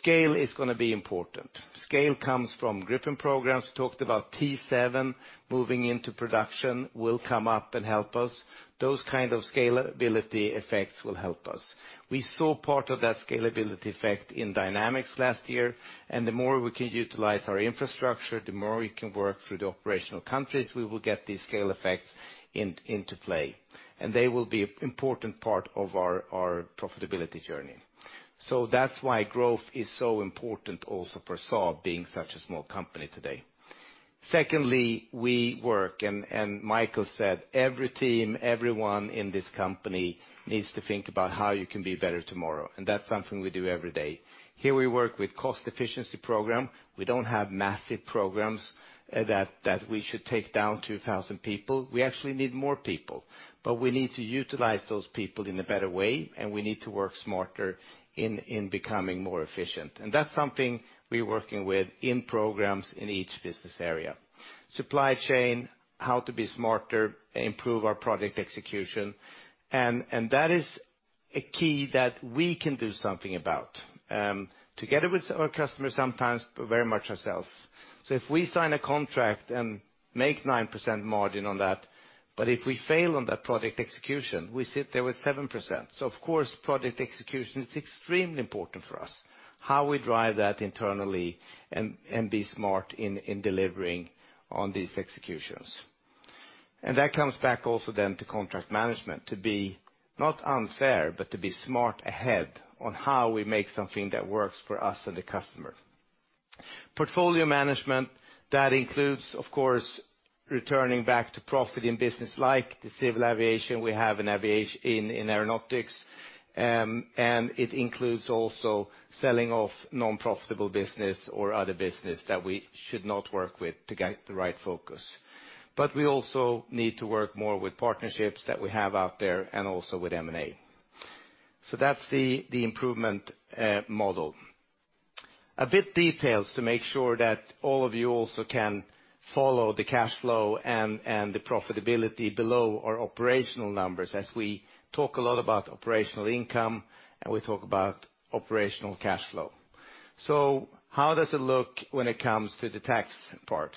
Scale is gonna be important. Scale comes from Gripen programs. Talked about T-7A moving into production will come up and help us. Those kind of scalability effects will help us. We saw part of that scalability effect in Dynamics last year, and the more we can utilize our infrastructure, the more we can work through the operational countries, we will get these scale effects into play. They will be important part of our profitability journey. That's why growth is so important also for Saab being such a small company today. Secondly, we work, and Micael said every team, everyone in this company needs to think about how you can be better tomorrow, and that's something we do every day. Here we work with cost efficiency program. We don't have massive programs that we should take down 2,000 people. We actually need more people. We need to utilize those people in a better way, and we need to work smarter in becoming more efficient. That's something we're working with in programs in each business area. Supply chain, how to be smarter, improve our project execution. That is a key that we can do something about together with our customers sometimes, but very much ourselves. If we sign a contract and make 9% margin on that, but if we fail on that project execution, we sit there with 7%. Of course, project execution is extremely important for us, how we drive that internally and be smart in delivering on these executions. That comes back also then to contract management, to be not unfair, but to be smart ahead on how we make something that works for us and the customer. Portfolio management, that includes, of course, returning back to profit in business like the civil aviation we have in Aeronautics. It includes also selling off non-profitable business or other business that we should not work with to get the right focus. We also need to work more with partnerships that we have out there and also with M&A. That's the improvement model. A bit details to make sure that all of you also can follow the cash flow and the profitability below our operational numbers as we talk a lot about operational income, and we talk about operational cash flow. How does it look when it comes to the tax part?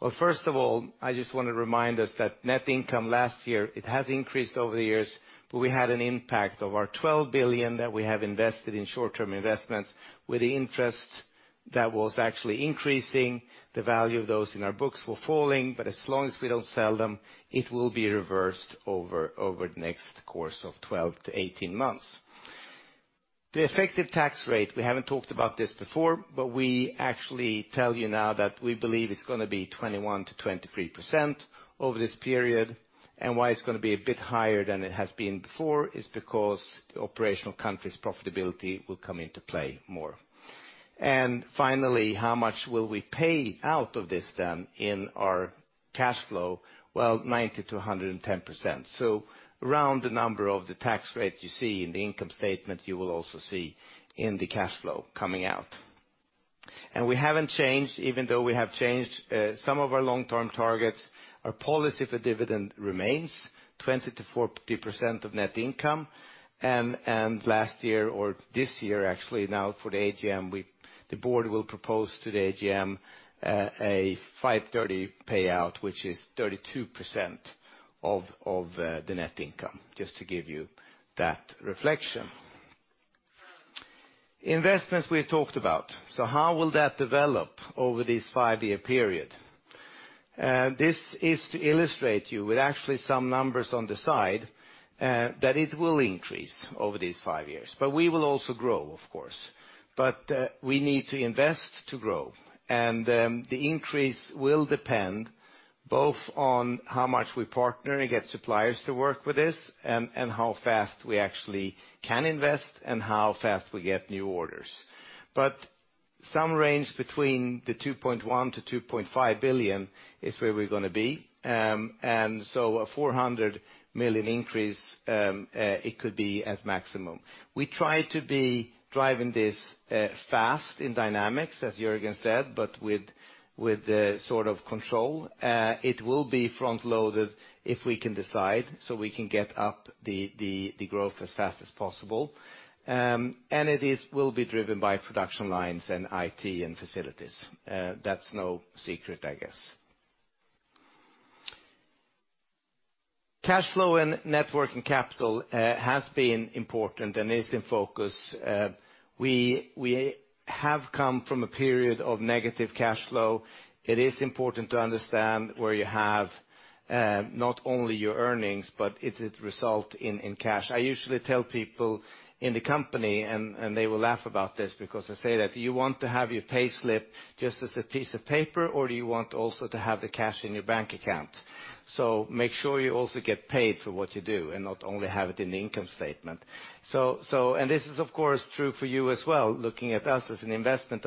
Well, first of all, I just want to remind us that net income last year, it has increased over the years, but we had an impact of our 12 billion that we have invested in short-term investments with the interest that was actually increasing, the value of those in our books were falling, but as long as we don't sell them, it will be reversed over the next course of 12-18 months. The effective tax rate, we haven't talked about this before, but we actually tell you now that we believe it's gonna be 21%-23% over this period. Why it's gonna be a bit higher than it has been before is because the operational country's profitability will come into play more. How much will we pay out of this then in our cash flow? Well, 90%-110%. Around the number of the tax rate you see in the income statement, you will also see in the cash flow coming out. We haven't changed, even though we have changed some of our long-term targets. Our policy for dividend remains, 20%-40% of net income. Last year or this year, actually, now for the AGM, the board will propose to the AGM a 5.30 payout, which is 32% of the net income, just to give you that reflection. Investments we talked about. How will that develop over this five-year period? This is to illustrate you with actually some numbers on the side, that it will increase over these five years. We will also grow, of course. We need to invest to grow. The increase will depend both on how much we partner and get suppliers to work with this and how fast we actually can invest and how fast we get new orders. Some range between 2.1-2.5 billion is where we're gonna be. A 400 million increase, it could be at maximum. We try to be driving this fast in Dynamics, as Göran said, but with the sort of control. It will be front-loaded if we can decide, so we can get up the growth as fast as possible. It will be driven by production lines and IT and facilities. That's no secret, I guess. Cash flow and net working capital has been important and is in focus. We have come from a period of negative cash flow. It is important to understand where you have not only your earnings, but is it result in cash? I usually tell people in the company, and they will laugh about this because I say that you want to have your payslip just as a piece of paper, or do you want also to have the cash in your bank account? Make sure you also get paid for what you do and not only have it in the income statement. This is of course true for you as well, looking at us as an EBIT,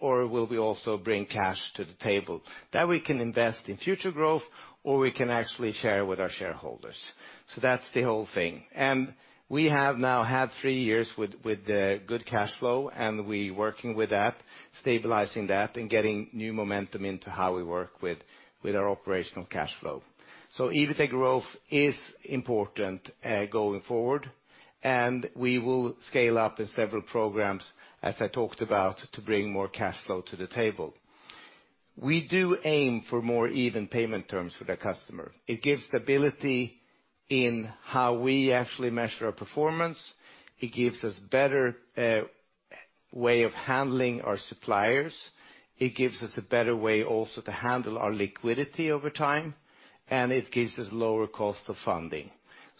or will we also bring cash to the table? That we can invest in future growth, or we can actually share with our shareholders. That's the whole thing. We have now had three years with good cash flow, and we working with that, stabilizing that, and getting new momentum into how we work with our operational cash flow. EBITDA growth is important going forward, and we will scale up in several programs, as I talked about, to bring more cash flow to the table. We do aim for more even payment terms with our customer. It gives stability in how we actually measure our performance. It gives us better way of handling our suppliers. It gives us a better way also to handle our liquidity over time, and it gives us lower cost of funding.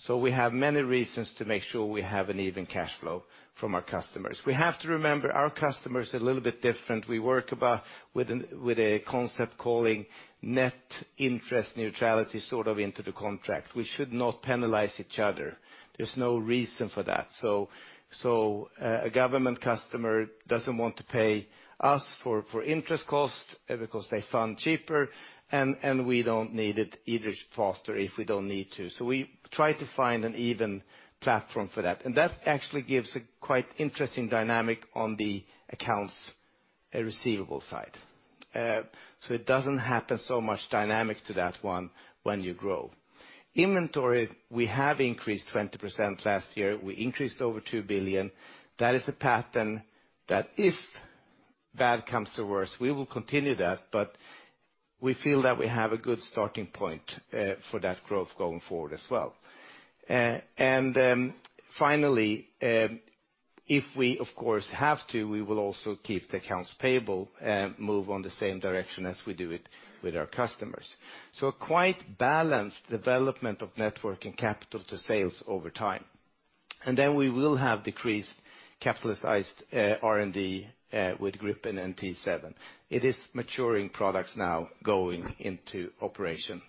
We have many reasons to make sure we have an even cash flow from our customers. We have to remember our customers are a little bit different. We work with a concept calling net interest neutrality sort of into the contract. We should not penalize each other. There's no reason for that. A government customer doesn't want to pay us for interest costs because they fund cheaper, and we don't need it interest faster if we don't need to. We try to find an even platform for that. That actually gives a quite interesting dynamic on the accounts receivable side. It doesn't happen so much dynamic to that one when you grow. Inventory. We have increased 20% last year. We increased over 2 billion. That is a pattern that if bad comes to worse, we will continue that, but we feel that we have a good starting point for that growth going forward as well. Finally, if we of course have to, we will also keep the accounts payable, move on the same direction as we do it with our customers. A quite balanced development of net working capital to sales over time. Then we will have decreased capitalized R&D with Gripen and T-7A. It is maturing products now going into operation.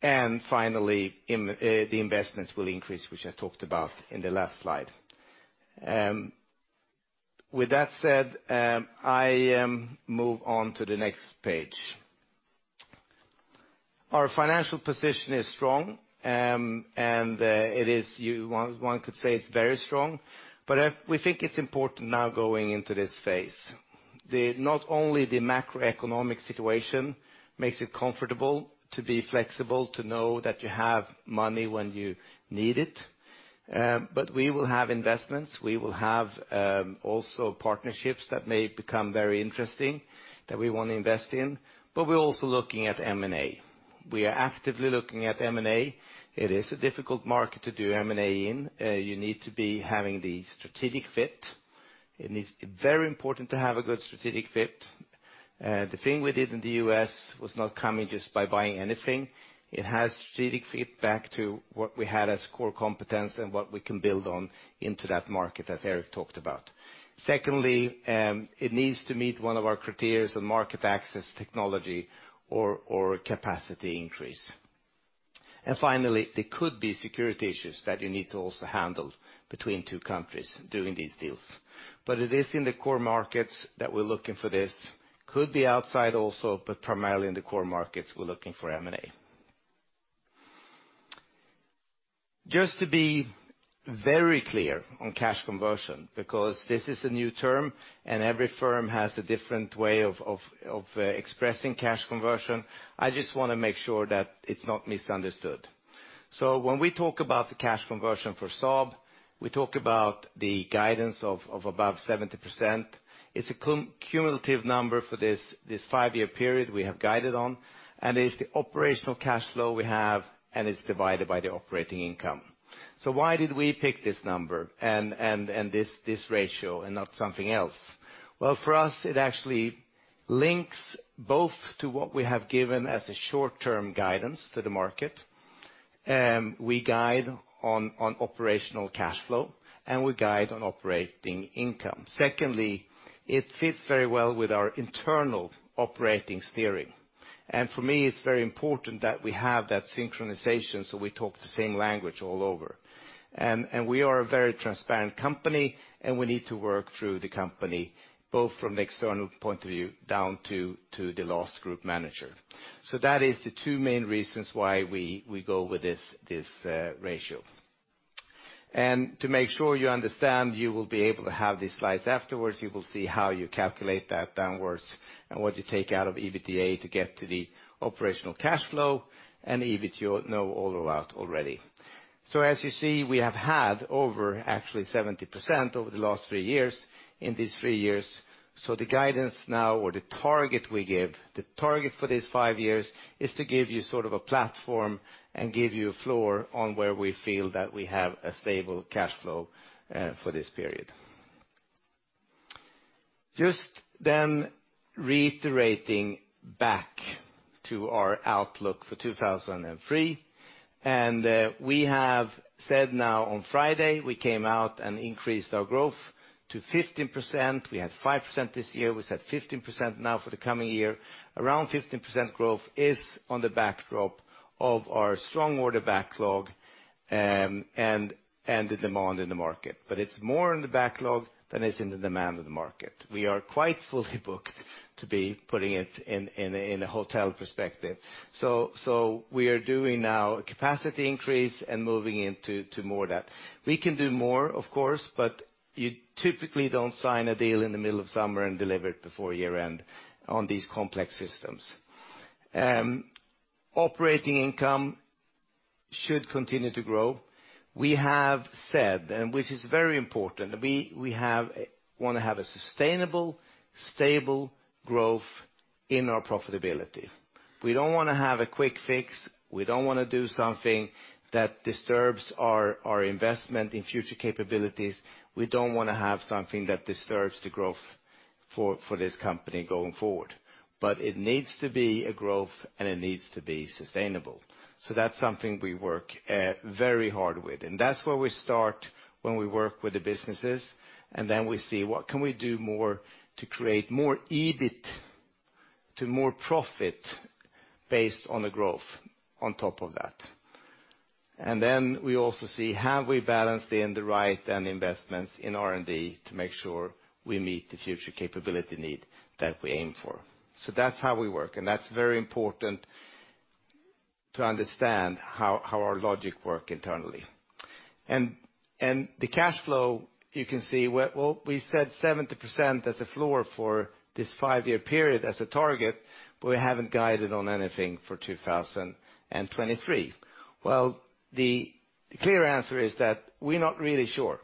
Finally, the investments will increase, which I talked about in the last slide. With that said, I move on to the next page. Our financial position is strong, and it is one could say it's very strong, but we think it's important now going into this phase. Not only the macroeconomic situation makes it comfortable to be flexible, to know that you have money when you need it, but we will have investments. We will have also partnerships that may become very interesting that we want to invest in, but we're also looking at M&A. We are actively looking at M&A. It is a difficult market to do M&A in. You need to be having the strategic fit. Very important to have a good strategic fit. The thing we did in the U.S. was not coming just by buying anything. It has strategic fit back to what we had as core competence and what we can build on into that market, as Erik talked about. Secondly, it needs to meet one of our criteria on market access technology or capacity increase. Finally, there could be security issues that you need to also handle between two countries doing these deals. It is in the core markets that we're looking for this. Could be outside also, primarily in the core markets we're looking for M&A. Just to be very clear on cash conversion, because this is a new term and every firm has a different way of expressing cash conversion, I just wanna make sure that it's not misunderstood. When we talk about the cash conversion for Saab, we talk about the guidance of above 70%. It's a cumulative number for this five-year period we have guided on, and it's the operational cash flow we have, and it's divided by the operating income. Why did we pick this number and this ratio and not something else? Well, for us, it actually links both to what we have given as a short-term guidance to the market, and we guide on operational cash flow, and we guide on operating income. Secondly, it fits very well with our internal operating steering. For me, it's very important that we have that synchronization, so we talk the same language all over. We are a very transparent company, and we need to work through the company, both from the external point of view down to the last group manager. That is the two main reasons why we go with this ratio. To make sure you understand, you will be able to have these slides afterwards. You will see how you calculate that downwards and what you take out of EBITDA to get to the operational cash flow, and EBIT, you know all about already. As you see, we have had over 70% over the last three years. The guidance now or the target for these five years is to give you sort of a platform and give you a floor on where we feel that we have a stable cash flow for this period. Just reiterating back to our outlook for 2003. We have said now on Friday, we came out and increased our growth to 15%. We had 5% this year. We set 15% now for the coming year. Around 15% growth is on the backdrop of our strong order backlog and the demand in the market. It's more in the backlog than it's in the demand in the market. We are quite fully booked to be putting it in a hotel perspective. We are doing now a capacity increase and moving into more of that. We can do more, of course, but you typically don't sign a deal in the middle of summer and deliver it before year-end on these complex systems. Operating income should continue to grow. We have said, which is very important, wanna have a sustainable, stable growth in our profitability. We don't wanna have a quick fix. We don't wanna do something that disturbs our investment in future capabilities. We don't wanna have something that disturbs the growth for this company going forward. It needs to be a growth, and it needs to be sustainable. That's something we work very hard with. That's where we start when we work with the businesses, then we see what can we do more to create more EBIT to more profit based on the growth on top of that. Then we also see have we balanced in the right and investments in R&D to make sure we meet the future capability need that we aim for. That's how we work, and that's very important to understand how our logic work internally. The cash flow, you can see, we said 70% as a floor for this five-year period as a target, but we haven't guided on anything for 2023. The clear answer is that we're not really sure.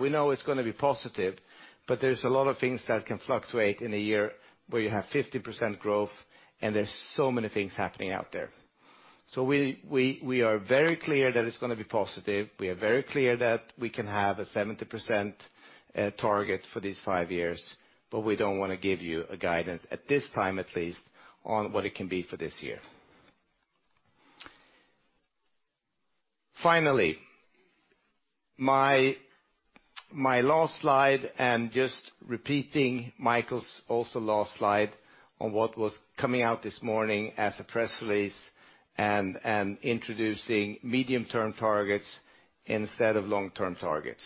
We know it's gonna be positive, but there's a lot of things that can fluctuate in a year where you have 50% growth, there's so many things happening out there. We are very clear that it's gonna be positive. We are very clear that we can have a 70%, target for these five years, but we don't wanna give you a guidance at this time at least on what it can be for this year. Finally, my last slide, and just repeating Micael's also last slide on what was coming out this morning as a press release and introducing medium-term targets instead of long-term targets.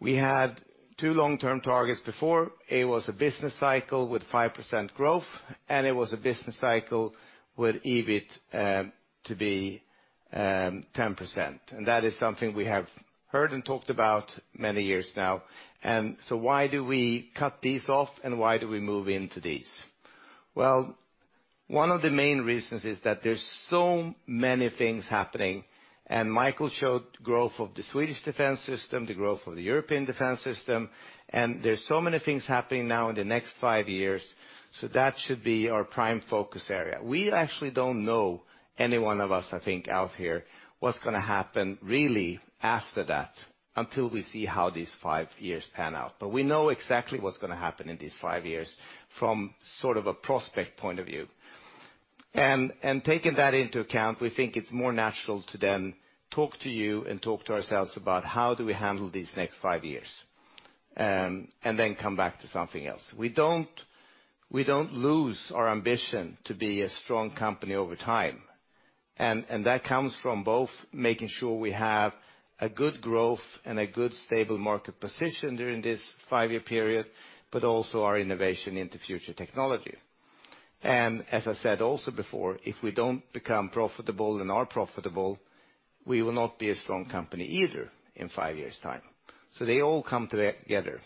We had two long-term targets before. It was a business cycle with 5% growth, and it was a business cycle with EBIT to be 10%. That is something we have heard and talked about many years now. So why do we cut these off, and why do we move into these? Well, one of the main reasons is that there's so many things happening. Micael showed growth of the Swedish defense system, the growth of the European defense system, and there's so many things happening now in the next five years, so that should be our prime focus area. We actually don't know any one of us, I think, out here, what's gonna happen really after that until we see how these five years pan out. We know exactly what's gonna happen in these five years from sort of a prospect point of view. Taking that into account, we think it's more natural to then talk to you and talk to ourselves about how do we handle these next five years, and then come back to something else. We don't, we don't lose our ambition to be a strong company over time. That comes from both making sure we have a good growth and a good stable market position during this five-year period, but also our innovation into future technology. As I said also before, if we don't become profitable and are profitable, we will not be a strong company either in five-years' time. They all come together.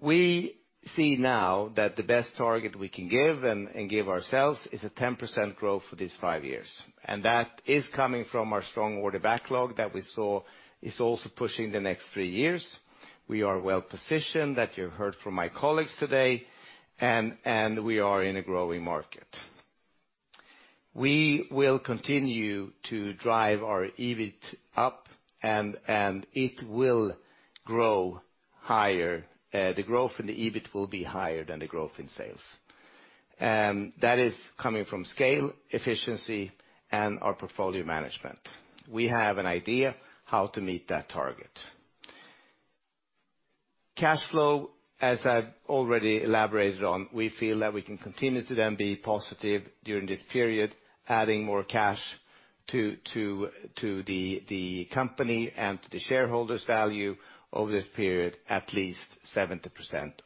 We see now that the best target we can give ourselves is a 10% growth for these five years. That is coming from our strong order backlog that we saw is also pushing the next three years. We are well positioned, that you heard from my colleagues today, and we are in a growing market. We will continue to drive our EBIT up and it will grow higher. The growth in the EBIT will be higher than the growth in sales. That is coming from scale, efficiency, and our portfolio management. We have an idea how to meet that target. Cash flow, as I've already elaborated on, we feel that we can continue to then be positive during this period, adding more cash to the company and to the shareholders value over this period, at least 70%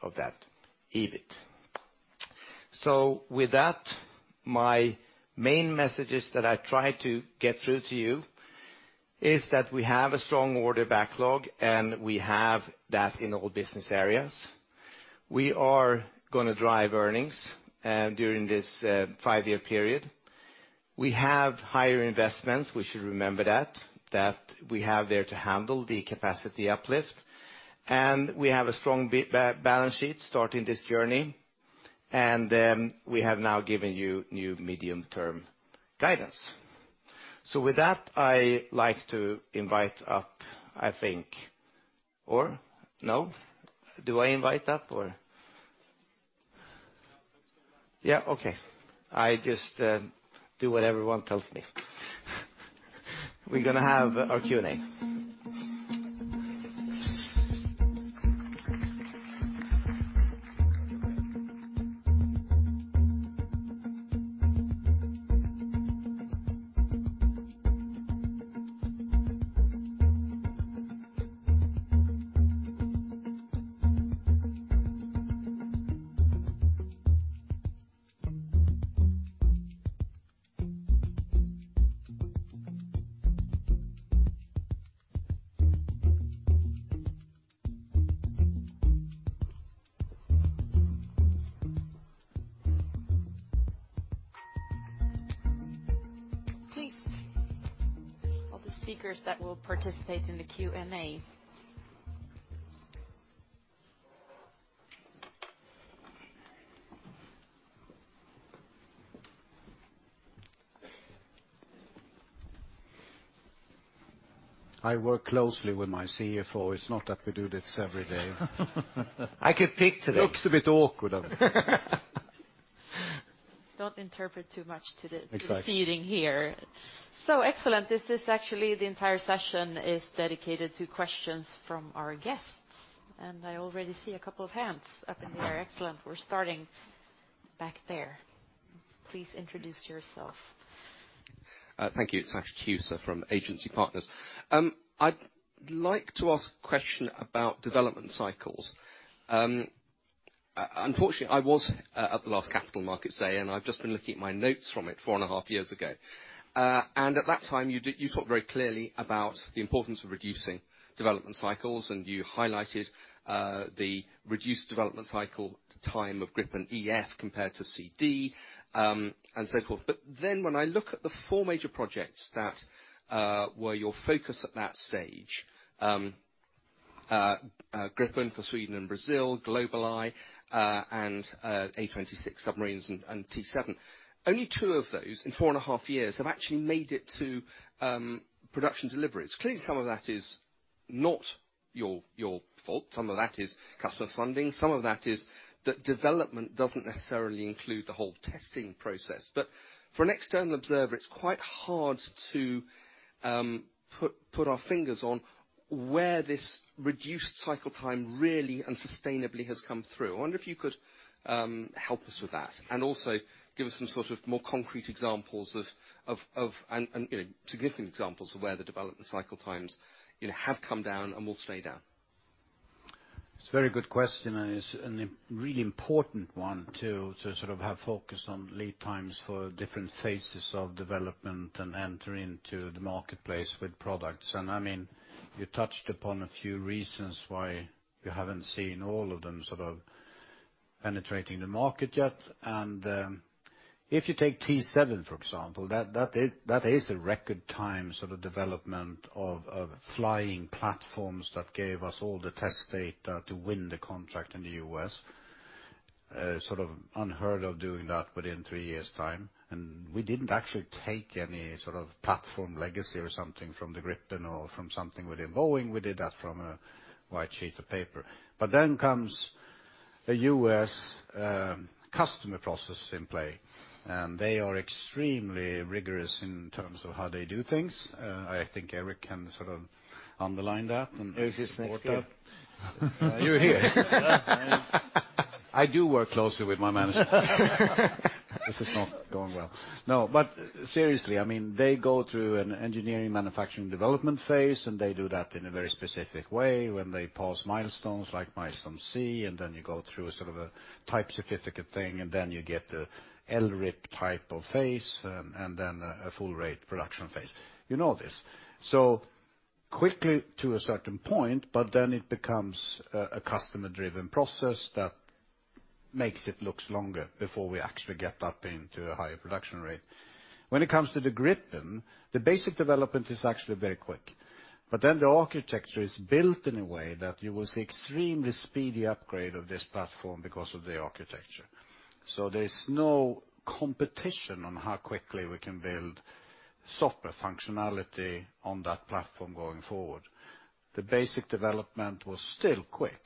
of that EBIT. With that, my main messages that I try to get through to you is that we have a strong order backlog, and we have that in all business areas. We are gonna drive earnings during this five-year period. We have higher investments. We should remember that we have there to handle the capacity uplift, and we have a strong balance sheet starting this journey. Then we have now given you new medium term guidance. With that, I like to invite up, I think... Or no? Do I invite up or? Yeah. Okay. I just do what everyone tells me. We're gonna have our Q&A. Please, all the speakers that will participate in the Q&A. I work closely with my CFO. It's not that we do this every day. I could pick today. Looks a bit awkward. Don't interpret too much to the- Exactly. Proceeding here. Excellent. This is actually the entire session is dedicated to questions from our guests. I already see a couple of hands up in the air. Excellent. We're starting back there. Please introduce yourself. Thank you. It's Sash Tusa from Agency Partners. I'd like to ask a question about development cycles. Unfortunately, I was at the last capital market day, and I've just been looking at my notes from it four and a half years ago. At that time, you talked very clearly about the importance of reducing development cycles, and you highlighted the reduced development cycle time of Gripen E/F compared to Gripen C/D, and so forth. When I look at the four major projects that were your focus at that stage, Gripen for Sweden and Brazil, GlobalEye, and A26 submarines and T-7A. Only two of those in four and a half years have actually made it to production deliveries. Clearly, some of that is not your fault. Some of that is customer funding. Some of that is that development doesn't necessarily include the whole testing process. For an external observer, it's quite hard to put our fingers on where this reduced cycle time really and sustainably has come through. I wonder if you could help us with that. Also give us some sort of more concrete examples of... And, you know, significant examples of where the development cycle times, you know, have come down and will stay down. It's a very good question, it's a really important one to sort of have focus on lead times for different phases of development and enter into the marketplace with products. I mean, you touched upon a few reasons why you haven't seen all of them sort of penetrating the market yet. If you take T7, for example, that is a record time sort of development of flying platforms that gave us all the test data to win the contract in the U.S. Sort of unheard of doing that within three years' time. We didn't actually take any sort of platform legacy or something from the Gripen or from something within Boeing. We did that from a white sheet of paper. Comes the U.S. customer process in play, and they are extremely rigorous in terms of how they do things. I think Erik can sort of underline that and support that. Erik is next to you. You're here. Yes, I am. I do work closely with my management. This is not going well. But seriously, I mean, they go through an engineering manufacturing development phase, They do that in a very specific way when they pass milestones like Milestone C, You go through sort of a type certificate thing, You get the LRIP type of phase, A full rate production phase. You know this. Quickly to a certain point, It becomes a customer-driven process. Makes it looks longer before we actually get up into a higher production rate. When it comes to the Gripen, the basic development is actually very quick, but then the architecture is built in a way that you will see extremely speedy upgrade of this platform because of the architecture. There is no competition on how quickly we can build software functionality on that platform going forward. The basic development was still quick,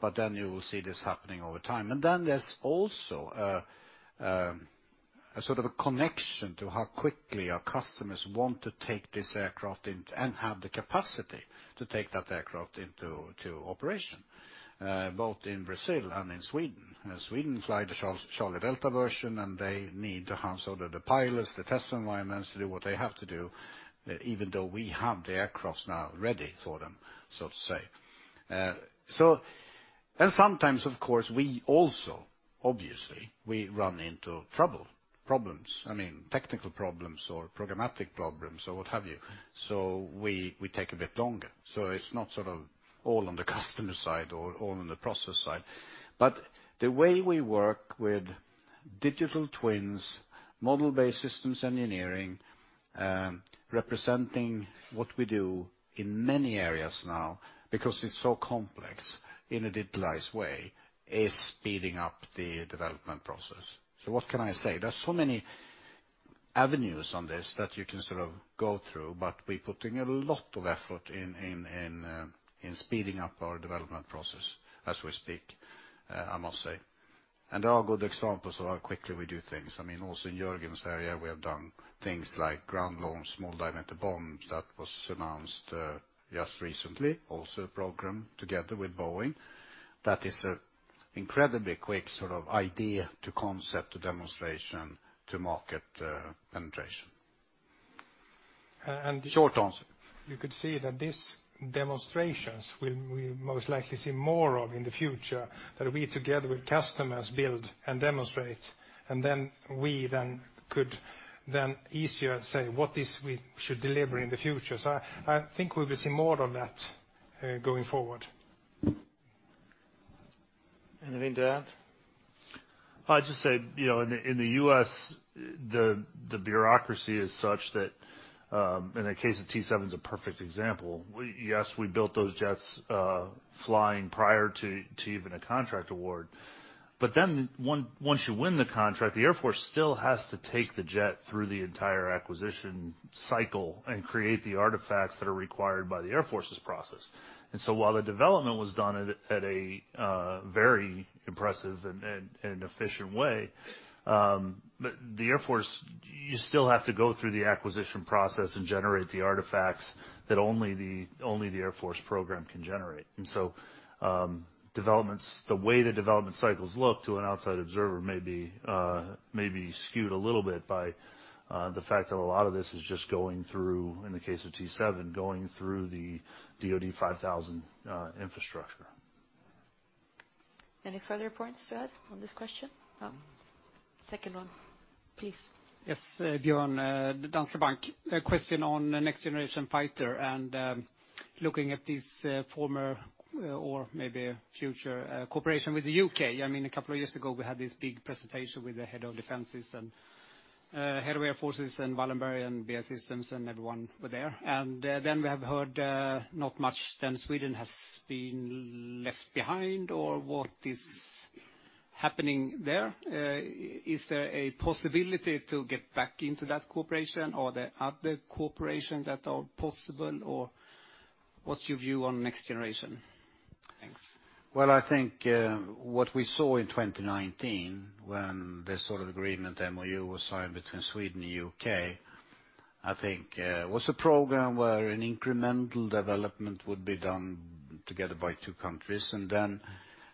but then you will see this happening over time. There's also a sort of a connection to how quickly our customers want to take this aircraft in and have the capacity to take that aircraft into operation, both in Brazil and in Sweden. Sweden fly the Char-Charlie Delta version, and they need to have sort of the pilots, the test environments to do what they have to do, even though we have the aircraft now ready for them, so to say. Sometimes, of course, we also, obviously, we run into trouble, problems, I mean technical problems or programmatic problems or what have you. We take a bit longer. It's not sort of all on the customer side or all on the process side. The way we work with digital twins, model-based systems engineering, representing what we do in many areas now because it's so complex in a digitalized way, is speeding up the development process. What can I say? There's so many avenues on this that you can sort of go through, but we're putting a lot of effort in speeding up our development process as we speak, I must say. There are good examples of how quickly we do things. I mean, also in Göran's area, we have done things like Ground-Launched Small Diameter Bombs that was announced just recently, also a program together with Boeing. That is an incredibly quick sort of idea to concept, to demonstration, to market penetration. And, and- Short answer. You could see that these demonstrations we most likely see more of in the future, that we together with customers build and demonstrate, and then we then could then easier say what is we should deliver in the future. I think we will see more of that, going forward. Anything to add? I'd just say, you know, in the U.S., the bureaucracy is such that, in the case of T-7s, a perfect example. We, yes, we built those jets, flying prior to even a contract award. Once you win the contract, the Air Force still has to take the jet through the entire acquisition cycle and create the artifacts that are required by the Air Force's process. While the development was done at a very impressive and efficient way, the Air Force, you still have to go through the acquisition process and generate the artifacts that only the Air Force program can generate. Developments, the way the development cycles look to an outside observer may be skewed a little bit by the fact that a lot of this is just going through, in the case of T-7, going through the DoD 5000 infrastructure. Any further points to add on this question? No. Second one, please. Yes. Björn, Danske Bank. A question on next generation fighter and looking at this, former or maybe future, cooperation with the U.K.. I mean, a couple of years ago, we had this big presentation with the head of defenses and head of air forces and Wallenberg and BAE Systems and everyone were there. Then we have heard not much then Sweden has been left behind or what is happening there. Is there a possibility to get back into that cooperation or are there other cooperation that are possible, or what's your view on next generation? Thanks. Well, I think, what we saw in 2019 when this sort of agreement, MoU, was signed between Sweden and U.K., I think, was a program where an incremental development would be done together by two countries. Then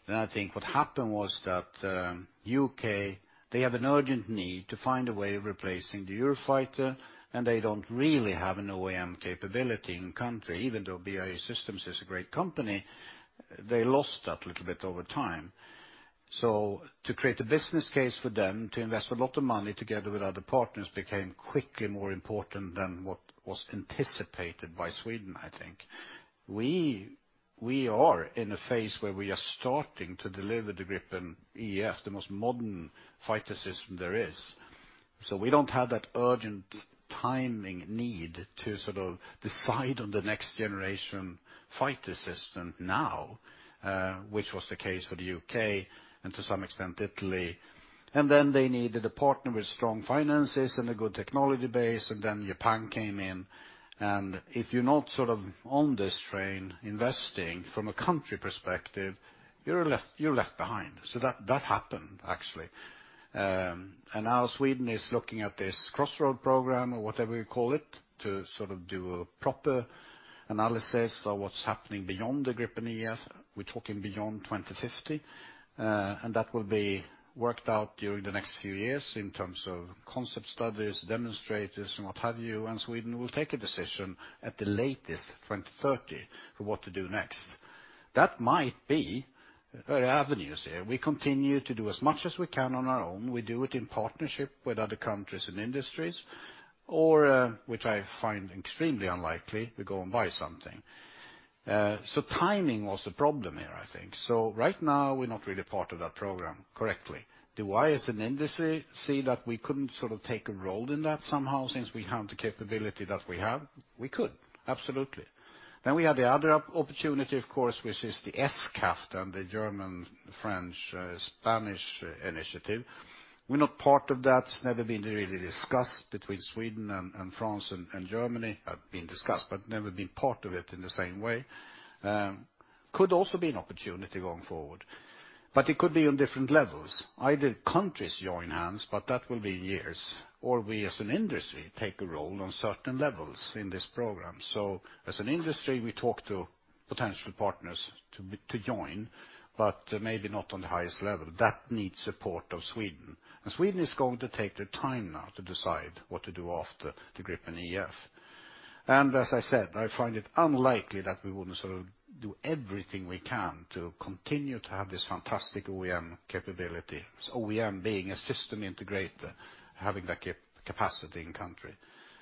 I think what happened was that U.K., they have an urgent need to find a way of replacing the Eurofighter, and they don't really have an OEM capability in country. Even though BAE Systems is a great company, they lost that little bit over time. To create a business case for them to invest a lot of money together with other partners became quickly more important than what was anticipated by Sweden, I think. We, we are in a phase where we are starting to deliver the Gripen E/F, the most modern fighter system there is. We don't have that urgent timing need to sort of decide on the next generation fighter system now, which was the case for the U.K. and to some extent Italy. They needed a partner with strong finances and a good technology base, Japan came in. If you're not sort of on this train investing from a country perspective, you're left behind. That happened, actually. Now Sweden is looking at this crossroad program or whatever you call it, to sort of do a proper analysis of what's happening beyond the Gripen E/F. We're talking beyond 2050. That will be worked out during the next few years in terms of concept studies, demonstrators and what have you. Sweden will take a decision at the latest 2030 for what to do next. That might be avenues here. We continue to do as much as we can on our own. We do it in partnership with other countries and industries, or, which I find extremely unlikely, we go and buy something. Timing was the problem here, I think. Right now, we're not really part of that program, correctly. Do I, as an industry, see that we couldn't sort of take a role in that somehow since we have the capability that we have? We could, absolutely. We have the other opportunity, of course, which is the SCAF, the German-French, Spanish initiative. We're not part of that. It's never been really discussed between Sweden and France and Germany. Been discussed, never been part of it in the same way. Could also be an opportunity going forward. It could be on different levels. Either countries join hands, but that will be years, or we as an industry take a role on certain levels in this program. As an industry, we talk to potential partners to join, but maybe not on the highest level. That needs support of Sweden. Sweden is going to take their time now to decide what to do after the Gripen E/F. As I said, I find it unlikely that we wouldn't sort of do everything we can to continue to have this fantastic OEM capability. OEM being a system integrator, having that capacity in country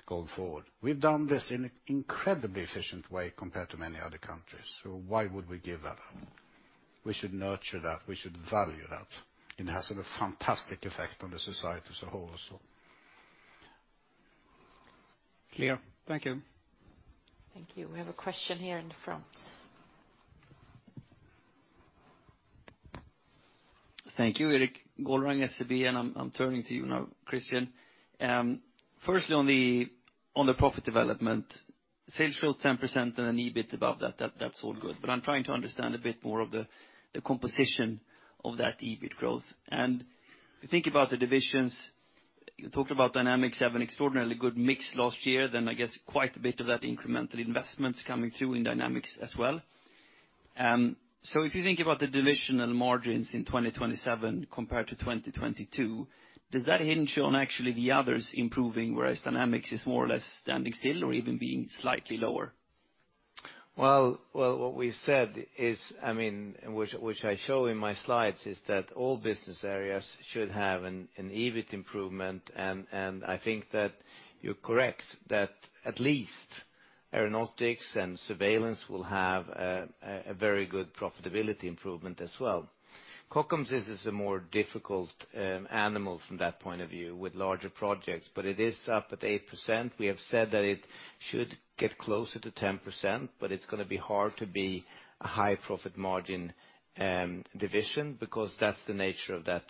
going forward. We've done this in an incredibly efficient way compared to many other countries. Why would we give that up? We should nurture that. We should value that. It has a fantastic effect on the society as a whole as well. Clear. Thank you. Thank you. We have a question here in the front. Thank you, Erik Golrang, SEB, I'm turning to you now, Christian. Firstly on the profit development, sales growth 10% and an EBIT above that's all good. I'm trying to understand a bit more of the composition of that EBIT growth. If you think about the divisions, you talked about Dynamics having extraordinarily good mix last year, then I guess quite a bit of that incremental investment's coming through in Dynamics as well. If you think about the divisional margins in 2027 compared to 2022, does that hinge on actually the others improving whereas Dynamics is more or less standing still or even being slightly lower? Well, what we said is, I mean, which I show in my slides, is that all business areas should have an EBIT improvement. I think that you're correct that at least Aeronautics and Surveillance will have a very good profitability improvement as well. Kockums is a more difficult animal from that point of view with larger projects, but it is up at 8%. We have said that it should get closer to 10%, but it's gonna be hard to be a high profit margin division because that's the nature of that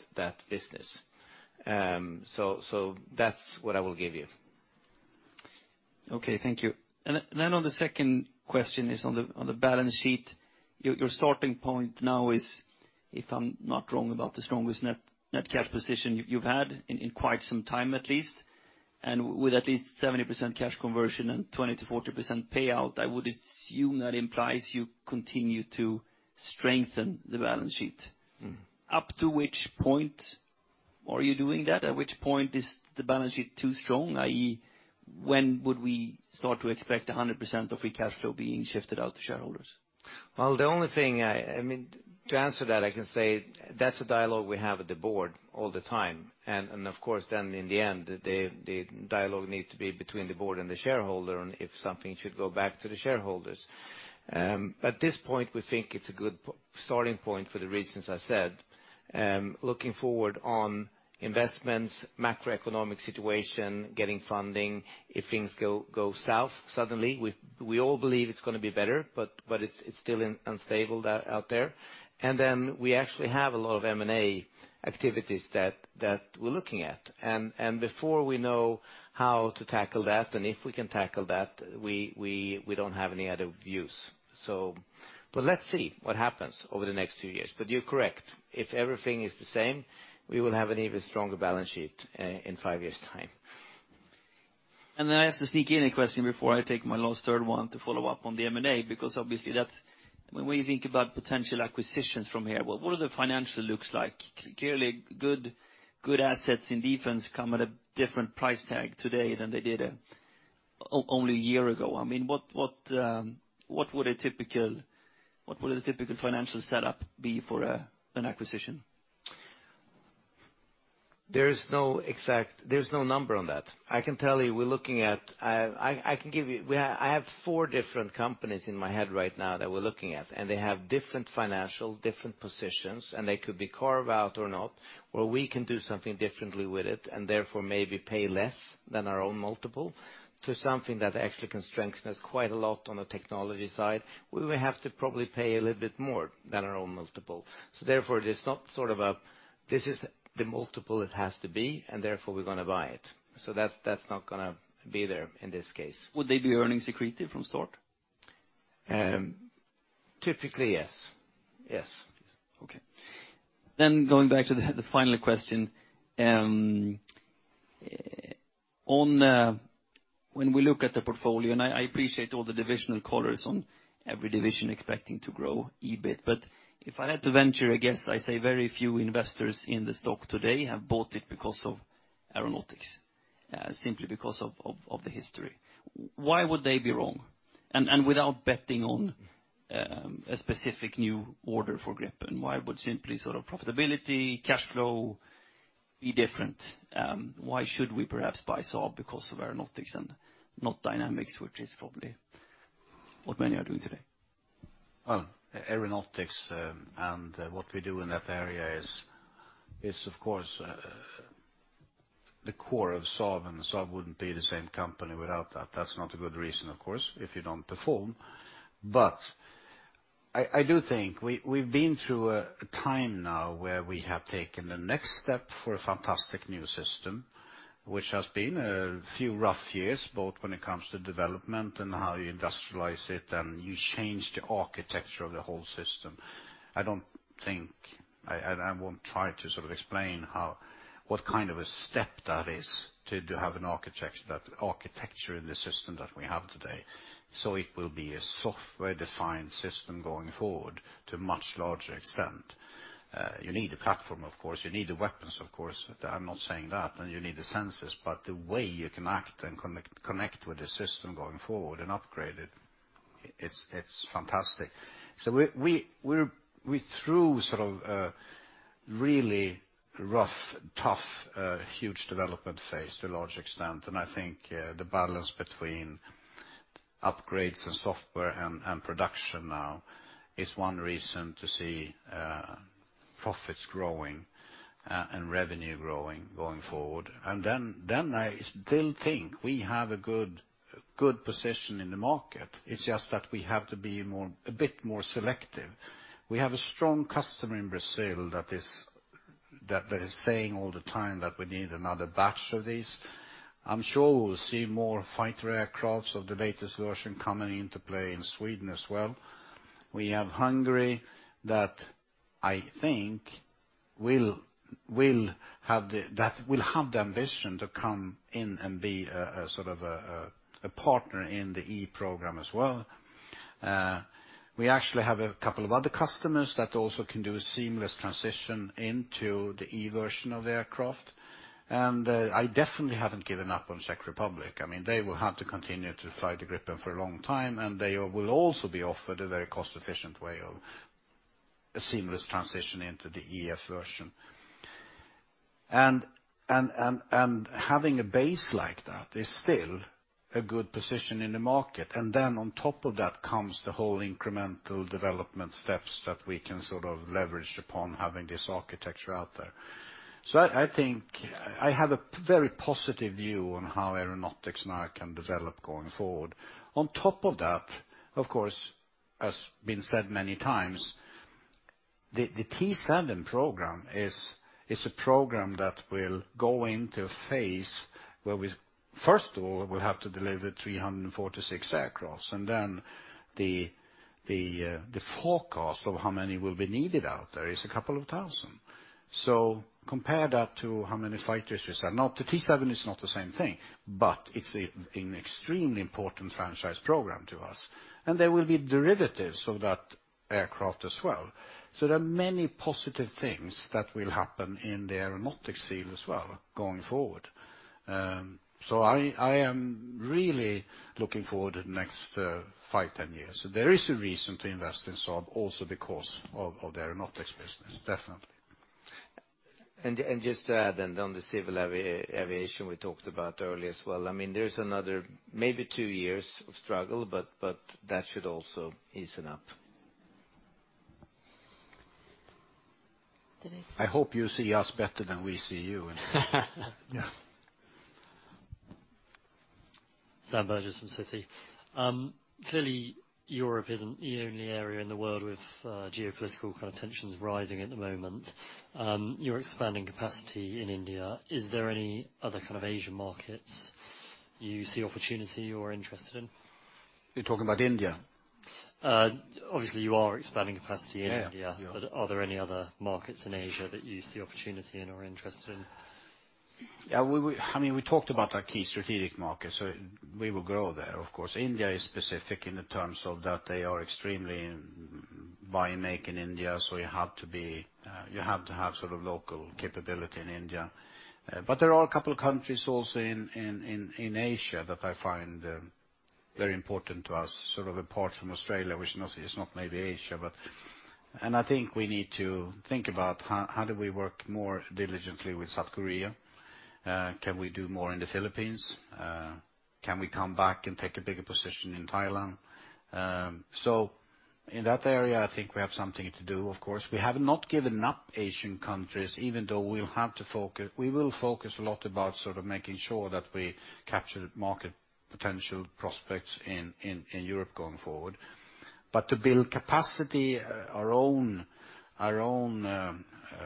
business. That's what I will give you. Okay, thank you. Then on the second question is on the balance sheet. Your starting point now is, if I'm not wrong, about the strongest net cash position you've had in quite some time at least. With at least 70% cash conversion and 20%-40% payout, I would assume that implies you continue to strengthen the balance sheet. Mm-hmm. Up to which point are you doing that? At which point is the balance sheet too strong? I.e., when would we start to expect 100% of free cash flow being shifted out to shareholders? Well, the only thing I mean, to answer that, I can say that's a dialogue we have at the board all the time. Of course, then in the end, the dialogue needs to be between the board and the shareholder on if something should go back to the shareholders. At this point, we think it's a good starting point for the reasons I said. Looking forward on investments, macroeconomic situation, getting funding, if things go south suddenly, we all believe it's gonna be better, but it's still unstable out there. Then we actually have a lot of M&A activities that we're looking at. Before we know how to tackle that and if we can tackle that, we don't have any other views. Let's see what happens over the next two years. You're correct. If everything is the same, we will have an even stronger balance sheet in five years' time. I have to sneak in a question before I take my last third one to follow up on the M&A, because obviously when we think about potential acquisitions from here, what are the financial looks like? Clearly, good assets in defense come at a different price tag today than they did only a year ago. I mean, what would a typical financial setup be for an acquisition? There's no number on that. I can tell you we're looking at. I have four different companies in my head right now that we're looking at. They have different financial, different positions, and they could be carve out or not, where we can do something differently with it and therefore maybe pay less than our own multiple to something that actually can strengthen us quite a lot on the technology side, where we have to probably pay a little bit more than our own multiple. Therefore, it is not sort of a, this is the multiple it has to be, and therefore we're gonna buy it. That's not gonna be there in this case. Would they be earnings accretive from start? Typically, yes. Yes. Okay. Going back to the final question, on when we look at the portfolio. I appreciate all the divisional colors on every division expecting to grow EBIT, but if I had to venture a guess, I say very few investors in the stock today have bought it because of Aeronautics, simply because of the history. Why would they be wrong? Without betting on a specific new order for Gripen, why would simply sort of profitability, cash flow be different. Why should we perhaps buy Saab because of Aeronautics and not Dynamics, which is probably what many are doing today? Well, Aeronautics, and what we do in that area is of course the core of Saab, and Saab wouldn't be the same company without that. That's not a good reason, of course, if you don't perform. I do think we've been through a time now where we have taken the next step for a fantastic new system, which has been a few rough years, both when it comes to development and how you industrialize it, and you change the architecture of the whole system. I don't think. I won't try to sort of explain how, what kind of a step that is to have an architecture, that architecture in the system that we have today. It will be a software-defined system going forward to a much larger extent. You need a platform, of course, you need the weapons, of course. I'm not saying that. You need the sensors. The way you can act and connect with the system going forward and upgrade it's, it's fantastic. We're through a huge development phase to a large extent. I think the balance between upgrades and software and production now is one reason to see profits growing and revenue growing going forward. I still think we have a good position in the market. It's just that we have to be more, a bit more selective. We have a strong customer in Brazil that is saying all the time that we need another batch of these. I'm sure we'll see more fighter aircrafts of the latest version coming into play in Sweden as well. We have Hungary that, I think will have the ambition to come in and be a sort of a partner in the E program as well. We actually have a couple of other customers that also can do a seamless transition into the E version of the aircraft. I definitely haven't given up on Czech Republic. I mean, they will have to continue to fly the Gripen for a long time, and they will also be offered a very cost-efficient way of a seamless transition into the EF version. Having a base like that is still a good position in the market. On top of that comes the whole incremental development steps that we can sort of leverage upon having this architecture out there. I think I have a very positive view on how Aeronautics now can develop going forward. On top of that, of course, as been said many times, the T-7A program is a program that will go into a phase where we, first of all, will have to deliver 346 aircraft, and then the forecast of how many will be needed out there is a couple of thousand. Compare that to how many fighters we sell. The T-7A is not the same thing, but it's an extremely important franchise program to us. There will be derivatives of that aircraft as well. There are many positive things that will happen in the Aeronautics field as well going forward. I am really looking forward to the next 5, 10 years. There is a reason to invest in Saab also because of the Aeronautics business, definitely. Just to add then on the civil aviation we talked about earlier as well, I mean, there is another maybe two years of struggle, but that should also loosen up. I hope you see us better than we see you. Yeah. Clearly, Europe isn't the only area in the world with geopolitical kind of tensions rising at the moment. You're expanding capacity in India. Is there any other kind of Asian markets you see opportunity you're interested in? You're talking about India? Obviously you are expanding capacity in India. Yeah. Yeah. Are there any other markets in Asia that you see opportunity and are interested in? I mean, we talked about our key strategic markets, so we will grow there, of course. India is specific in the terms of that they are extremely Buy Make in India, so you have to be, you have to have sort of local capability in India. There are a couple of countries also in Asia that I find very important to us, sort of apart from Australia, which is not, is not maybe Asia, but. I think we need to think about how do we work more diligently with South Korea? Can we do more in the Philippines? Can we come back and take a bigger position in Thailand? In that area, I think we have something to do, of course. We have not given up Asian countries, even though we'll have to focus, we will focus a lot about sort of making sure that we capture market potential prospects in Europe going forward. To build capacity, our own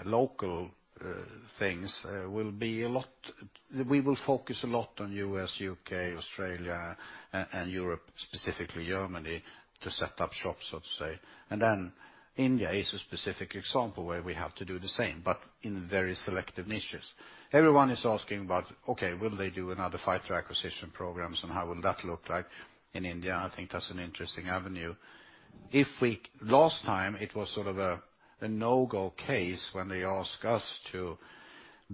local things. We will focus a lot on U.S., U.K., Australia, and Europe, specifically Germany, to set up shop, so to say. India is a specific example where we have to do the same, but in very selective niches. Everyone is asking about, okay, will they do another fighter acquisition programs, and how will that look like in India? I think that's an interesting avenue. Last time, it was sort of a no-go case when they asked us to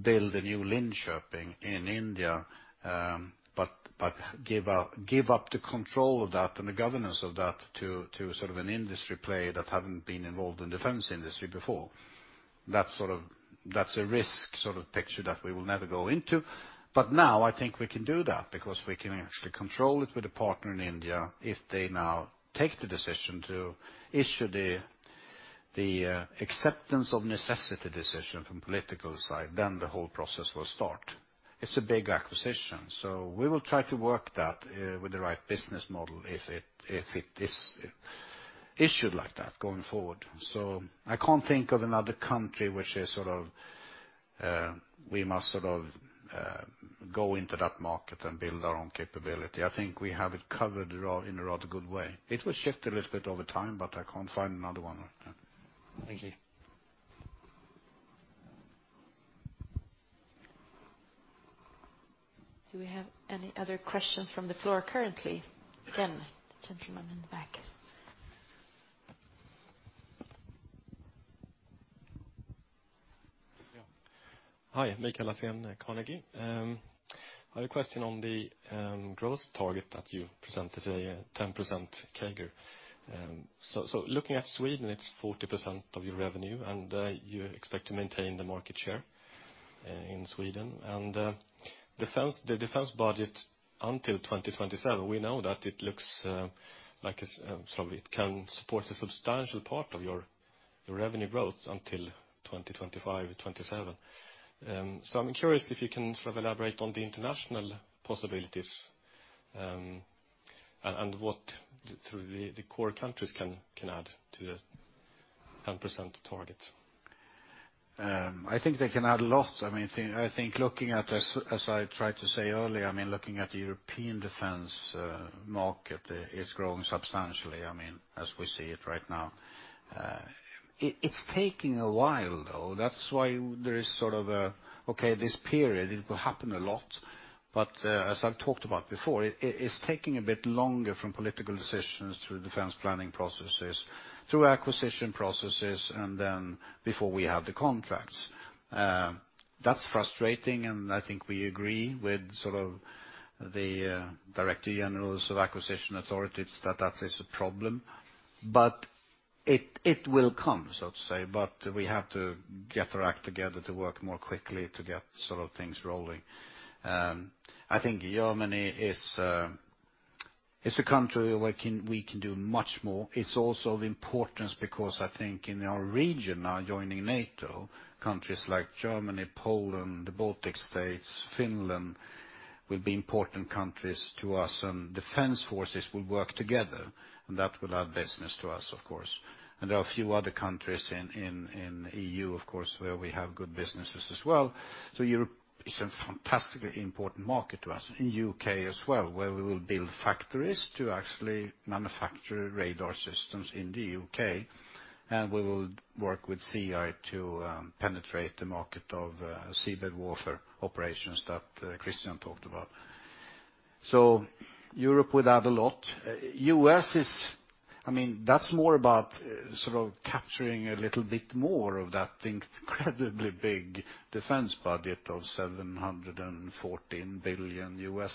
build a new Linköping in India, but give up the control of that and the governance of that to sort of an industry player that haven't been involved in defense industry before. That's a risk sort of picture that we will never go into. Now I think we can do that because we can actually control it with a partner in India if they now take the decision to issue the acceptance of necessity decision from political side. The whole process will start. It's a big acquisition. We will try to work that with the right business model if it is issued like that going forward. I can't think of another country which is sort of, we must sort of, go into that market and build our own capability. I think we have it covered in a rather good way. It will shift a little bit over time, but I can't find another one right now. Thank you. Do we have any other questions from the floor currently? Again, the gentleman in the back. Yeah. Hi, Mikael Laséen, Carnegie. I have a question on the growth target that you presented, a 10% CAGR. So looking at Sweden, it's 40% of your revenue, and you expect to maintain the market share in Sweden. The defense budget until 2027, we know that it looks like it sort of it can support a substantial part of your revenue growth until 2025-2027. So I'm curious if you can sort of elaborate on the international possibilities, and what the core countries can add to the 10% target. I think they can add a lot. I mean, I think looking at this, as I tried to say earlier, I mean, looking at the European defense market is growing substantially. I mean, as we see it right now. It's taking a while, though. That's why there is sort of a, okay, this period, it will happen a lot. As I've talked about before, it's taking a bit longer from political decisions through defense planning processes, through acquisition processes, and then before we have the contracts. That's frustrating, and I think we agree with sort of the director generals of acquisition authorities that that is a problem. It will come, so to say. We have to get our act together to work more quickly to get sort of things rolling. I think Germany is a country where we can do much more. It's also of importance because I think in our region now joining NATO, countries like Germany, Poland, the Baltic States, Finland, will be important countries to us, and defense forces will work together, and that will add business to us, of course. There are a few other countries in E.U., of course, where we have good businesses as well. Europe is a fantastically important market to us. In U.K. as well, where we will build factories to actually manufacture radar systems in the U.K., and we will work with Seaeye to penetrate the market of seabed warfare operations that Christian talked about. Europe will add a lot. U.S. is... I mean, that's more about sort of capturing a little bit more of that incredibly big defense budget of $714 billion or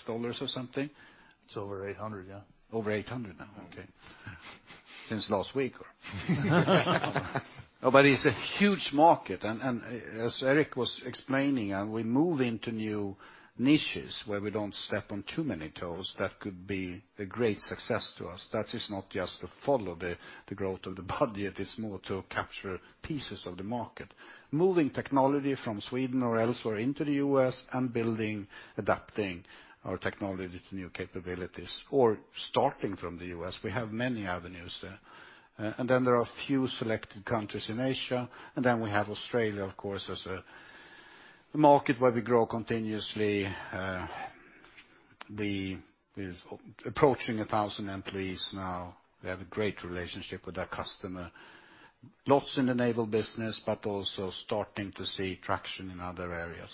something. It's over 800, yeah. Over 800 now, okay. Since last week. It's a huge market. As Erik was explaining, we move into new niches where we don't step on too many toes, that could be a great success to us. That is not just to follow the growth of the budget, it's more to capture pieces of the market. Moving technology from Sweden or elsewhere into the U.S. and building, adapting our technology to new capabilities, or starting from the U.S., we have many avenues there. Then there are a few selected countries in Asia, and then we have Australia, of course, as a market where we grow continuously. We're approaching 1,000 employees now. We have a great relationship with our customer. Lots in the naval business, but also starting to see traction in other areas.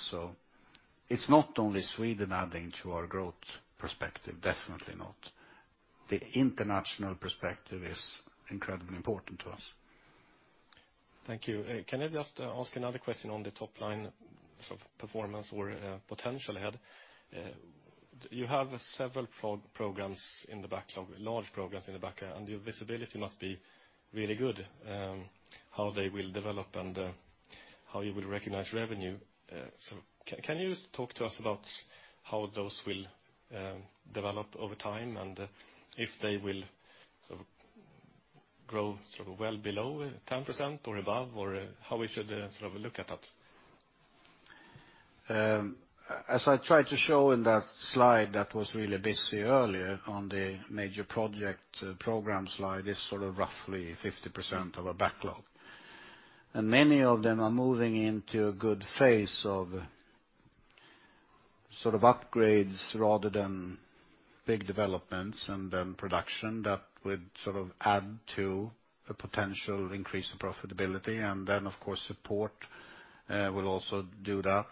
It's not only Sweden adding to our growth perspective, definitely not. The international perspective is incredibly important to us. Thank you. Can I just ask another question on the top line sort of performance or potential ahead? You have several programs in the backlog, large programs in the backlog, your visibility must be really good, how they will develop and how you will recognize revenue. Can you talk to us about how those will develop over time and if they will sort of grow sort of well below 10% or above, or how we should sort of look at that? As I tried to show in that slide that was really busy earlier on the major project program slide, is sort of roughly 50% of our backlog. Many of them are moving into a good phase of sort of upgrades rather than big developments and then production that would sort of add to a potential increase in profitability. Of course, support will also do that.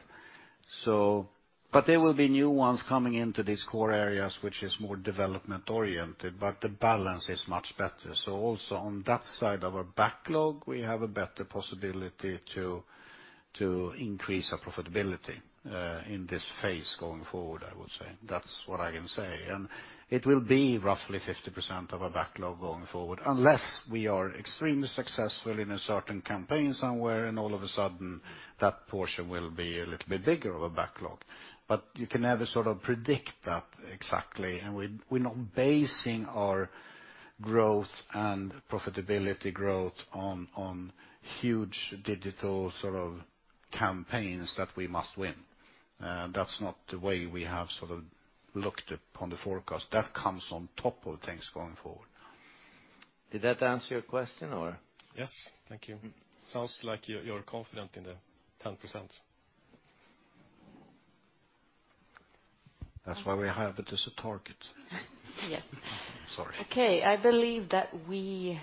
There will be new ones coming into these core areas, which is more development-oriented, but the balance is much better. Also on that side of our backlog, we have a better possibility to increase our profitability in this phase going forward, I would say. That's what I can say. It will be roughly 50% of our backlog going forward, unless we are extremely successful in a certain campaign somewhere, and all of a sudden, that portion will be a little bit bigger of a backlog. You can never sort of predict that exactly, and we're not basing our growth and profitability growth on huge digital sort of campaigns that we must win. That's not the way we have sort of looked up on the forecast. That comes on top of things going forward. Did that answer your question or? Yes. Thank you. Mm-hmm. Sounds like you're confident in the 10%. That's why we have it as a target. Yes. Sorry. Okay. I believe that we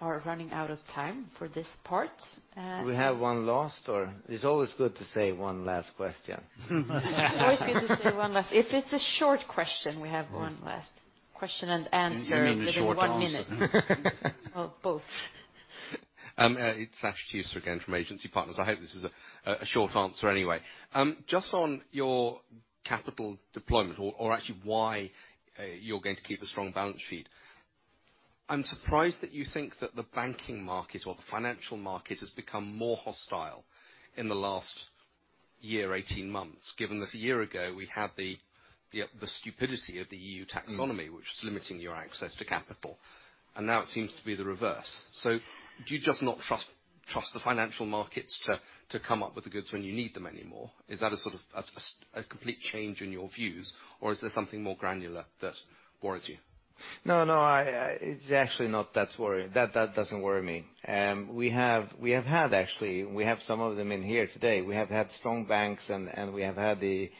are running out of time for this part. We have one last or? It's always good to say one last question. It's always good to say 1 last. If it's a short question, we have one last question and answer- You mean a short answer? Within one minute. Both. It's Sash Tusa again from Agency Partners. I hope this is a short answer anyway. Just on your capital deployment or actually why you're going to keep a strong balance sheet. I'm surprised that you think that the banking market or the financial market has become more hostile in the last year, 18 months, given that a year ago we had the stupidity of the E.U. taxonomy. Mm Which is limiting your access to capital, and now it seems to be the reverse. Do you just not trust the financial markets to come up with the goods when you need them anymore? Is that a sort of a complete change in your views, or is there something more granular that worries you? No, no, I, it's actually not that worrying. That doesn't worry me. We have had actually. We have some of them in here today. We have had strong banks, and we have had the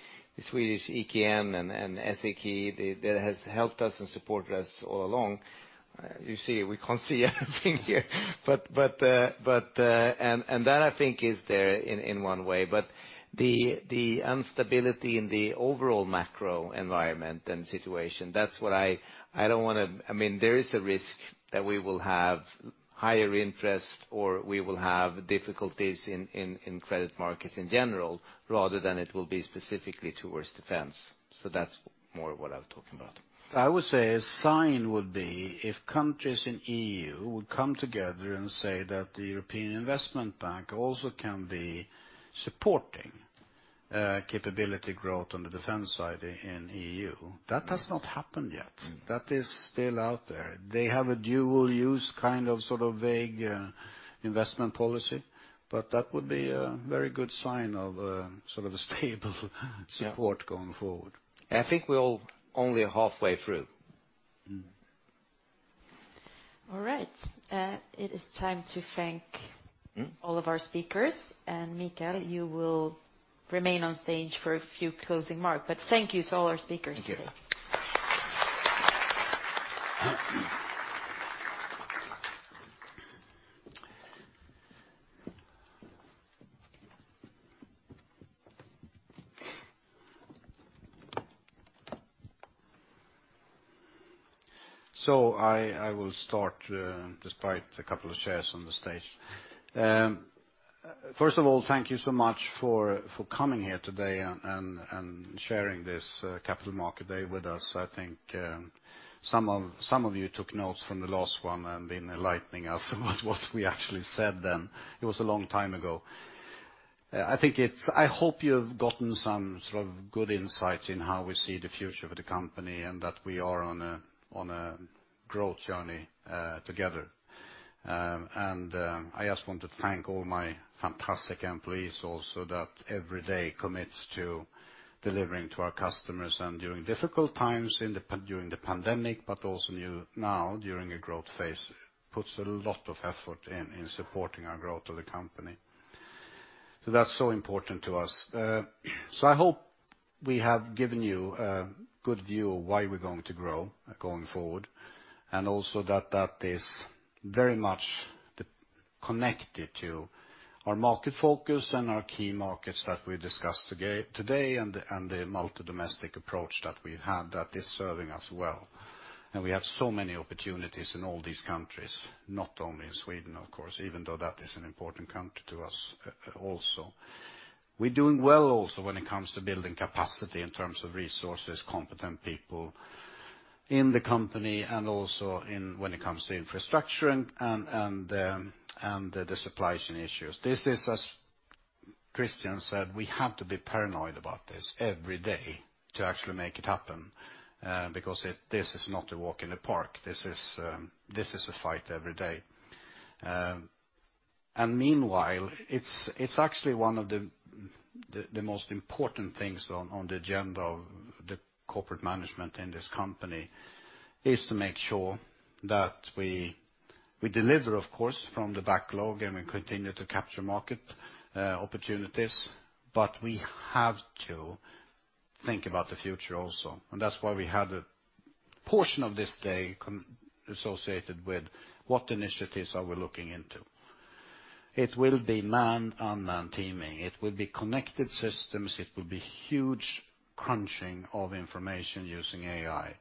Swedish EKN and SEK that has helped us and supported us all along. You see, we can't see anything here. That I think is there in one way. The instability in the overall macro environment and situation, that's what I don't wanna, I mean, there is a risk that we will have higher interest or we will have difficulties in credit markets in general rather than it will be specifically towards defense. That's more what I'm talking about. I would say a sign would be if countries in E.U. would come together and say that the European Investment Bank also can be supporting capability growth on the defense side in E..U. That has not happened yet. Mm. That is still out there. They have a dual use kind of sort of vague, investment policy, but that would be a very good sign of, sort of a stable support going forward. Yeah. I think we're all only halfway through. Mm. All right. It is time to. Mm All of our speakers. Micael, you will remain on stage for a few closing mark. Thank you to all our speakers today. Thank you. I will start, despite a couple of chairs on the stage. First of all, thank you so much for coming here today and sharing this capital market day with us. I think, some of you took notes from the last one and been enlightening us about what we actually said then. It was a long time ago. I think I hope you've gotten some sort of good insights in how we see the future of the company and that we are on a growth journey together. I just want to thank all my fantastic employees also that every day commits to delivering to our customers and during difficult times during the pandemic, but also now during a growth phase, puts a lot of effort in supporting our growth of the company. That's so important to us. I hope we have given you a good view of why we're going to grow going forward, and also that that is very much connected to our market focus and our key markets that we discussed today and the multi-domestic approach that we have that is serving us well. We have so many opportunities in all these countries, not only in Sweden, of course, even though that is an important country to us also. We're doing well also when it comes to building capacity in terms of resources, competent people in the company and also in when it comes to infrastructure and the supply chain issues. This is, as Christian said, we have to be paranoid about this every day to actually make it happen, because this is not a walk in the park. This is a fight every day. Meanwhile, it's actually one of the most important things on the agenda of the corporate management in this company is to make sure that we deliver, of course, from the backlog, and we continue to capture market opportunities, but we have to think about the future also. That's why we had a portion of this day associated with what initiatives are we looking into. It will be manned, unmanned teaming. It will be connected systems. It will be huge crunching of information using AI,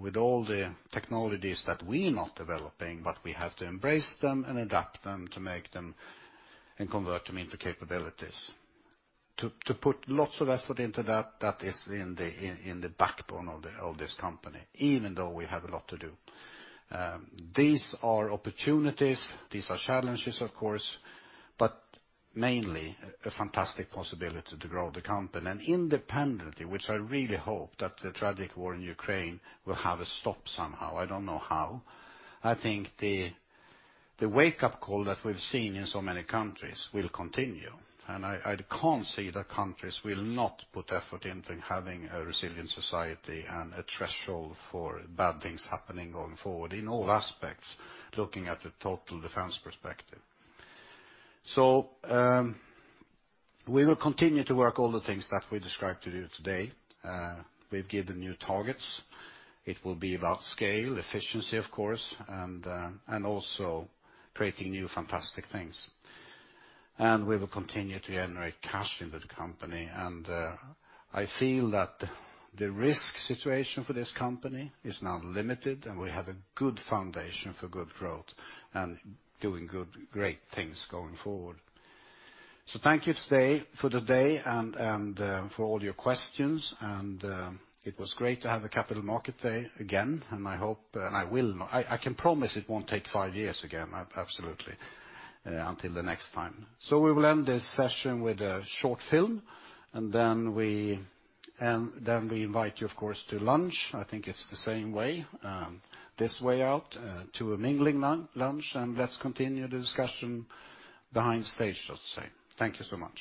with all the technologies that we are not developing, but we have to embrace them and adapt them to make them and convert them into capabilities. To put lots of effort into that is in the backbone of this company, even though we have a lot to do. These are opportunities, these are challenges, of course, but mainly a fantastic possibility to grow the company. Independently, which I really hope that the tragic war in Ukraine will have a stop somehow, I don't know how. I think the wake-up call that we've seen in so many countries will continue. I can't see the countries will not put effort into having a resilient society and a threshold for bad things happening going forward in all aspects, looking at the total defense perspective. We will continue to work all the things that we described to you today. We've given new targets. It will be about scale, efficiency, of course, and also creating new fantastic things. We will continue to generate cash into the company. I feel that the risk situation for this company is now limited, and we have a good foundation for good growth and doing good, great things going forward. Thank you today, for today and for all your questions. It was great to have a capital market day again, and I hope, and I will... I can promise it won't take five years again, absolutely, until the next time. We will end this session with a short film, and then we invite you, of course, to lunch. I think it's the same way this way out to a mingling lunch. Let's continue the discussion behind stage, so to say. Thank you so much.